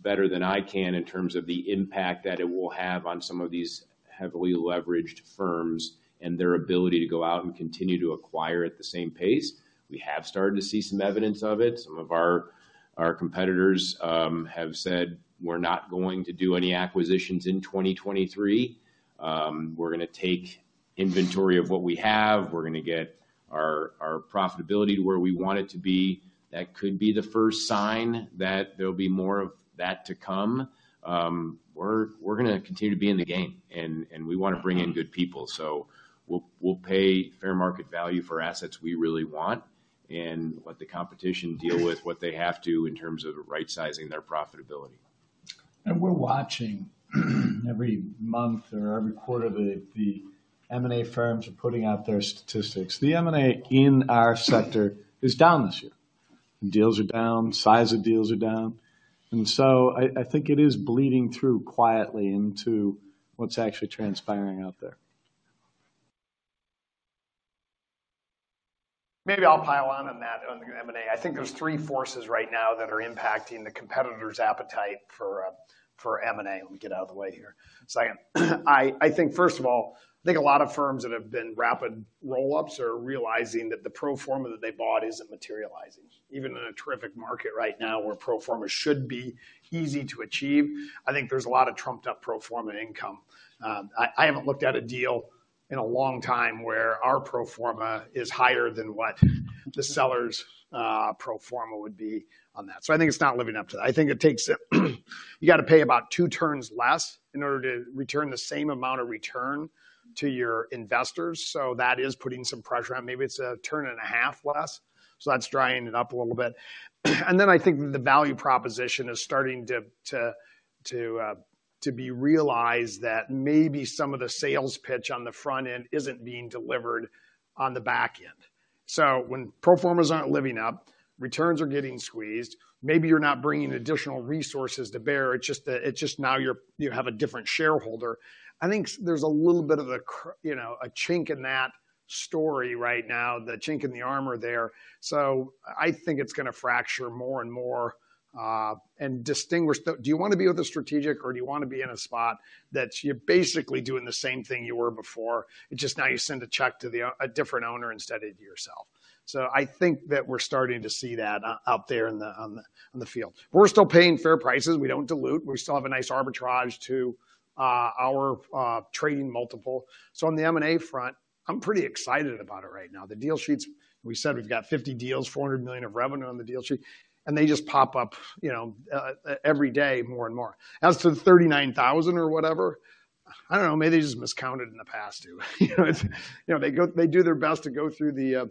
D: better than I can in terms of the impact that it will have on some of these heavily leveraged firms and their ability to go out and continue to acquire at the same pace. We have started to see some evidence of it. Some of our competitors have said we're not going to do any acquisitions in 2023. We're gonna take inventory of what we have. We're gonna get our profitability where we want it to be. That could be the first sign that there'll be more of that to come. We're gonna continue to be in the game, and we wanna bring in good people. We'll pay fair market value for assets we really want and let the competition deal with what they have to in terms of right-sizing their profitability.
C: We're watching every month or every quarter the M&A firms are putting out their statistics. The M&A in our sector is down this year. The deals are down, size of deals are down. I think it is bleeding through quietly into what's actually transpiring out there. Maybe I'll pile on that on the M&A. I think there's three forces right now that are impacting the competitor's appetite for M&A. Let me get out of the way here. Sorry. I think first of all, I think a lot of firms that have been rapid roll-ups are realizing that the pro forma that they bought isn't materializing. Even in a terrific market right now where pro forma should be easy to achieve, I think there's a lot of trumped up pro forma income. I haven't looked at a deal in a long time where our pro forma is higher than what the seller's pro forma would be on that. I think it's not living up to that. I think it takes. You gotta pay about two turns less in order to return the same amount of return to your investors. That is putting some pressure on. Maybe it's a turn and a half less, so that's drying it up a little bit. Then I think the value proposition is starting to be realized that maybe some of the sales pitch on the front end isn't being delivered on the back end. When pro formas aren't living up, returns are getting squeezed, maybe you're not bringing additional resources to bear, it's just now you have a different shareholder. I think there's a little bit of the, you know, a chink in that story right now, the chink in the armor there. I think it's gonna fracture more and more and distinguish the... Do you want to be with a strategic or do you want to be in a spot that you're basically doing the same thing you were before, it's just now you send a check to a different owner instead of yourself? I think that we're starting to see that out there in the, on the, on the field. We're still paying fair prices. We don't dilute. We still have a nice arbitrage to our trading multiple. On the M&A front, I'm pretty excited about it right now. The deal sheets, we said we've got 50 deals, $400 million of revenue on the deal sheet, and they just pop up, you know, every day more and more. As to the 39,000 or whatever, I don't know, maybe they just miscounted in the past too. You know, it's... You know, they do their best to go through the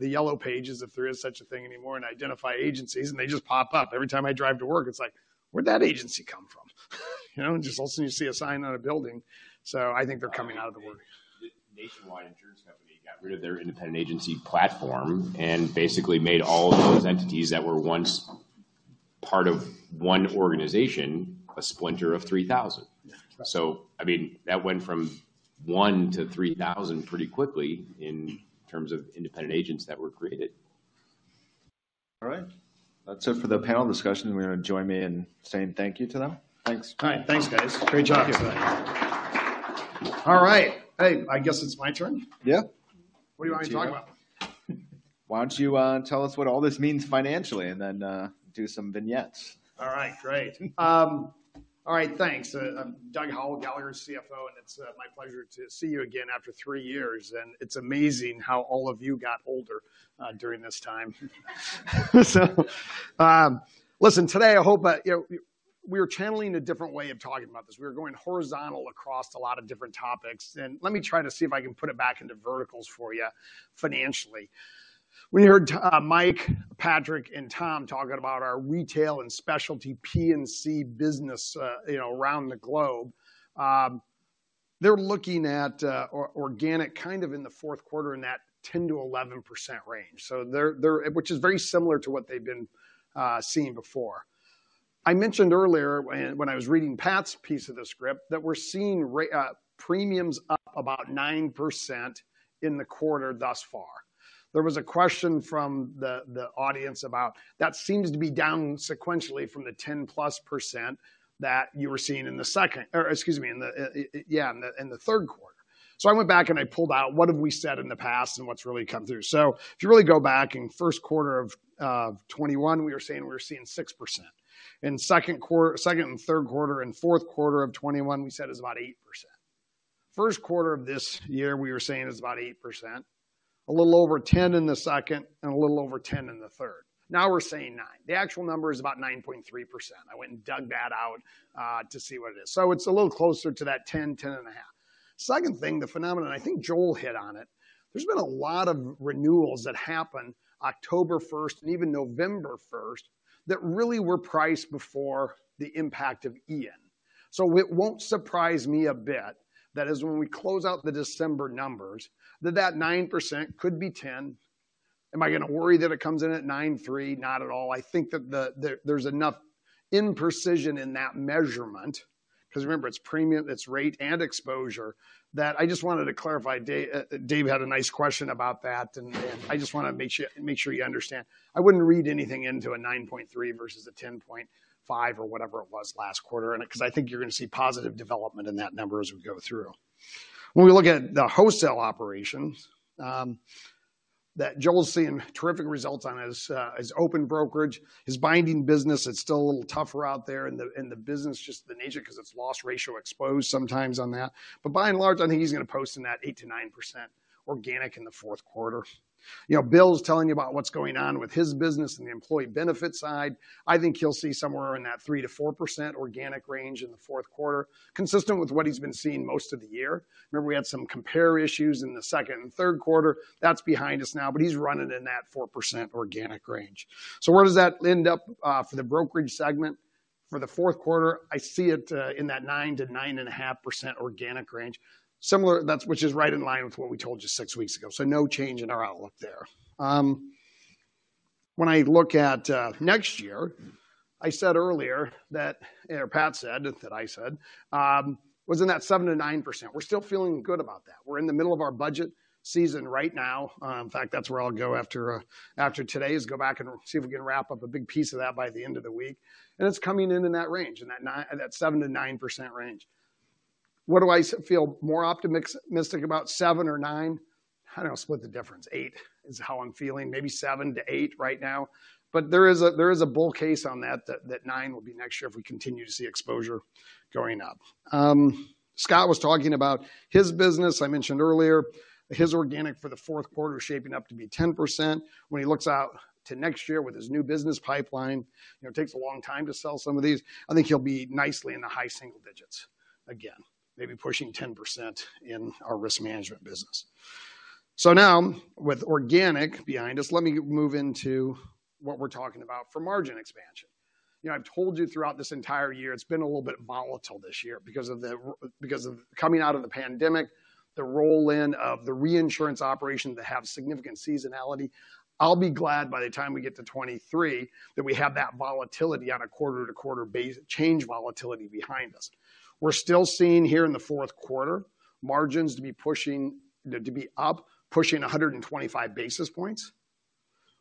C: yellow pages, if there is such a thing anymore, identify agencies, and they just pop up. Every time I drive to work, it's like, "Where'd that agency come from?" You know, just all of a sudden you see a sign on a building. I think they're coming out of the wood-.
D: Nationwide got rid of their independent agency platform and basically made all of those entities that were once part of one organization, a splinter of 3,000.
Q: Yeah.
D: I mean, that went from 1 to 3,000 pretty quickly in terms of independent agents that were created.
A: All right. That's it for the panel discussion. We're gonna join me in saying thank you to them. Thanks.
C: All right. Thanks, guys. Great job.
D: Thanks.
C: All right. Hey, I guess it's my turn.
A: Yeah.
C: What do you want me to talk about?
A: Why don't you tell us what all this means financially, and then do some vignettes.
C: All right, great. All right, thanks. I'm Doug Howell, Gallagher's CFO, and it's my pleasure to see you again after three years, and it's amazing how all of you got older during this time. Listen, today I hope, you know, we're channeling a different way of talking about this. We're going horizontal across a lot of different topics, and let me try to see if I can put it back into verticals for you financially. We heard Mike, Patrick, and Tom talking about our retail and specialty P&C business, you know, around the globe. They're looking at organic kind of in the fourth quarter in that 10%-11% range. Which is very similar to what they've been seeing before. I mentioned earlier when I was reading Pat's piece of the script, that we're seeing premiums up about 9% in the quarter thus far. There was a question from the audience about that seems to be down sequentially from the 10%+ that you were seeing in the third quarter. I went back and I pulled out what have we said in the past and what's really come through. If you really go back in first quarter of 2021, we were saying we were seeing 6%. In second and third quarter and fourth quarter of 2021, we said it's about 8%. First quarter of this year, we were saying it's about 8%. A little over 10 in the second, a little over 10 in the third. Now we're saying 9. The actual number is about 9.3%. I went and dug that out to see what it is. It's a little closer to that 10 and a half. Second thing, the phenomenon, I think Joel hit on it. There's been a lot of renewals that happened October 1st and even November 1st that really were priced before the impact of Ian. It won't surprise me a bit that as when we close out the December numbers, that that 9% could be 10. Am I gonna worry that it comes in at 9.3? Not at all. I think that there's enough imprecision in that measurement, 'cause remember, it's premium, it's rate, and exposure, that I just wanted to clarify. Dave had a nice question about that, and I just wanna make sure you understand. I wouldn't read anything into a 9.3% versus a 10.5% or whatever it was last quarter, and, 'cause I think you're gonna see positive development in that number as we go through. When we look at the wholesale operations, that Joel's seeing terrific results on his open brokerage. His binding business, it's still a little tougher out there and the business just the nature 'cause it's loss ratio exposed sometimes on that. By and large, I think he's gonna post in that 8%-9% organic in the fourth quarter. You know, Bill's telling you about what's going on with his business in the employee benefit side. I think you'll see somewhere in that 3%-4% organic range in the fourth quarter, consistent with what he's been seeing most of the year. Remember we had some compare issues in the second and third quarter. That's behind us now, but he's running in that 4% organic range. Where does that end up for the brokerage segment? For the fourth quarter, I see it in that 9%-9.5% organic range. That's which is right in line with what we told you six weeks ago. No change in our outlook there. When I look at next year, I said earlier that or Pat said that I said was in that 7%-9%. We're still feeling good about that. We're in the middle of our budget season right now. In fact, that's where I'll go after today, is go back and see if we can wrap up a big piece of that by the end of the week. It's coming in in that range, in that 7%-9% range. What do I feel more optimistic about, 7% or 9%? I don't know, split the difference. 8% is how I'm feeling. Maybe 7%-8% right now. There is a bull case on that 9% will be next year if we continue to see exposure going up. Scott was talking about his business, I mentioned earlier. His organic for the fourth quarter is shaping up to be 10%. When he looks out to next year with his new business pipeline, you know, it takes a long time to sell some of these. I think he'll be nicely in the high single digits again. Maybe pushing 10% in our risk management business. Now with organic behind us, let me move into what we're talking about for margin expansion. You know, I've told you throughout this entire year, it's been a little bit volatile this year because of coming out of the pandemic, the roll-in of the reinsurance operation that have significant seasonality. I'll be glad by the time we get to 2023 that we have that volatility on a quarter-to-quarter change volatility behind us. We're still seeing here in the fourth quarter margins to be pushing to be up, pushing 125 basis points.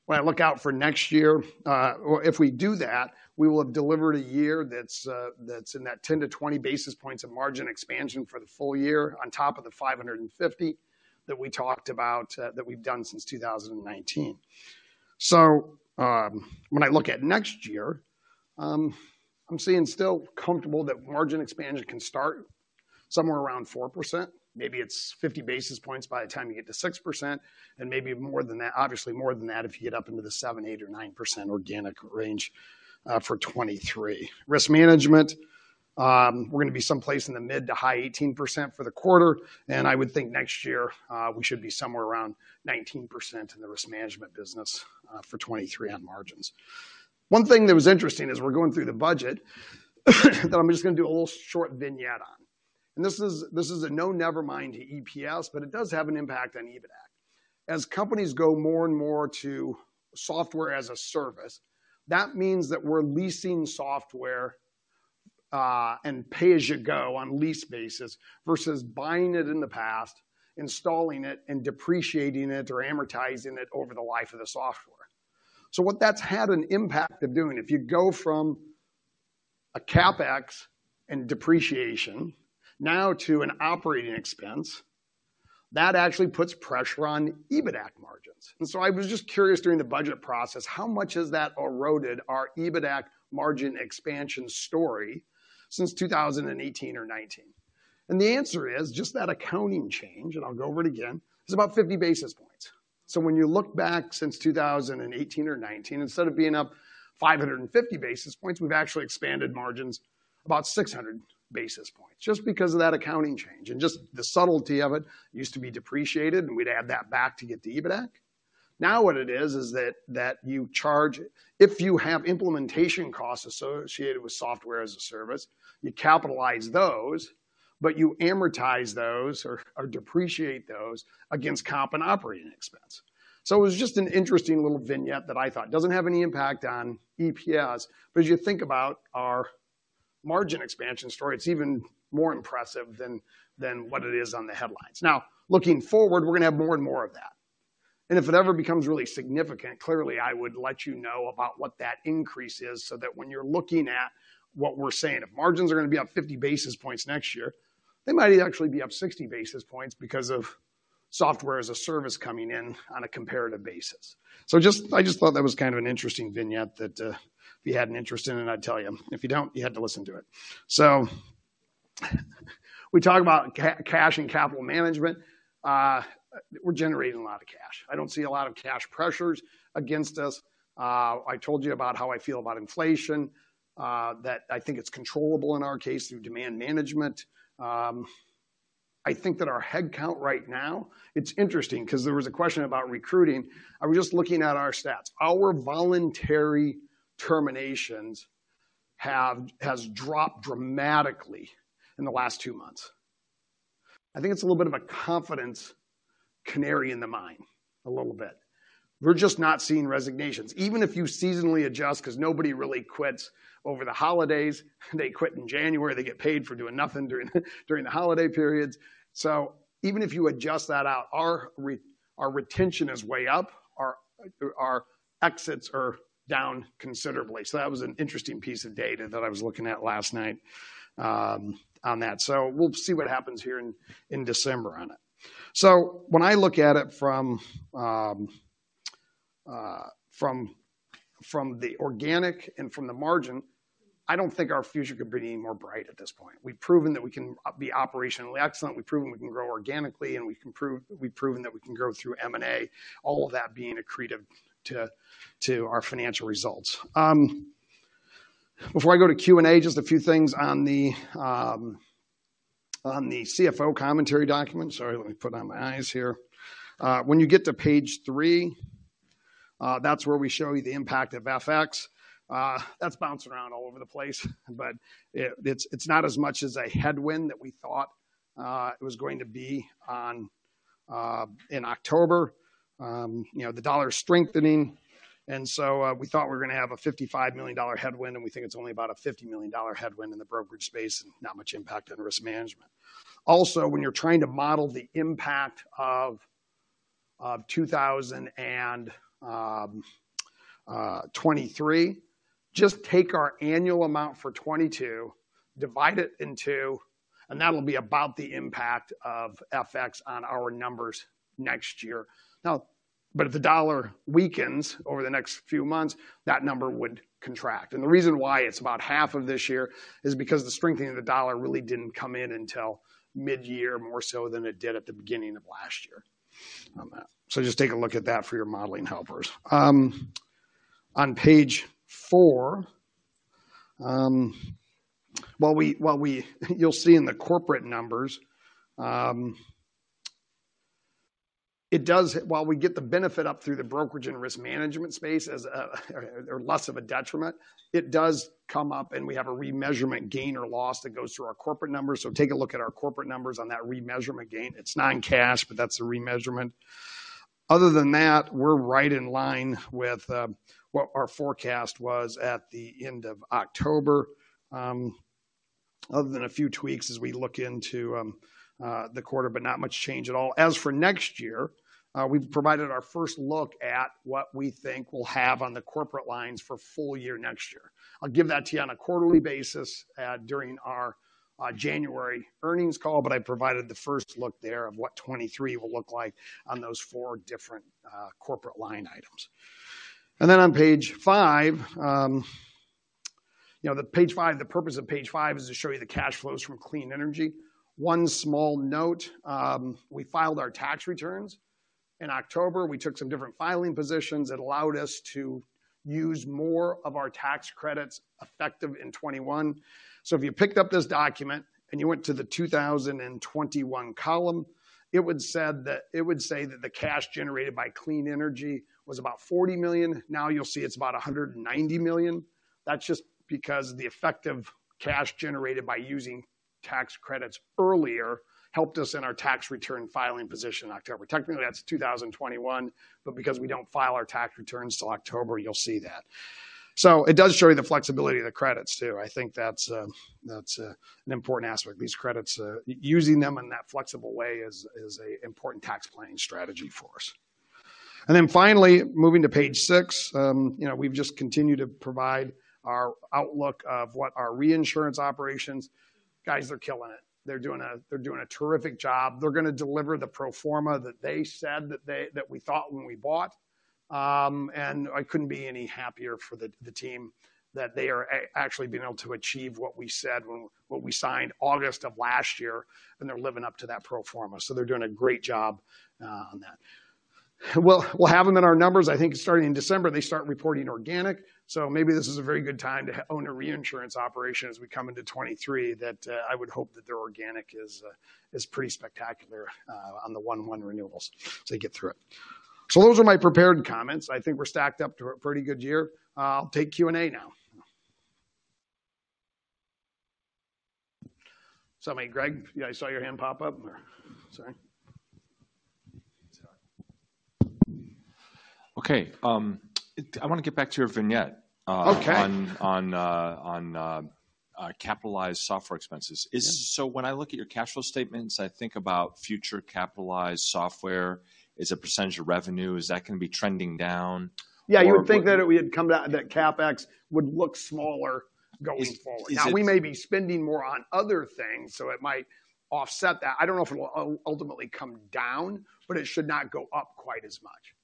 C: When I look out for next year, or if we do that, we will have delivered a year that's in that 10-20 basis points of margin expansion for the full year on top of the 550 that we talked about, that we've done since 2019. When I look at next year, I'm seeing still comfortable that margin expansion can start somewhere around 4%. Maybe it's 50 basis points by the time you get to 6%, and maybe more than that. Obviously more than that if you get up into the 7%, 8% or 9% organic range for 2023. Risk management, we're gonna be someplace in the mid to high 18% for the quarter. I would think next year, we should be somewhere around 19% in the risk management business for 2023 on margins. One thing that was interesting as we're going through the budget that I'm just gonna do a little short vignette on, and this is a no never mind to EPS, but it does have an impact on EBITAC. As companies go more and more to software-as-a-service, that means that we're leasing software, and pay-as-you-go on lease basis versus buying it in the past, installing it, and depreciating it or amortizing it over the life of the software. What that's had an impact of doing, if you go from a CapEx and depreciation now to an operating expense, that actually puts pressure on EBITAC margins. I was just curious during the budget process, how much has that eroded our EBITAC margin expansion story since 2018 or 2019? The answer is, just that accounting change, and I'll go over it again, is about 50 basis points. When you look back since 2018 or 2019, instead of being up 550 basis points, we've actually expanded margins about 600 basis points just because of that accounting change. Just the subtlety of it used to be depreciated, and we'd add that back to get the EBITAC. Now what it is that you charge. If you have implementation costs associated with software-as-a-service, you capitalize those, but you amortize those or depreciate those against comp and operating expense. It was just an interesting little vignette that I thought. Doesn't have any impact on EPS, but as you think about our margin expansion story, it's even more impressive than what it is on the headlines. Looking forward, we're gonna have more and more of that. If it ever becomes really significant, clearly I would let you know about what that increase is so that when you're looking at what we're saying, if margins are gonna be up 50 basis points next year, they might actually be up 60 basis points because of software-as-a-service coming in on a comparative basis. I just thought that was kind of an interesting vignette that, if you had an interest in it, I'd tell you. If you don't, you had to listen to it. We talk about cash and capital management. We're generating a lot of cash. I don't see a lot of cash pressures against us. I told you about how I feel about inflation, that I think it's controllable in our case through demand management. I think that our head count right now, it's interesting 'cause there was a question about recruiting. I was just looking at our stats. Our voluntary terminations has dropped dramatically in the last two months. I think it's a little bit of a confidence canary in the mine, a little bit. We're just not seeing resignations. Even if you seasonally adjust 'cause nobody really quits over the holidays, they quit in January. They get paid for doing nothing during the holiday periods. Even if you adjust that out, our retention is way up. Our exits are down considerably. That was an interesting piece of data that I was looking at last night on that. We'll see what happens here in December on it. When I look at it from the organic and from the margin, I don't think our future could be any more bright at this point. We've proven that we can be operationally excellent. We've proven we can grow organically, and we've proven that we can grow through M&A, all of that being accretive to our financial results. Before I go to Q&A, just a few things on the CFO commentary document. Sorry, let me put on my eyes here. When you get to page three, that's where we show you the impact of FX. That's bouncing around all over the place, but it's not as much as a headwind that we thought it was going to be in October. You know, the dollar is strengthening, we thought we were gonna have a $55 million headwind, and we think it's only about a $50 million headwind in the brokerage space and not much impact on risk management. Also, when you're trying to model the impact of 2023, just take our annual amount for 22, divide it in 2, and that'll be about the impact of FX on our numbers next year. If the dollar weakens over the next few months, that number would contract. The reason why it's about half of this year is because the strengthening of the dollar really didn't come in until midyear, more so than it did at the beginning of last year on that. Just take a look at that for your modeling helpers. On page four, while we... You'll see in the corporate numbers, While we get the benefit up through the brokerage and risk management space as a, or less of a detriment, it does come up, and we have a remeasurement gain or loss that goes through our corporate numbers. Take a look at our corporate numbers on that remeasurement gain. It's non-cash, but that's a remeasurement. Other than that, we're right in line with what our forecast was at the end of October, other than a few tweaks as we look into the quarter, but not much change at all. As for next year, we've provided our first look at what we think we'll have on the corporate lines for full year next year. I'll give that to you on a quarterly basis during our January earnings call, but I provided the first look there of what 2023 will look like on those four different corporate line items. On page 5, you know, the page 5, the purpose of page 5 is to show you the cash flows from clean energy. One small note, we filed our tax returns in October. We took some different filing positions that allowed us to use more of our tax credits effective in 2021. If you picked up this document and you went to the 2021 column, it would say that the cash generated by clean energy was about $40 million. You'll see it's about $190 million. That's just because the effective cash generated by using tax credits earlier helped us in our tax return filing position in October. Technically, that's 2021, because we don't file our tax returns till October, you'll see that. It does show you the flexibility of the credits too. I think that's an important aspect. These credits, using them in that flexible way is a important tax planning strategy for us. Finally, moving to page six, you know, we've just continued to provide our outlook of what our reinsurance operations. Guys are killing it. They're doing a terrific job. They're gonna deliver the pro forma that they said that we thought when we bought. I couldn't be any happier for the team that they are actually being able to achieve what we signed August of last year, and they're living up to that pro forma. They're doing a great job on that. We'll have them in our numbers. I think starting in December, they start reporting organic. Maybe this is a very good time to own a reinsurance operation as we come into 2023 that, I would hope that their organic is pretty spectacular, on the January 1 renewals as they get through it. Those are my prepared comments. I think we're stacked up to a pretty good year. I'll take Q&A now. Somebody, Greg, yeah, I saw your hand pop up. Sorry.
K: Okay. I wanna get back to your vignette.
C: Okay
K: On capitalized software expenses.
C: Yeah.
K: When I look at your cash flow statements, I think about future capitalized software as a percentage of revenue. Is that gonna be trending down?
C: Yeah. You would think that we had come down, that CapEx would look smaller going forward.
K: Is it?
C: We may be spending more on other things, so it might offset that. I don't know if it will ultimately come down, but it should not go up quite as much.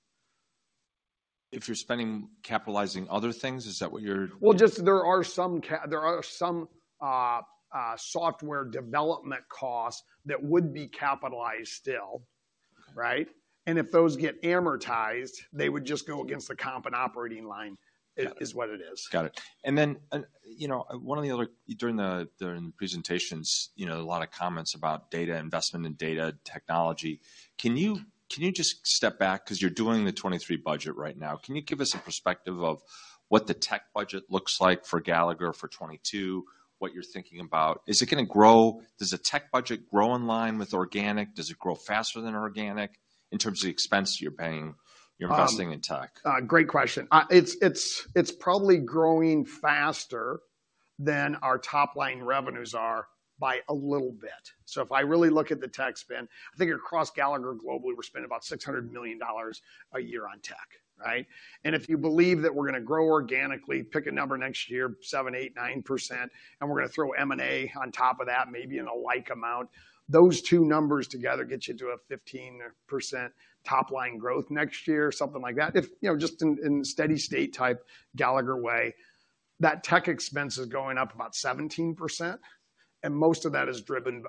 K: If you're spending capitalizing other things, is that what you're-
C: Just there are some software development costs that would be capitalized still.
K: Okay.
C: Right? If those get amortized, they would just go against the comp and operating line.
K: Got it.
C: It is what it is.
K: Got it. You know, During the presentations, you know, a lot of comments about data investment and data technology. Can you just step back? 'Cause you're doing the 2023 budget right now. Can you give us a perspective of what the tech budget looks like for Gallagher for 2022, what you're thinking about? Is it gonna grow? Does the tech budget grow in line with organic? Does it grow faster than organic in terms of the expense you're paying, you're investing in tech?
C: Great question. It's probably growing faster than our top line revenues are by a little bit. If I really look at the tech spend, I think across Gallagher globally, we're spending about $600 million a year on tech, right? If you believe that we're gonna grow organically, pick a number next year, 7%, 8%, 9%, and we're gonna throw M&A on top of that maybe in a like amount. Those two numbers together get you to a 15% top line growth next year, something like that. If, you know, just in steady state type Gallagher way. That tech expense is going up about 17%, and most of that is driven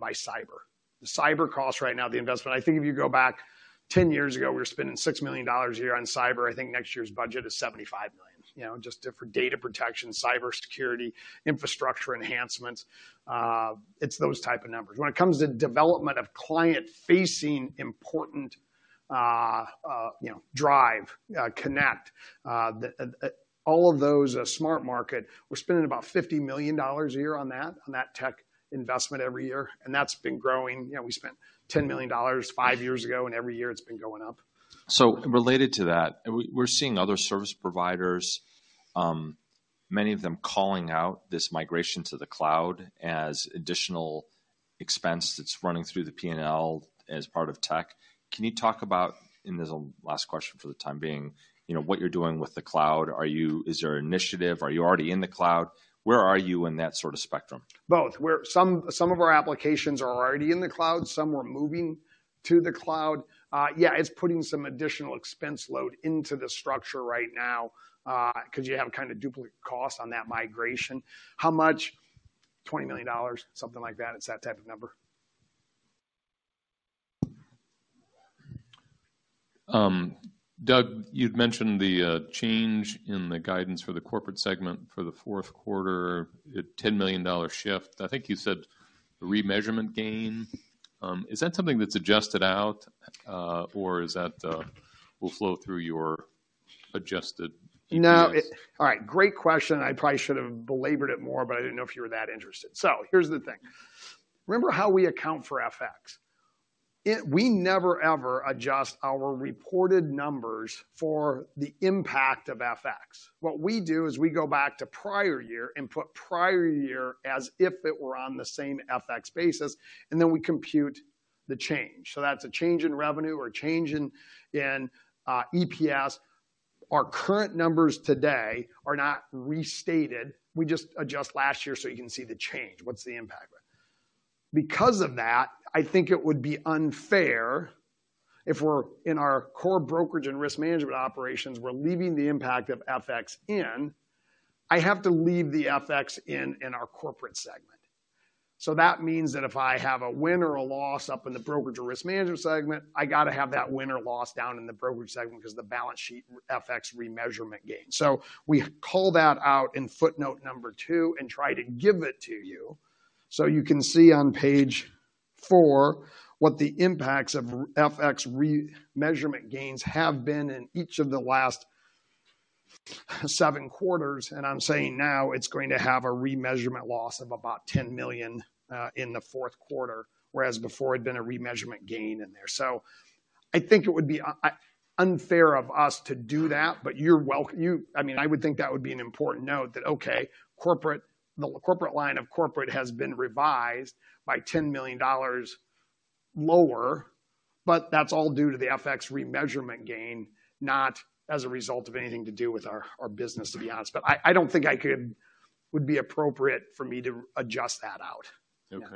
C: by cyber. The cyber costs right now, the investment... I think if you go back 10 years ago, we were spending $6 million a year on cyber. I think next year's budget is $75 million. You know, just different data protection, cybersecurity, infrastructure enhancements, it's those type of numbers. When it comes to development of client-facing important, you know, drive, connect, all of those are SmartMarket. We're spending about $50 million a year on that tech investment every year, and that's been growing. You know, we spent $10 million five years ago, and every year it's been going up.
K: Related to that, we're seeing other service providers, many of them calling out this migration to the cloud as additional expense that's running through the P&L as part of tech. Can you talk about, and this is the last question for the time being, you know, what you're doing with the cloud? Is there an initiative? Are you already in the cloud? Where are you in that sort of spectrum?
C: Both. Some of our applications are already in the cloud, some we're moving to the cloud. Yeah, it's putting some additional expense load into the structure right now, 'cause you have kind of duplicate costs on that migration. How much? $20 million, something like that. It's that type of number.
N: Doug, you'd mentioned the change in the guidance for the corporate segment for the fourth quarter, a $10 million shift. I think you said remeasurement gain. Is that something that's adjusted out, or is that, will flow through your adjusted EPS?
C: No. All right, great question. I probably should have belabored it more, but I didn't know if you were that interested. Here's the thing. We never ever adjust our reported numbers for the impact of FX. What we do is we go back to prior year and put prior year as if it were on the same FX basis, and then we compute the change. That's a change in revenue or change in EPS. Our current numbers today are not restated. We just adjust last year so you can see the change. What's the impact? Because of that, I think it would be unfair if we're in our core brokerage and risk management operations, we're leaving the impact of FX in, I have to leave the FX in in our corporate segment. That means that if I have a win or a loss up in the brokerage or risk management segment, I got to have that win or loss down in the brokerage segment because the balance sheet FX remeasurement gain. We call that out in Footnote 2 and try to give it to you. You can see on page four what the impacts of FX remeasurement gains have been in each of the last seven quarters. I'm saying now it's going to have a remeasurement loss of about $10 million in the fourth quarter, whereas before it had been a remeasurement gain in there. I think it would be unfair of us to do that, but you I mean, I would think that would be an important note that, okay, corporate, the corporate line of corporate has been revised by $10 million lower, but that's all due to the FX remeasurement gain, not as a result of anything to do with our business, to be honest. I don't think I could would be appropriate for me to adjust that out.
N: Okay.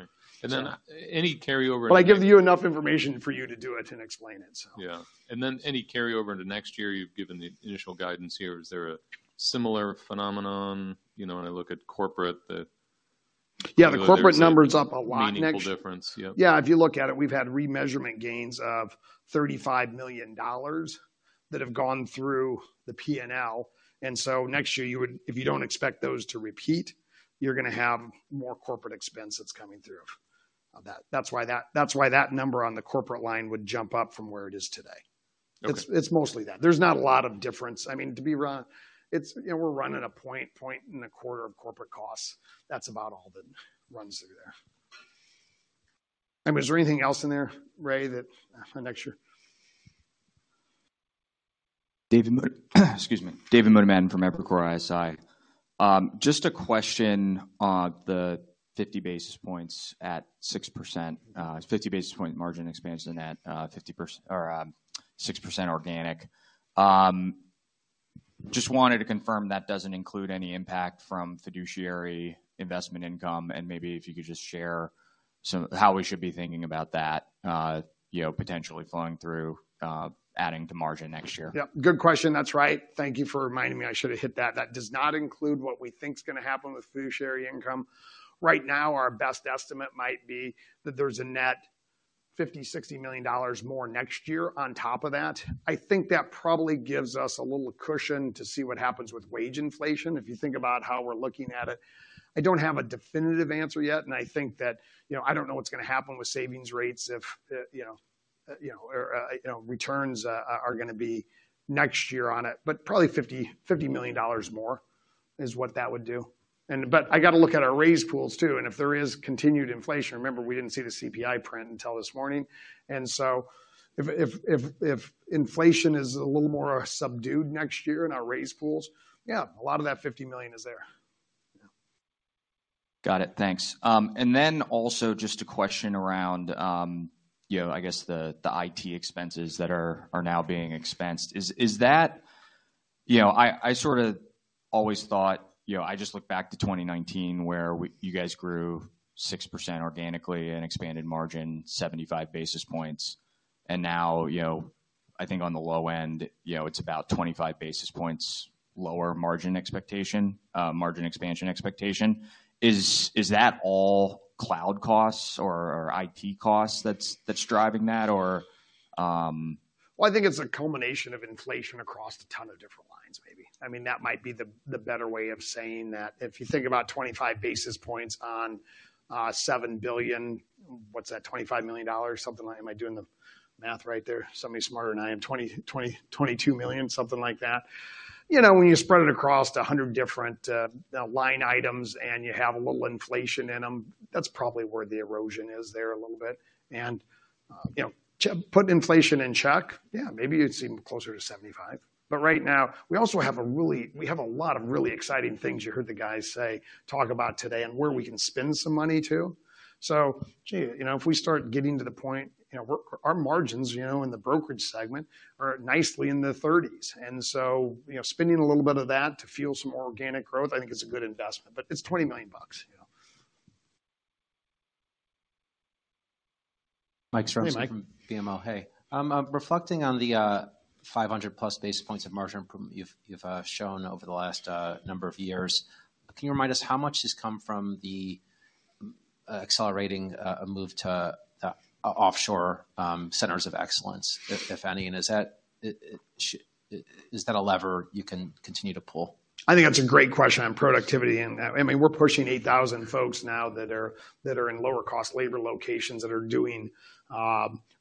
C: I give you enough information for you to do it and explain it, so.
N: Yeah. Then any carryover into next year, you've given the initial guidance here. Is there a similar phenomenon? You know, when I look at corporate.
C: Yeah, the corporate number's up a lot.
N: Meaningful difference. Yeah.
C: Yeah, if you look at it, we've had remeasurement gains of $35 million that have gone through the P&L. Next year, if you don't expect those to repeat, you're going to have more corporate expense that's coming through of that. That's why that number on the corporate line would jump up from where it is today.
N: Okay.
C: It's mostly that. There's not a lot of difference. I mean, you know, we're running 1.25% of corporate costs. That's about all that runs through there. I mean, is there anything else in there, Ray, that for next year?
L: Excuse me. David Motemaden from Evercore ISI. Just a question on the 50 basis points at 6%. 50 basis point margin expansion at, or, 6% organic. Just wanted to confirm that doesn't include any impact from fiduciary investment income, and maybe if you could just share some how we should be thinking about that, you know, potentially flowing through, adding to margin next year.
C: Yeah. Good question. That's right. Thank you for reminding me. I should have hit that. That does not include what we think's gonna happen with fiduciary income. Right now, our best estimate might be that there's a net $50 million-$60 million more next year on top of that. I think that probably gives us a little cushion to see what happens with wage inflation, if you think about how we're looking at it. I don't have a definitive answer yet. I think that, you know, I don't know what's gonna happen with savings rates if, you know, you know, or, you know, returns are gonna be next year on it, but probably $50 million more is what that would do. I got to look at our raise pools too, and if there is continued inflation, remember, we didn't see the CPI print until this morning. If inflation is a little more subdued next year in our raise pools, yeah, a lot of that $50 million is there. Yeah.
L: Got it. Thanks. Also just a question around, you know, I guess the IT expenses that are now being expensed. Is that, you know, I sort of always thought, you know, I just look back to 2019 where you guys grew 6% organically and expanded margin 75 basis points. Now, I think on the low end, you know, it's about 25 basis points lower margin expectation, margin expansion expectation. Is that all cloud costs or IT costs that's driving that or?
C: Well, I think it's a combination of inflation across a ton of different lines, maybe. I mean, that might be the better way of saying that. If you think about 25 basis points on $7 billion, what's that? $25 million, something like? Am I doing the math right there? Somebody smarter than I am. $22 million, something like that. You know, when you spread it across 100 different, you know, line items and you have a little inflation in them, that's probably where the erosion is there a little bit. You know, to put inflation in check, yeah, maybe it's even closer to 75. Right now, we also have a lot of really exciting things you heard the guys talk about today and where we can spend some money too. gee, you know, if we start getting to the point, you know, Our margins, you know, in the brokerage segment are nicely in the 30s. you know, spending a little bit of that to fuel some organic growth, I think it's a good investment, but it's $20 million, you know.
M: Mike Zaremski-
C: Hey, Mike.
M: From BMO. Hey. Reflecting on the 500+ basis points of margin from you've shown over the last number of years, can you remind us how much has come from the accelerating move to offshore centers of excellence, if any? Is that... Is that a lever you can continue to pull?
C: I think that's a great question on productivity. I mean, we're pushing 8,000 folks now that are in lower cost labor locations that are doing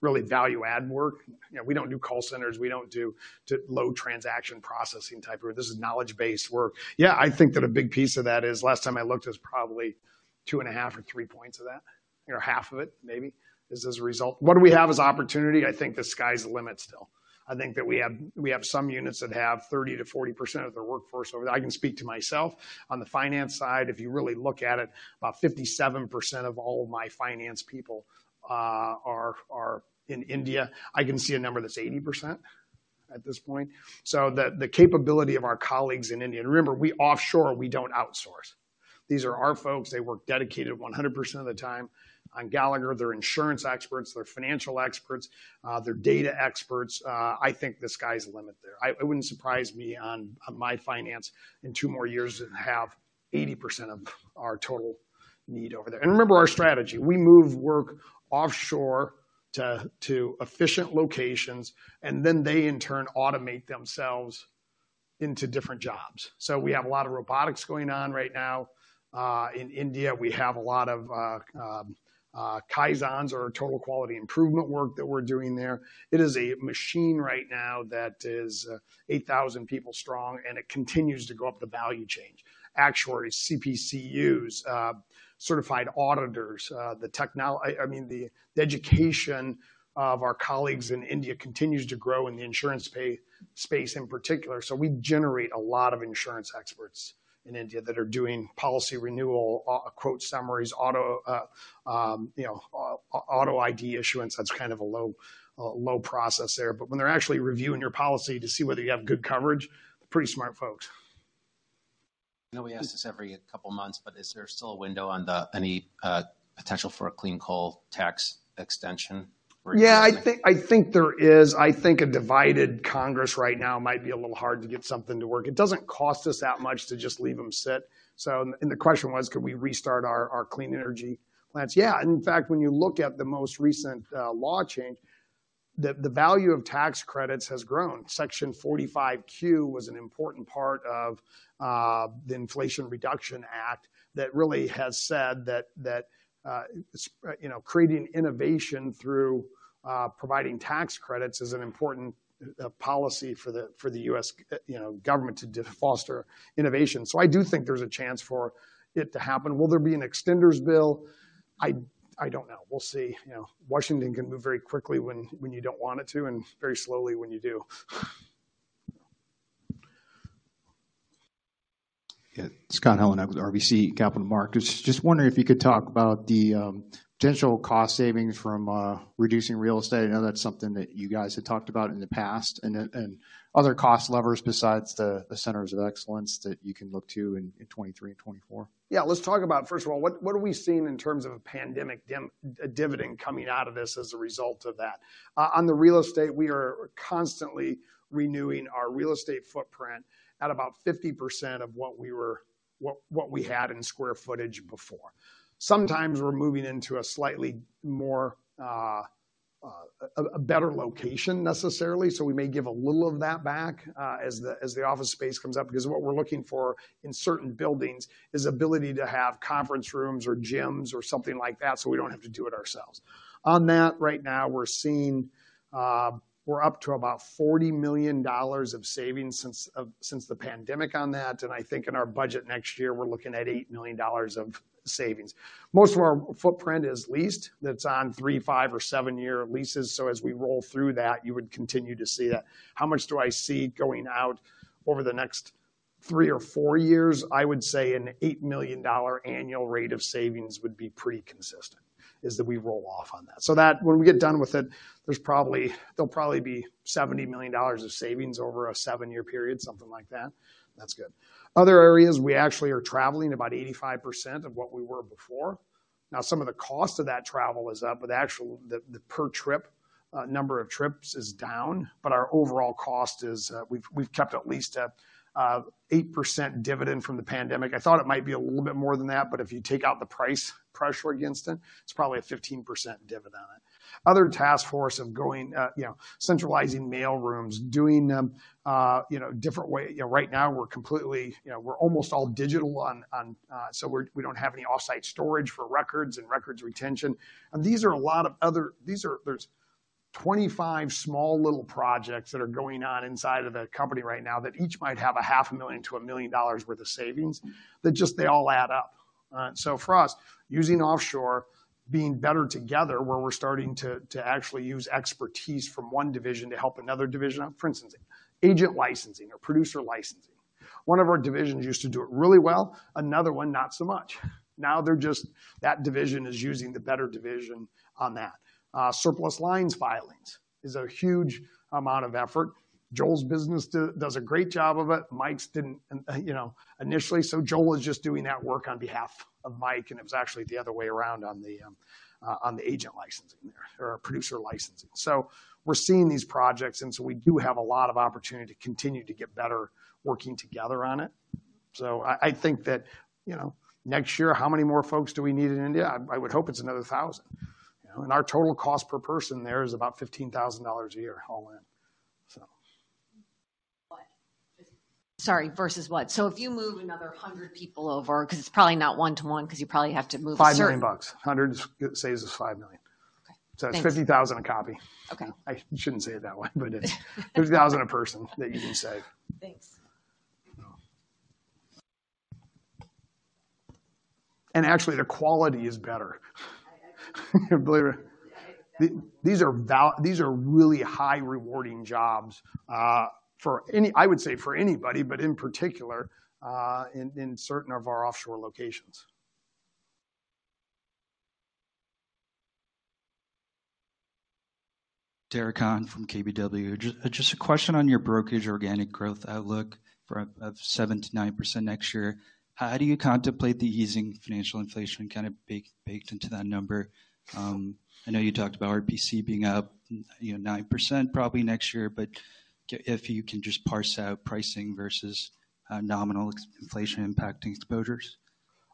C: really value add work. You know, we don't do call centers, we don't do low transaction processing type work. This is knowledge-based work. I think that a big piece of that is, last time I looked, it was probably 2.5 or 3 points of that, or half of it, maybe, is as a result. What do we have as opportunity? I think the sky's the limit still. I think that we have some units that have 30%-40% of their workforce over there. I can speak to myself. On the finance side, if you really look at it, about 57% of all my finance people are in India. I can see a number that's 80% at this point. The capability of our colleagues in India. Remember, we offshore, we don't outsource. These are our folks. They work dedicated 100% of the time on Gallagher. They're insurance experts. They're financial experts. They're data experts. I think the sky's the limit there. It wouldn't surprise me on my finance in 2 more years to have 80% of our total need over there. Remember our strategy. We move work offshore to efficient locations, and then they in turn automate themselves into different jobs. We have a lot of robotics going on right now. In India, we have a lot of kaizens or total quality improvement work that we're doing there. It is a machine right now that is 8,000 people strong. It continues to go up the value chain. Actuaries, CPCUs, certified auditors, I mean, the education of our colleagues in India continues to grow in the insurance space in particular. We generate a lot of insurance experts in India that are doing policy renewal, quote summaries, auto, you know, auto ID issuance. That's kind of a low, low process there. When they're actually reviewing your policy to see whether you have good coverage, pretty smart folks.
M: I know we ask this every couple of months, is there still a window on the any potential for a clean coal tax extension or increase?
C: I think there is. I think a divided Congress right now might be a little hard to get something to work. It doesn't cost us that much to just leave them sit. The question was, could we restart our clean energy plants? Yeah. In fact, when you look at the most recent law change, the value of tax credits has grown. Section 45Q was an important part of the Inflation Reduction Act that really has said that, you know, creating innovation through providing tax credits is an important policy for the U.S., you know, government to foster innovation. I do think there's a chance for it to happen. Will there be an extender's bill? I don't know. We'll see. You know, Washington can move very quickly when you don't want it to, and very slowly when you do.
R: Scott Heleniak with RBC Capital Markets. Just wondering if you could talk about the potential cost savings from reducing real estate. I know that's something that you guys had talked about in the past and other cost levers besides the centers of excellence that you can look to in 2023 and 2024.
C: Let's talk about, first of all, what are we seeing in terms of a pandemic dividend coming out of this as a result of that. On the real estate, we are constantly renewing our real estate footprint at about 50% of what we had in square footage before. Sometimes we're moving into a slightly more, a better location necessarily. We may give a little of that back, as the office space comes up, because what we're looking for in certain buildings is ability to have conference rooms or gyms or something like that, so we don't have to do it ourselves. On that right now, we're seeing, we're up to about $40 million of savings since the pandemic on that. I think in our budget next year, we're looking at $8 million of savings. Most of our footprint is leased. That's on three, five or seven-year leases. As we roll through that, you would continue to see that. How much do I see going out over the next three or four years? I would say an $8 million annual rate of savings would be pretty consistent, is that we roll off on that. That when we get done with it, there'll probably be $70 million of savings over a seven-year period, something like that. That's good. Other areas, we actually are traveling about 85% of what we were before. Some of the cost of that travel is up, but the actual the per trip number of trips is down, but our overall cost is, we've kept at least 8% dividend from the pandemic. I thought it might be a little bit more than that, but if you take out the price pressure against it's probably a 15% dividend on it. Other task force of going, you know, centralizing mail rooms, doing them, you know, different way. You know, right now we're completely, you know, we're almost all digital on, so we don't have any off-site storage for records and records retention. These are a lot of other... There's 25 small little projects that are going on inside of the company right now that each might have $500,000 million- $1 million worth of savings. They just, they all add up. For us, using offshore, being better together, where we're starting to actually use expertise from one division to help another division. For instance, agent licensing or producer licensing. One of our divisions used to do it really well, another one not so much. Now they're just, that division is using the better division on that. Surplus lines filings is a huge amount of effort. Joel's business does a great job of it. Mike's didn't, you know, initially. Joel was just doing that work on behalf of Mike, and it was actually the other way around on the agent licensing there or producer licensing. We're seeing these projects, and so we do have a lot of opportunity to continue to get better working together on it. I think that, you know, next year, how many more folks do we need in India? I would hope it's another 1,000. You know, and our total cost per person there is about $15,000 a year all in.
S: What? Sorry, versus what? If you move another 100 people over, 'cause it's probably not 1 to 1, 'cause you probably have to move a
C: $5 million. $100 saves us $5 million.
S: Okay. Thanks.
C: It's $50,000 a copy.
S: Okay.
C: I shouldn't say it that way, but it's $30,000 a person that you can save.
S: Thanks.
C: Actually, the quality is better. Believe it. These are really high rewarding jobs for anybody, but in particular, in certain of our offshore locations.
T: Just a question on your brokerage organic growth outlook for 7%-9% next year. How do you contemplate the easing financial inflation kind of baked into that number? I know you talked about RPC being up, you know, 9% probably next year, but if you can just parse out pricing versus nominal inflation impacting exposures?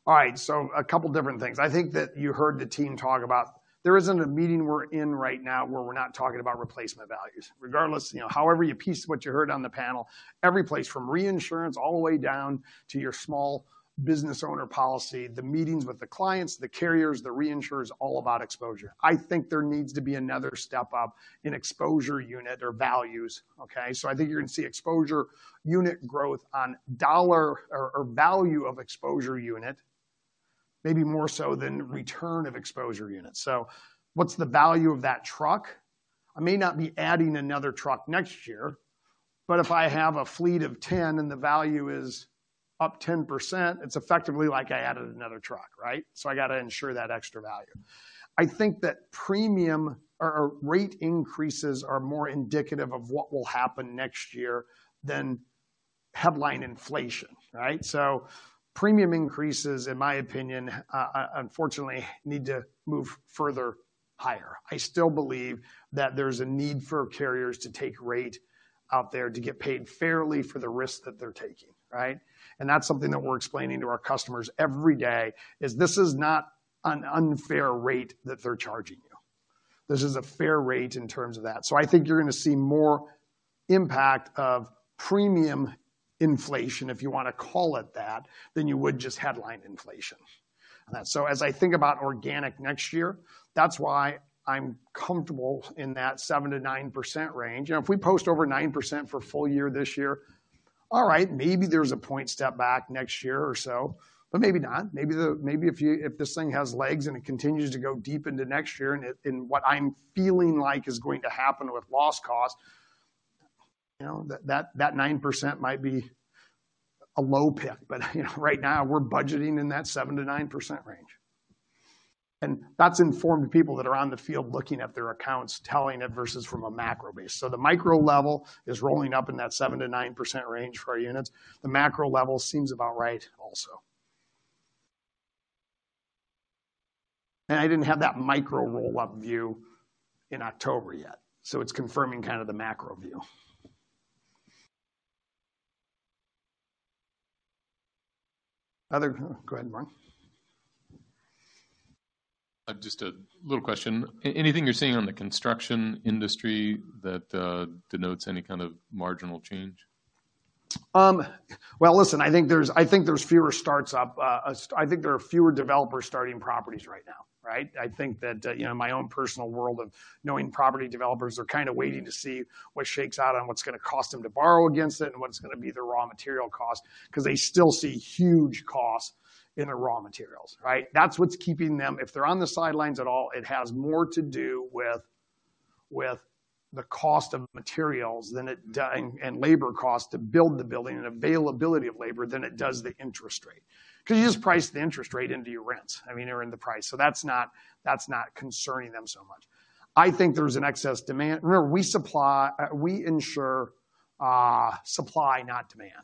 C: All right, a couple different things. I think that you heard the team talk about. There isn't a meeting we're in right now where we're not talking about replacement values. Regardless, you know, however you piece what you heard on the panel, every place from reinsurance all the way down to your small business owner policy, the meetings with the clients, the carriers, the reinsurers, all about exposure. I think there needs to be another step up in exposure unit or values, okay? I think you're gonna see exposure unit growth on dollar or value of exposure unit, maybe more so than return of exposure units. What's the value of that truck? I may not be adding another truck next year, but if I have a fleet of 10 and the value is up 10%, it's effectively like I added another truck, right? I gotta insure that extra value. I think that premium or rate increases are more indicative of what will happen next year than headline inflation, right? Premium increases, in my opinion, unfortunately need to move further higher. I still believe that there's a need for carriers to take rate out there to get paid fairly for the risk that they're taking, right? That's something that we're explaining to our customers every day, is this is not an unfair rate that they're charging you. This is a fair rate in terms of that. I think you're gonna see more impact of premium inflation, if you wanna call it that, than you would just headline inflation. As I think about organic next year, that's why I'm comfortable in that 7%-9% range. You know, if we post over 9% for full year this year, all right, maybe there's a point step back next year or so, but maybe not. Maybe if this thing has legs and it continues to go deep into next year and what I'm feeling like is going to happen with loss cost, you know, that 9% might be a low pick. You know, right now we're budgeting in that 7%-9% range. That's informed people that are on the field looking at their accounts, telling it versus from a macro base. The micro level is rolling up in that 7%-9% range for our units. The macro level seems about right also. I didn't have that micro roll-up view in October yet, so it's confirming kind of the macro view. Go ahead, Ron.
J: Just a little question. Anything you're seeing on the construction industry that denotes any kind of marginal change?
C: Well, listen, I think there's fewer starts up. I think there are fewer developers starting properties right now, right? I think that, you know, my own personal world of knowing property developers are kind of waiting to see what shakes out and what's gonna cost them to borrow against it and what's gonna be the raw material cost, 'cause they still see huge costs in the raw materials, right? That's what's keeping them. If they're on the sidelines at all, it has more to do with the cost of materials than it does and labor costs to build the building and availability of labor than it does the interest rate. 'Cause you just price the interest rate into your rents. I mean, they're in the price. That's not, that's not concerning them so much. I think there's an excess demand. Remember, we supply, we insure supply, not demand.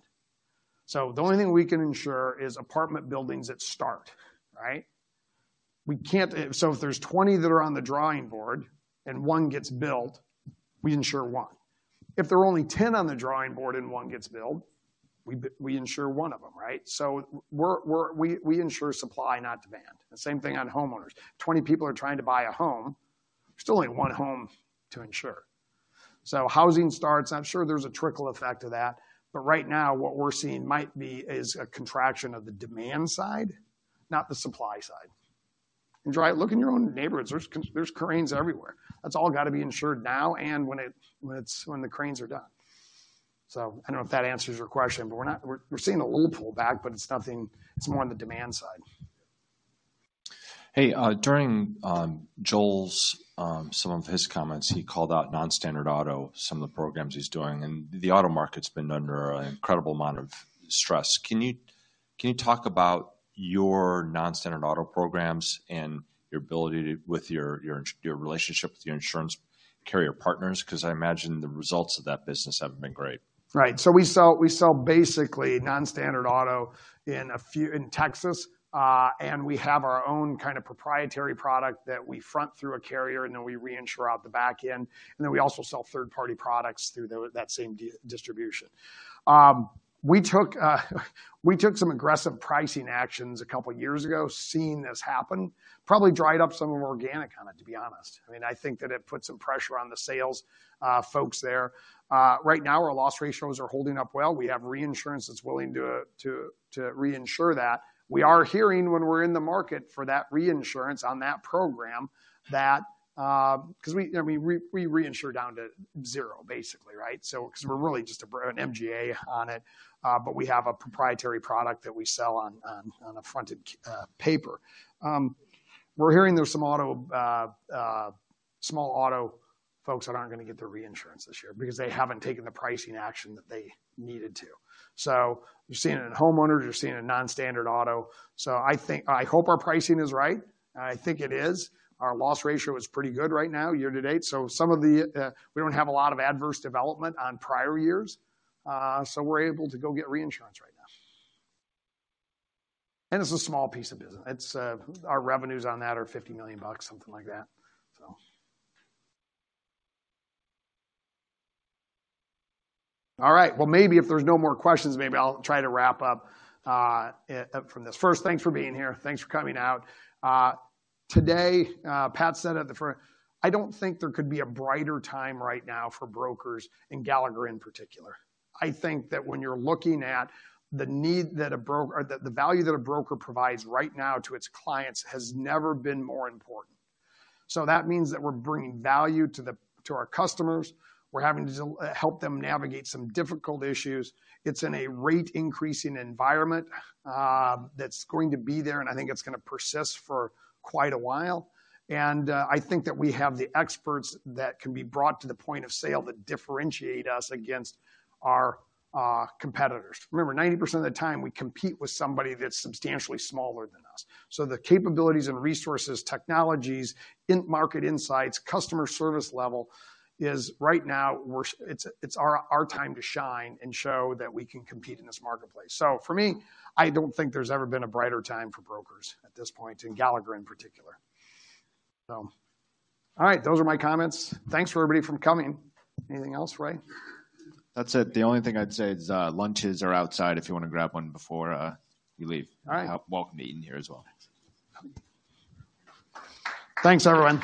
C: The only thing we can insure is apartment buildings that start, right? If there's 20 that are on the drawing board and one gets built, we insure one. If there are only 10 on the drawing board and one gets built, we insure one of them, right? We're, we insure supply, not demand. The same thing on homeowners. If 20 people are trying to buy a home, there's still only one home to insure. Housing starts, I'm sure there's a trickle effect of that, but right now what we're seeing might be, is a contraction of the demand side, not the supply side. Look in your own neighborhoods, there's cranes everywhere. That's all gotta be insured now and when the cranes are done. I don't know if that answers your question, but we're seeing a little pullback, but it's nothing. It's more on the demand side.
K: Hey, during Joel's some of his comments, he called out non-standard auto, some of the programs he's doing, and the auto market's been under an incredible amount of stress. Can you talk about your non-standard auto programs and your ability to with your relationship with your insurance carrier partners? 'Cause I imagine the results of that business haven't been great.
C: Right. We sell basically non-standard auto in Texas. We have our own kind of proprietary product that we front through a carrier, then we reinsure out the back end. We also sell third-party products through that same distribution. We took some aggressive pricing actions a couple years ago, seeing this happen. Probably dried up some of our organic on it, to be honest. I mean, I think that it put some pressure on the sales folks there. Right now our loss ratios are holding up well. We have reinsurance that's willing to reinsure that. We are hearing when we're in the market for that reinsurance on that program that, Cause we, you know, we reinsure down to zero, basically, right? 'Cause we're really just an MGA on it. We have a proprietary product that we sell on a fronted paper. We're hearing there's some auto, small auto folks that aren't gonna get their reinsurance this year because they haven't taken the pricing action that they needed to. You're seeing it in homeowners, you're seeing it in non-standard auto. I hope our pricing is right. I think it is. Our loss ratio is pretty good right now year to date. Some of the, we don't have a lot of adverse development on prior years, we're able to go get reinsurance right now. It's a small piece of business. It's, our revenues on that are $50 million, something like that. All right. Well, maybe if there's no more questions, maybe I'll try to wrap up from this. First, thanks for being here. Thanks for coming out. Today, Pat said at the front, I don't think there could be a brighter time right now for brokers, Gallagher in particular. I think that when you're looking at the need or that the value that a broker provides right now to its clients has never been more important. That means that we're bringing value to our customers. We're having to help them navigate some difficult issues. It's in a rate increasing environment that's going to be there, I think it's gonna persist for quite a while. I think that we have the experts that can be brought to the point of sale that differentiate us against our competitors. Remember, 90% of the time, we compete with somebody that's substantially smaller than us. The capabilities and resources, technologies, in-market insights, customer service level is right now it's our time to shine and show that we can compete in this marketplace. For me, I don't think there's ever been a brighter time for brokers at this point, and Gallagher in particular. All right, those are my comments. Thanks for everybody from coming. Anything else, Ray?
A: That's it. The only thing I'd say is, lunches are outside if you wanna grab one before you leave.
C: All right.
A: You're welcome to eat in here as well.
C: Thanks, everyone.